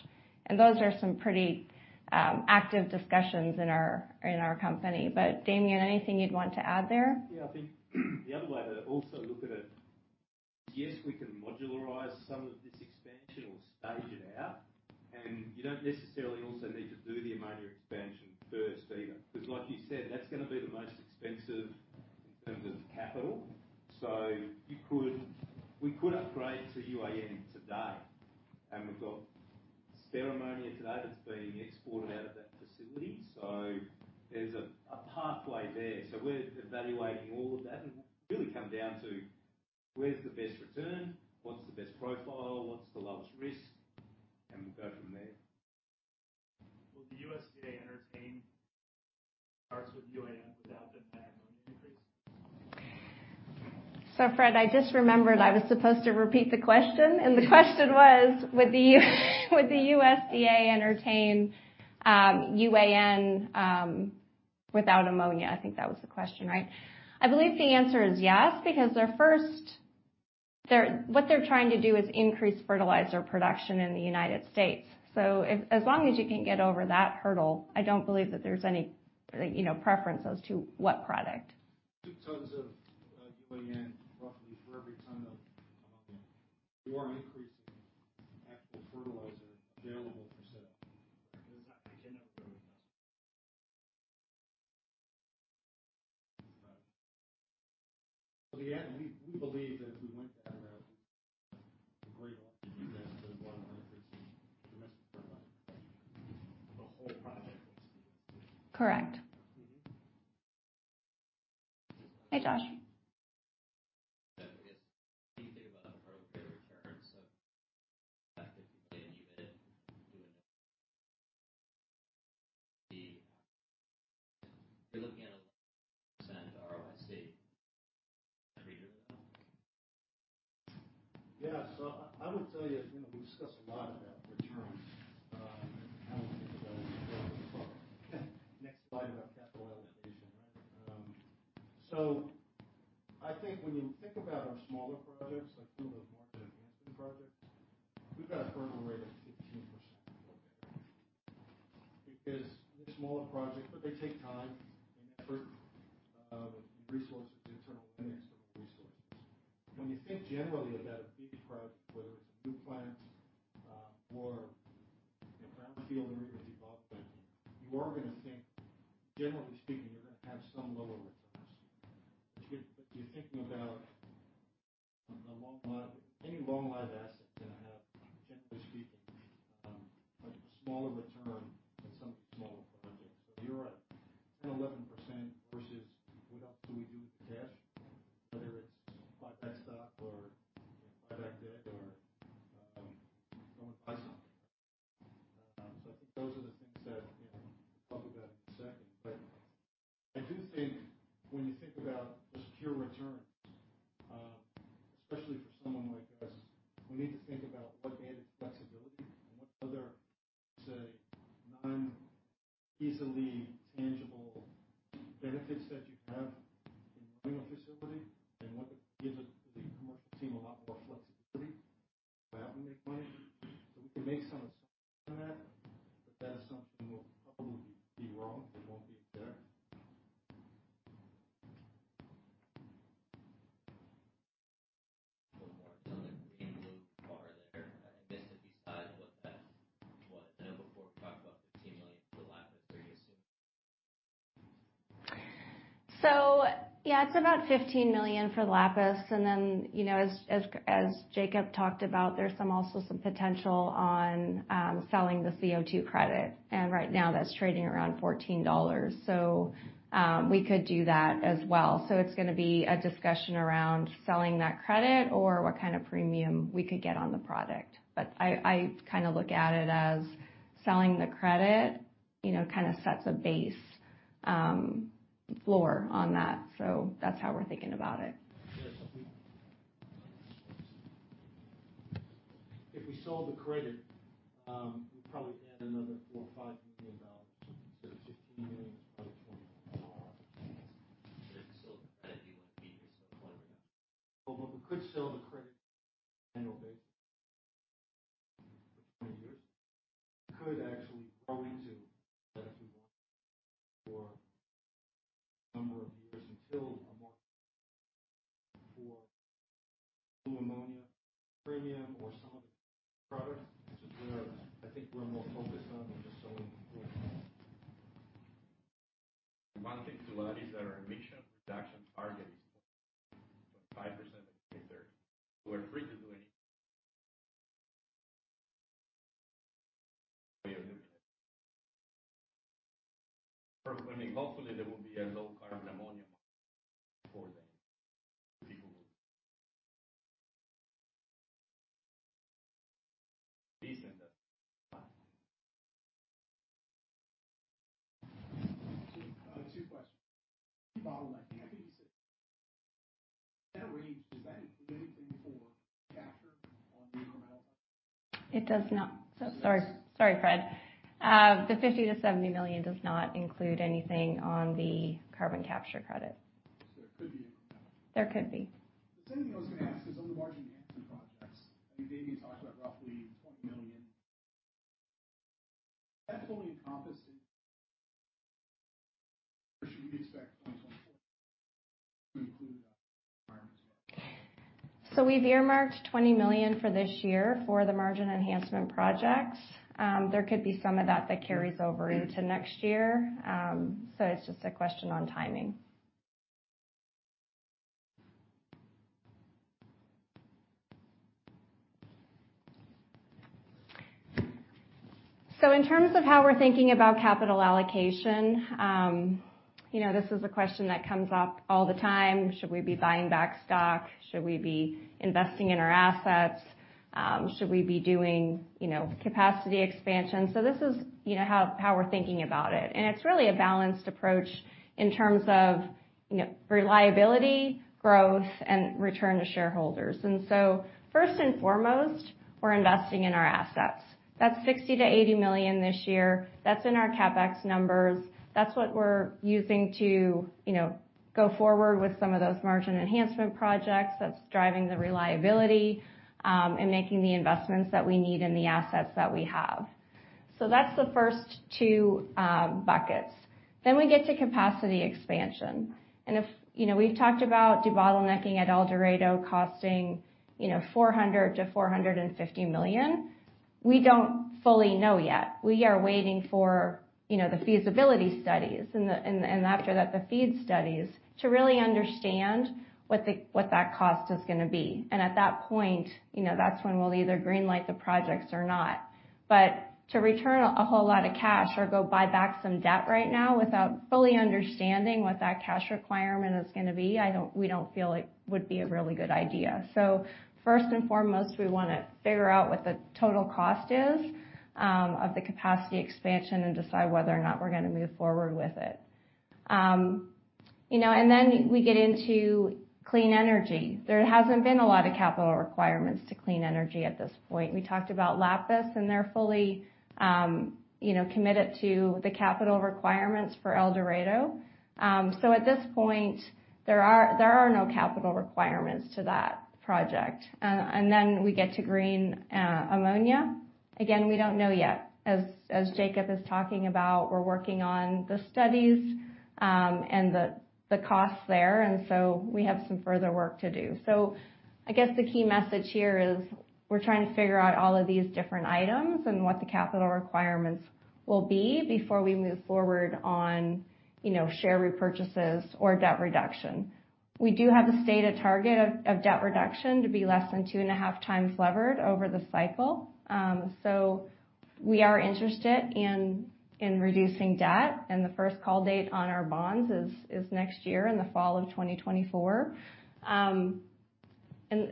Those are some pretty, active discussions in our company. Damien, anything you'd want to add there? Yeah, I think the other way to also look at it, yes, we can modularize some of this expansion or stage it out. You don't necessarily also need to do the ammonia expansion first either, 'cause like you said, that's gonna be the most expensive in terms of capital. We could upgrade to UAN today, and we've got today that's being exported out of that facility. There's a pathway there. We're evaluating all of that, and really come down to where's the best return, what's the best profile, what's the lowest risk, and we'll go from there. Will the USDA entertain starts with UAN without the ammonia increase? Fred, I just remembered I was supposed to repeat the question, and the question was, would the USDA entertain UAN without ammonia? I think that was the question, right? I believe the answer is yes, because what they're trying to do is increase fertilizer production in the United States. As long as you can get over that hurdle, I don't believe that there's any, you know, preference as to what product. 2 tons of UAN, roughly for every ton of ammonia. You are increasing actual fertilizer available for sale. It cannot really In the end, we believe that if we went that route, a great lot to do that for the one increase in domestic fertilizer. The whole project is the. Correct. Hey, Josh. I guess, how do you think about the appropriate return, so the fact that you did UAN, you would be... You're looking at a % ROIC. Are you good with that? Yeah. I would tell you know, we've discussed a lot about returns. I don't think about it. Next slide about capital allocation, right? I think when you think about our smaller projects, like some of the margin enhancement projects, we've got a hurdle rate of 16%. Because they're smaller projects, but they take time and effort, resources, internal and external resources. When you think generally about a big project, whether it's a new plant, or a brownfield or a developed plant, you are gonna think, generally speaking, you're gonna have some lower returns. You're thinking about the long life. Any long life asset is gonna have, generally speaking, a smaller return than some of the smaller projects. You're at 10%, 11% versus what else do we do with the cash, whether it's buy back stock or buy back debt or, go and buy something. I think those are the things that we'll talk about in a second. I do think when you think about just pure returns, especially for someone like us, we need to think about what added flexibility and what other, say, non-easily tangible benefits that you have in running a facility and what gives the commercial team a lot more flexibility about how we make money. We can make some assumption on that, but that assumption will probably be wrong. It won't be fair. One more. The green bar there, I missed it beside what that was. I know before we talked about $15 million for Lapis. Are you assuming It's about $15 million for Lapis, as Jacob talked about, there's some also some potential on selling the CO2 credit. That's trading around $14. We could do that as well. It's gonna be a discussion around selling that credit or what kind of premium we could get on the product. I kinda look at it as selling the credit, you know, kinda sets a base floor on that. That's how we're thinking about it. If we sold the credit, we'd probably add another $4 million or $5 million. Instead of $15 million, it's probably $20 million. If you sold the credit, you wouldn't need to sell $20 million. Well, we could sell the credit annual basis for 20 years. Could actually grow into that if we want for a number of years until a market for new ammonia premium or some of the products, which is where I think we're more focused on than just selling pure. One thing to add is that our emission reduction target is 0.5%. We're free to do any. Hopefully, there will be a low-carbon ammonia for them. People will. Two questions. Follow that. That range, does that include anything for capture on the incremental projects? It does not. Sorry. Sorry, Fred. The $50 million-$70 million does not include anything on the carbon capture credit. There could be incremental. There could be. The second thing I was gonna ask is on the margin enhancement projects. I mean, Damien talked about roughly $20 million. Does that fully encompass, or should we expect 2024 to include environments as well? We've earmarked $20 million for this year for the margin enhancement projects. There could be some of that that carries over into next year. It's just a question on timing. In terms of how we're thinking about capital allocation, you know, this is a question that comes up all the time. Should we be buying back stock? Should we be investing in our assets? Should we be doing, you know, capacity expansion? This is, you know, how we're thinking about it, and it's really a balanced approach in terms of reliability, growth, and return to shareholders. First and foremost, we're investing in our assets. That's $60 million-$80 million this year. That's in our CapEx numbers. That's what we're using to, go forward with some of those margin enhancement projects that's driving the reliability, and making the investments that we need in the assets that we have. That's the first two buckets. We get to capacity expansion. you know, we've talked about debottlenecking at El Dorado costing, you know, $400 million-$450 million. We don't fully know yet. We are waiting for the feasibility studies and after that, the FEED studies to really understand what that cost is gonna be. At that point, you know, that's when we'll either green light the projects or not. To return a whole lot of cash or go buy back some debt right now without fully understanding what that cash requirement is gonna be, we don't feel it would be a really good idea. First and foremost, we wanna figure out what the total cost is of the capacity expansion and decide whether or not we're gonna move forward with it. You know, we get into clean energy. There hasn't been a lot of capital requirements to clean energy at this point. We talked about Lapis Energy, they're fully, you know, committed to the capital requirements for El Dorado. At this point, there are no capital requirements to that project. We get to green ammonia. Again, we don't know yet. As Jakob is talking about, we're working on the studies, and the costs there. We have some further work to do. I guess the key message here is we're trying to figure out all of these different items and what the capital requirements will be before we move forward on, you know, share repurchases or debt reduction. We do have the stated target of debt reduction to be less than 2.5 times levered over the cycle. We are interested in reducing debt, and the first call date on our bonds is next year in the fall of 2024.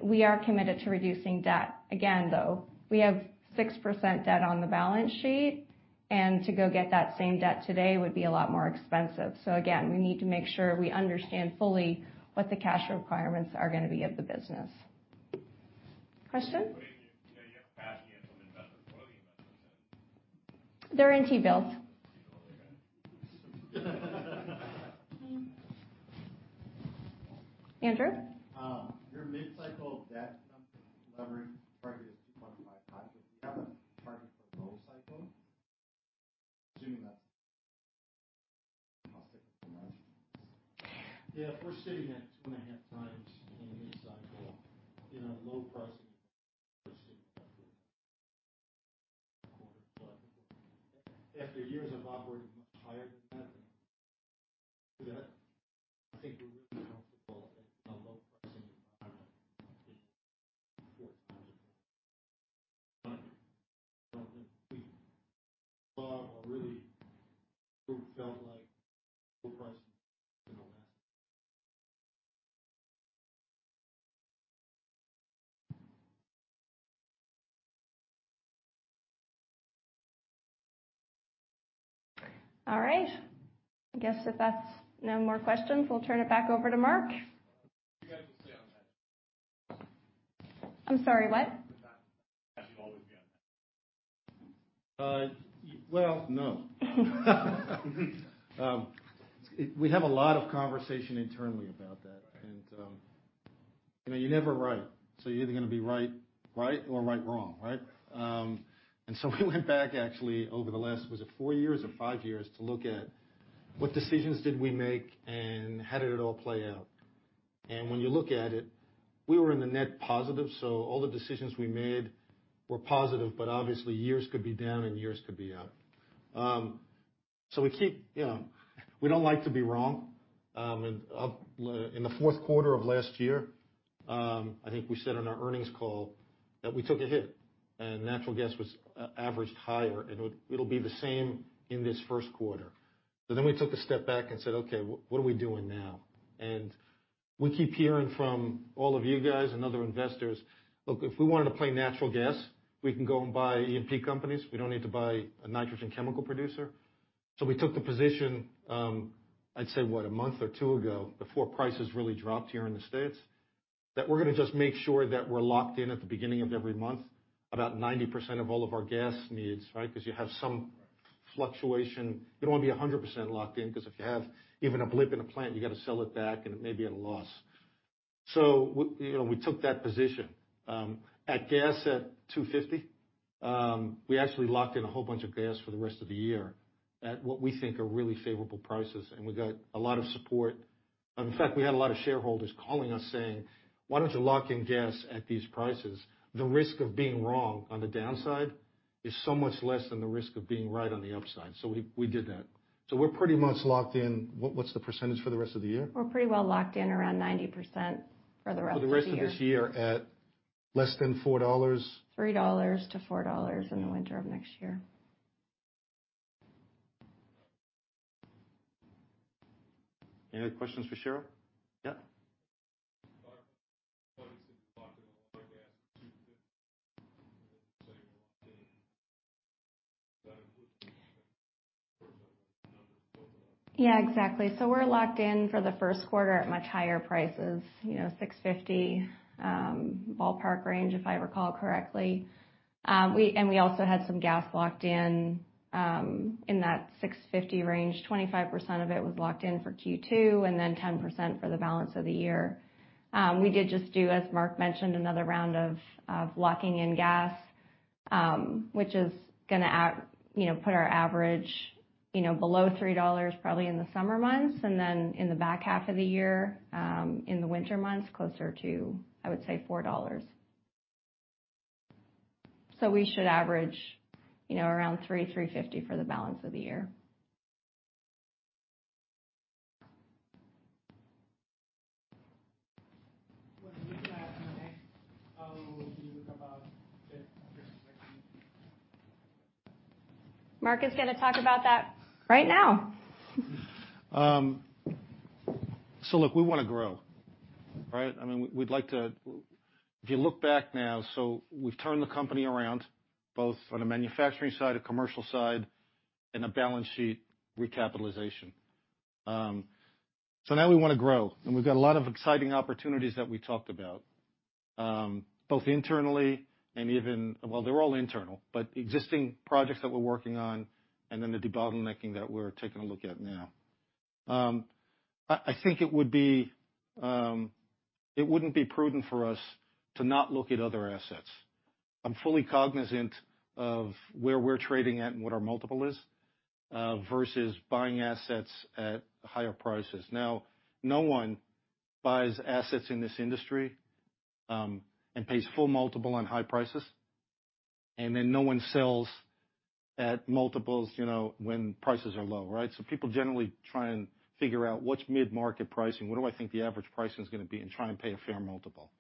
We are committed to reducing debt. Again, though, we have 6% debt on the balance sheet, and to go get that same debt today would be a lot more expensive. Again, we need to make sure we understand fully what the cash requirements are gonna be of the business. Question? You know, you have cash you have from investors. Where are the investments in? They're in T-bills. Andrew? Your mid-cycle debt leverage target is 2.5 times. Do you have a target for low cycle? Assuming that's months. Yeah, we're sitting at two and a half times in mid-cycle. In a low pricing environment, we're sitting at, like, a quarter. After years of operating much higher than that, I think we're really comfortable in a low pricing environment in the fourth quarter. I don't think we saw or really felt like low pricing in the last. All right. I guess if that's no more questions, we'll turn it back over to Mark. You guys can stay on that. I'm sorry, what? You guys can always be on that. Well, no. We have a lot of conversation internally about that. You know, you're never right. You're either gonna be right or right wrong, right? We went back actually over the last, was it four years or five years, to look at what decisions did we make and how did it all play out. When you look at it, we were in the net positive, so all the decisions we made were positive, but obviously years could be down and years could be up. We keep. You know, we don't like to be wrong. Up in the fourth quarter of last year, I think we said on our earnings call that we took a hit and natural gas was averaged higher, and it'll be the same in this first quarter. We took a step back and said, "Okay, what are we doing now?" We keep hearing from all of you guys and other investors, "Look, if we wanted to play natural gas, we can go and buy E&P companies. We don't need to buy a nitrogen chemical producer." We took the position, I'd say, what? A month or two ago, before prices really dropped here in the States, that we're gonna just make sure that we're locked in at the beginning of every month, about 90% of all of our gas needs, right? 'Cause you have some fluctuation. You don't wanna be 100% locked in, 'cause if you have even a blip in a plant, you gotta sell it back, and it may be at a loss. You know, we took that position. At gas at $2.50, we actually locked in a whole bunch of gas for the rest of the year at what we think are really favorable prices. We got a lot of support. In fact, we had a lot of shareholders calling us saying, "Why don't you lock in gas at these prices?" The risk of being wrong on the downside is so much less than the risk of being right on the upside. We did that. We're pretty much locked in. What's the percentage for the rest of the year? We're pretty well locked in around 90% for the rest of the year. For the rest of this year at less than $4. $3 to $4 in the winter of next year. Any other questions for Cheryl? Yeah. Mark, when you said you locked in on the gas at $2.50, you were saying you're locked in. That includes the first quarter, right? The first numbers, total? Yeah, exactly. We're locked in for the first quarter at much higher prices, you know, $6.50 ballpark range, if I recall correctly. We also had some gas locked in that $6.50 range. 25% of it was locked in for Q2, then 10% for the balance of the year. We did just do, as Mark mentioned, another round of locking in gas, which is gonna, you know, put our average, you know, below $3 probably in the summer months. Then in the back half of the year, in the winter months, closer to, I would say $4. We should average, you know, around $3-$3.50 for the balance of the year. Wasn't looking to ask anything. How do you look about the acquisition? Mark is gonna talk about that right now. Look, we wanna grow, right? I mean, we'd like to. If you look back now, we've turned the company around, both on a manufacturing side, a commercial side, and a balance sheet recapitalization. Now we wanna grow, and we've got a lot of exciting opportunities that we talked about, both internally. Well, they're all internal, but existing projects that we're working on and then the debottlenecking that we're taking a look at now. I think it would be. It wouldn't be prudent for us to not look at other assets. I'm fully cognizant of where we're trading at and what our multiple is versus buying assets at higher prices. No one buys assets in this industry, and pays full multiple on high prices, and then no one sells at multiples, you know, when prices are low, right? People generally try and figure out what's mid-market pricing, what do I think the average pricing is gonna be, and try and pay a fair multiple.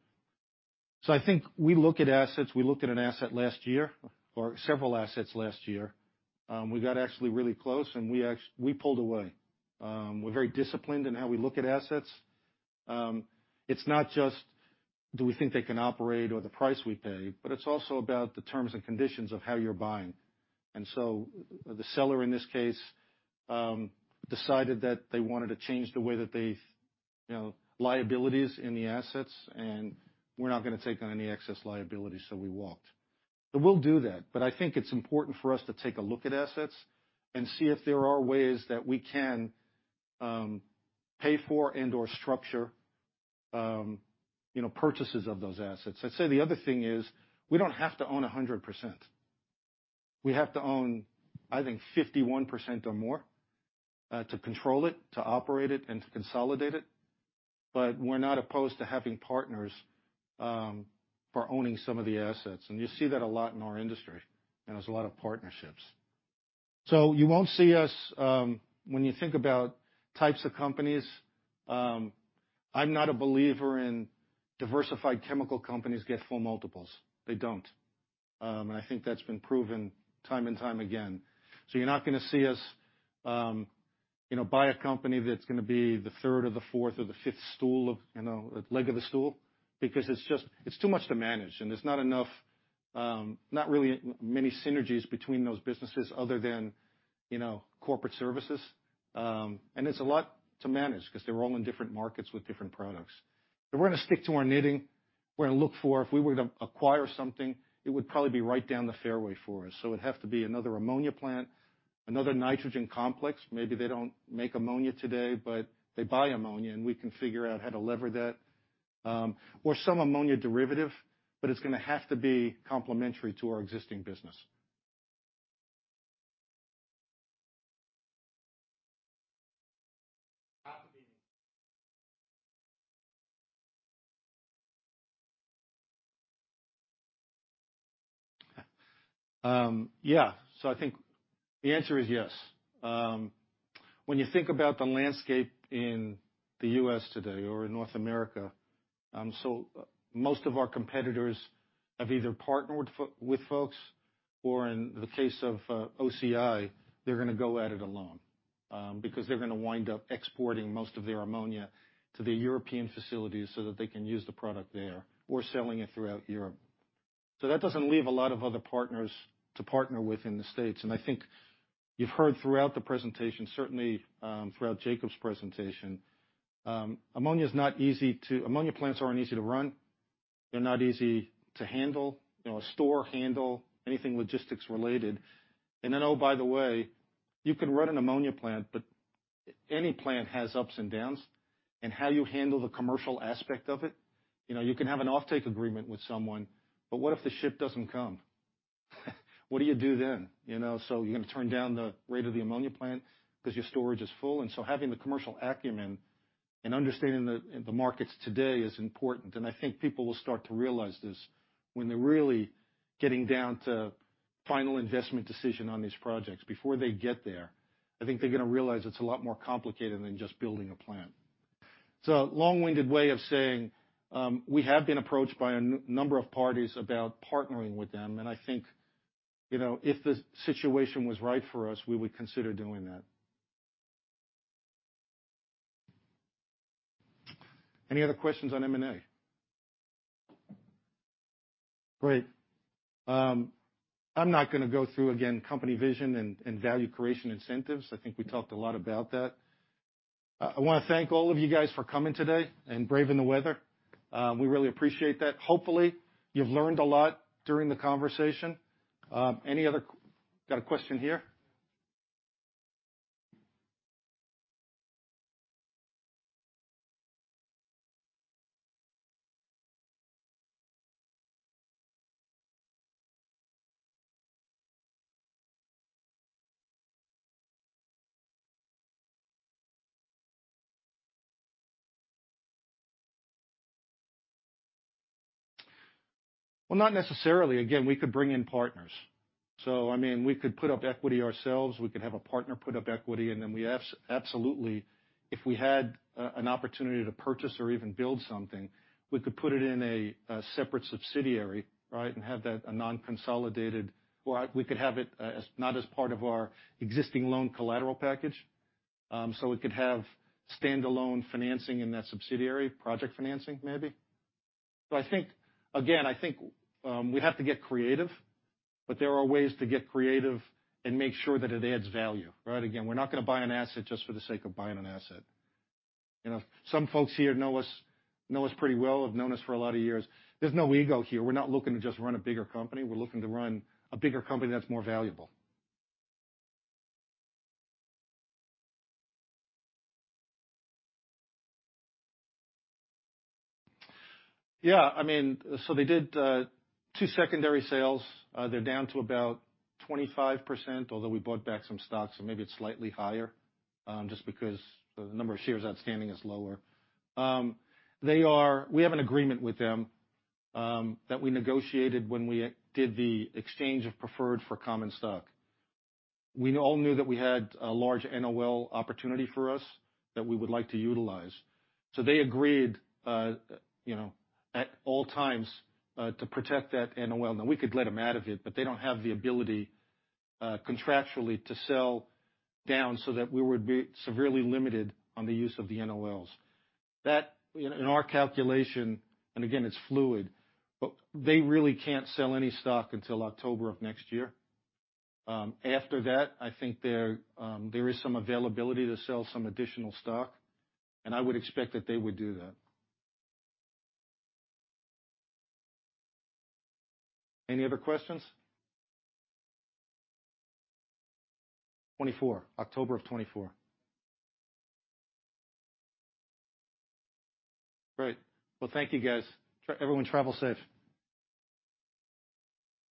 I think we look at assets, we looked at an asset last year, or several assets last year. We got actually really close, and we pulled away. We're very disciplined in how we look at assets. It's not just do we think they can operate or the price we pay, but it's also about the terms and conditions of how you're buying. The seller in this case, decided that they wanted to change the way that they, you know, liabilities in the assets, and we're not gonna take on any excess liability, so we walked. We'll do that. I think it's important for us to take a look at assets and see if there are ways that we can, pay for and/or structure, you know, purchases of those assets. I'd say the other thing is, we don't have to own 100%. We have to own, I think 51% or more, to control it, to operate it, and to consolidate it. We're not opposed to having partners, for owning some of the assets. You see that a lot in our industry, and there's a lot of partnerships. You won't see us, when you think about types of companies, I'm not a believer in diversified chemical companies get full multiples. They don't. And I think that's been proven time and time again. You're not gonna see us, you know, buy a company that's gonna be the third or the fourth or the fifth stool of, you know, leg of the stool, because it's just, it's too much to manage, and there's not enough, not really a, many synergies between those businesses other than, you know, corporate services. And it's a lot to manage 'cause they're all in different markets with different products. We're gonna stick to our knitting. We're gonna look for if we were to acquire something, it would probably be right down the fairway for us. It'd have to be another ammonia plant, another nitrogen complex. Maybe they don't make ammonia today, but they buy ammonia, and we can figure out how to lever that, or some ammonia derivative, but it's gonna have to be complementary to our existing business. Happy being. Yeah. I think the answer is yes. When you think about the landscape in the U.S. today or in North America, most of our competitors have either partnered with folks, or in the case of OCI, they're gonna go at it alone, because they're gonna wind up exporting most of their ammonia to the European facilities so that they can use the product there or selling it throughout Europe. That doesn't leave a lot of other partners to partner with in the States. I think you've heard throughout the presentation, certainly, throughout Jakob's presentation, ammonia plants aren't easy to run. They're not easy to handle, you know, store, handle, anything logistics related. Oh, by the way, you can run an ammonia plant. Any plant has ups and downs, and how you handle the commercial aspect of it, you know, you can have an offtake agreement with someone. What if the ship doesn't come? What do you do then? You know, you're gonna turn down the rate of the ammonia plant 'cause your storage is full. Having the commercial acumen. Understanding the markets today is important, and I think people will start to realize this when they're really getting down to final investment decision on these projects. Before they get there, I think they're gonna realize it's a lot more complicated than just building a plant. Long-winded way of saying, we have been approached by a number of parties about partnering with them. I think, if the situation was right for us, we would consider doing that. Any other questions on M&A? Great. I'm not gonna go through again company vision and value creation incentives. I think we talked a lot about that. I wanna thank all of you guys for coming today and braving the weather. We really appreciate that. Hopefully, you've learned a lot during the conversation. Got a question here? Well, not necessarily. Again, we could bring in partners. I mean, we could put up equity ourselves, we could have a partner put up equity, and then we absolutely, if we had an opportunity to purchase or even build something, we could put it in a separate subsidiary, right? have that a non-consolidated or we could have it as not as part of our existing loan collateral package. we could have standalone financing in that subsidiary, project financing maybe. I think Again, I think we have to get creative, but there are ways to get creative and make sure that it adds value, right? Again, we're not gonna buy an asset just for the sake of buying an asset. Some folks here know us pretty well, have known us for a lot of years. There's no ego here. We're not looking to just run a bigger company. We're looking to run a bigger company that's more valuable. Yeah, I mean, they did two secondary sales. They're down to about 25%, although we bought back some stocks, so maybe it's slightly higher, just because the number of shares outstanding is lower. We have an agreement with them that we negotiated when we did the exchange of preferred for common stock. We all knew that we had a large NOL opportunity for us that we would like to utilize, so they agreed, you know, at all times, to protect that NOL. Now, we could let them out of it, but they don't have the ability, contractually to sell down so that we would be severely limited on the use of the NOLs. That, in our calculation, and again, it's fluid, but they really can't sell any stock until October of next year. after that, I think there is some availability to sell some additional stock, and I would expect that they would do that. Any other questions? 2024. October of 2024. Great. Well, thank you guys. Everyone travel safe.